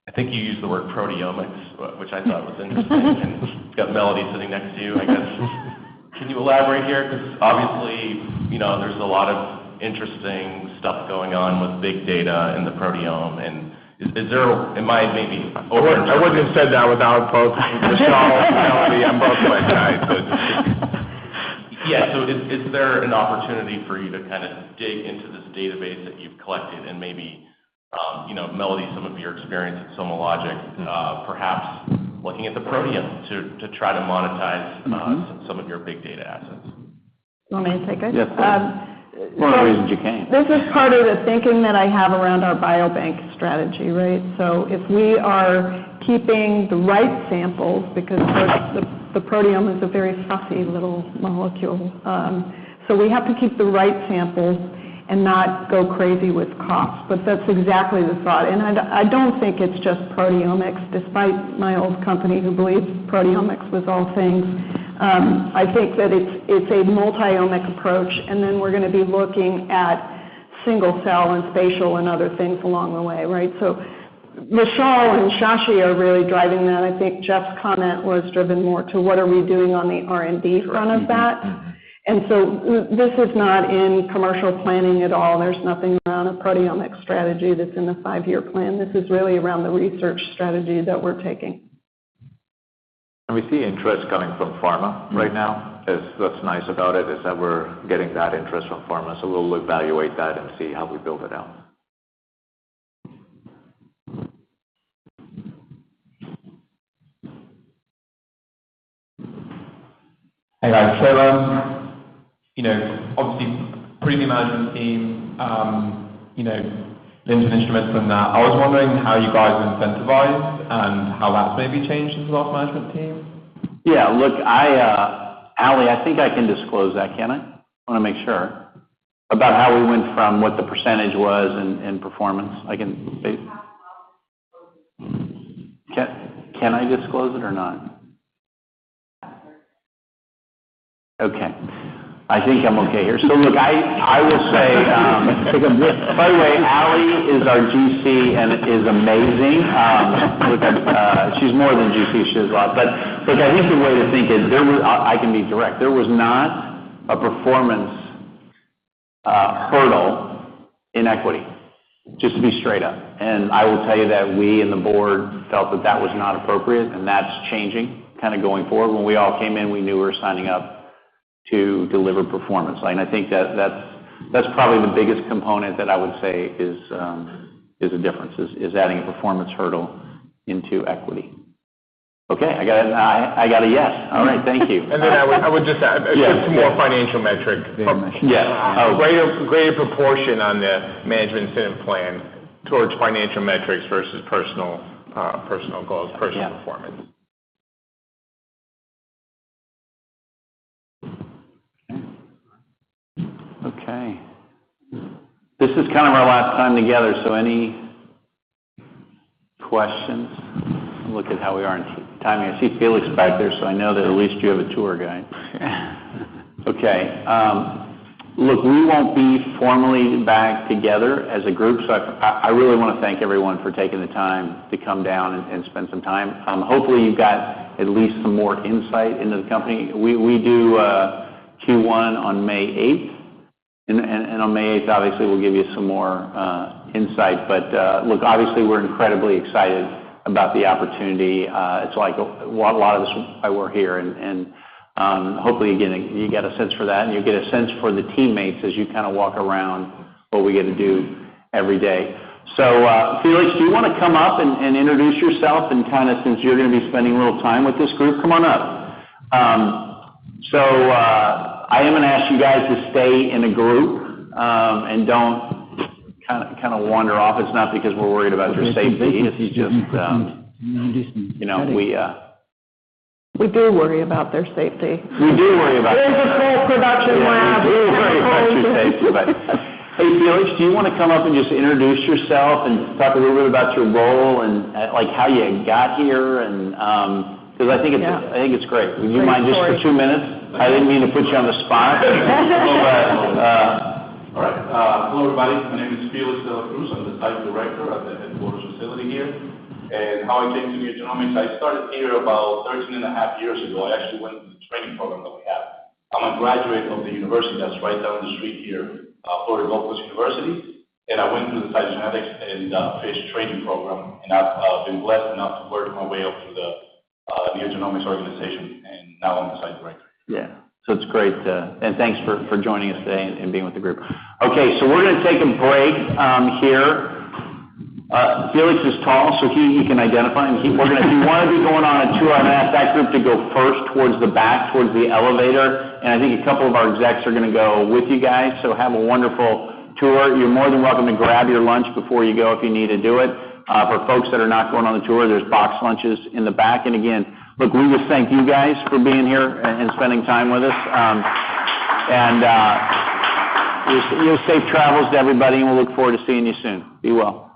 S8: I think you used the word proteomics, which I thought was interesting. You've got Melody sitting next to you, I guess. Can you elaborate here? 'Cause obviously, you know, there's a lot of interesting stuff going on with big data in the proteome. Is there... Am I maybe over interpreting?
S6: I wouldn't have said that without posing with Vishal and Melody on both my sides, so it just.
S8: Yeah. Is there an opportunity for you to kinda dig into this database that you've collected and maybe, you know, Melody, some of your experience at SomaLogic, perhaps looking at the proteome to try to monetize, some of your big data assets.
S10: You want me to take it?
S13: Yes, please.
S10: Um, so-
S13: For whatever reason, you can.
S10: This is part of the thinking that I have around our biobank strategy, right? If we are keeping the right samples, because of course, the proteome is a very fussy little molecule. We have to keep the right samples and not go crazy with cost. That's exactly the thought. I don't think it's just proteomics, despite my old company who believes proteomics was all things. I think that it's a multi-omic approach, and then we're gonna be looking at single cell and spatial and other things along the way, right? Michelle and Shashi are really driving that. I think Jeff's comment was driven more to what are we doing on the R&D front of that.
S13: Mm-hmm.
S10: This is not in commercial planning at all. There's nothing around a proteomic strategy that's in the five-year plan. This is really around the research strategy that we're taking.
S13: We see interest coming from pharma right now.
S10: Mm.
S13: What's nice about it is that we're getting that interest from pharma, so we'll evaluate that and see how we build it out.
S7: Hey, guys. You know, obviously, pre the management team, you know, Lincoln Instruments and that, I was wondering how you guys incentivized and how that's maybe changed since the last management team.
S3: Yeah. Look, I, Ali, I think I can disclose that, can't I? I wanna make sure. About how we went from what the percentage was in performance.
S10: You have to
S3: Can I disclose it or not?
S10: Sure.
S3: Okay. I think I'm okay here. Look, I will say,
S13: Take a risk.
S3: By the way, Ali is our GC and is amazing. She's more than GC, she does a lot. Look, I think the way to think is. I can be direct. There was not a performance hurdle in equity, just to be straight up. I will tell you that we and the board felt that that was not appropriate, and that's changing kinda going forward. When we all came in, we knew we were signing up to deliver performance. I think that's probably the biggest component that I would say is a difference, is adding a performance hurdle into equity. Okay. I got a yes. All right. Thank you.
S13: I would just add, it's more financial metric.
S3: Yeah.
S13: A greater proportion on the management incentive plan towards financial metrics versus personal goals, personal performance.
S3: Yeah. Okay. This is kind of our last time together, so any questions? Look at how we are in timing. I see Felix back there, so I know that at least you have a tour guide. Okay. Look, I really wanna thank everyone for taking the time to come down and spend some time. Hopefully, you've got at least some more insight into the company. We do Q1 on May eighth. On May eighth, obviously, we'll give you some more insight. Look, obviously, we're incredibly excited about the opportunity. It's like a... A lot of this is why we're here and, hopefully, you get a sense for that and you get a sense for the teammates as you kinda walk around what we get to do every day. Felix, do you wanna come up and introduce yourself and kinda... Since you're gonna be spending a little time with this group, come on up. I am gonna ask you guys to stay in a group, and don't kinda wander off. It's not because we're worried about your safety. It's just, you know, we...
S10: We do worry about their safety.
S3: We do worry about their safety.
S10: There's a full production lab and everything.
S3: We worry about your safety. Hey, Felix, do you wanna come up and just introduce yourself and talk a little bit about your role and, like, how you got here. Because I think it's great.
S10: Yeah. Great story.
S3: Would you mind just for two minutes? I didn't mean to put you on the spot.
S18: No problem. All right. Hello, everybody. My name is Felix De La Cruz. I'm the site director of the headquarters facility here. How I came to NeoGenomics, I started here about 13.5 years ago. I actually went through the training program that we have. I'm a graduate of the university that's right down the street here, Florida Gulf Coast University, and I went through the cytogenetics and FISH training program, and I've been blessed enough to work my way up through the NeoGenomics organization, and now I'm the site director.
S3: Thanks for joining us today and being with the group. We're gonna take a break here. Felix is tall, he can identify. If you wanna be going on a tour, I'm gonna ask that group to go first towards the back, towards the elevator. I think a couple of our execs are gonna go with you guys, have a wonderful tour. You're more than welcome to grab your lunch before you go if you need to do it. For folks that are not going on the tour, there's boxed lunches in the back. Again, look, we just thank you guys for being here and spending time with us. Wish safe travels to everybody, we look forward to seeing you soon. Be well.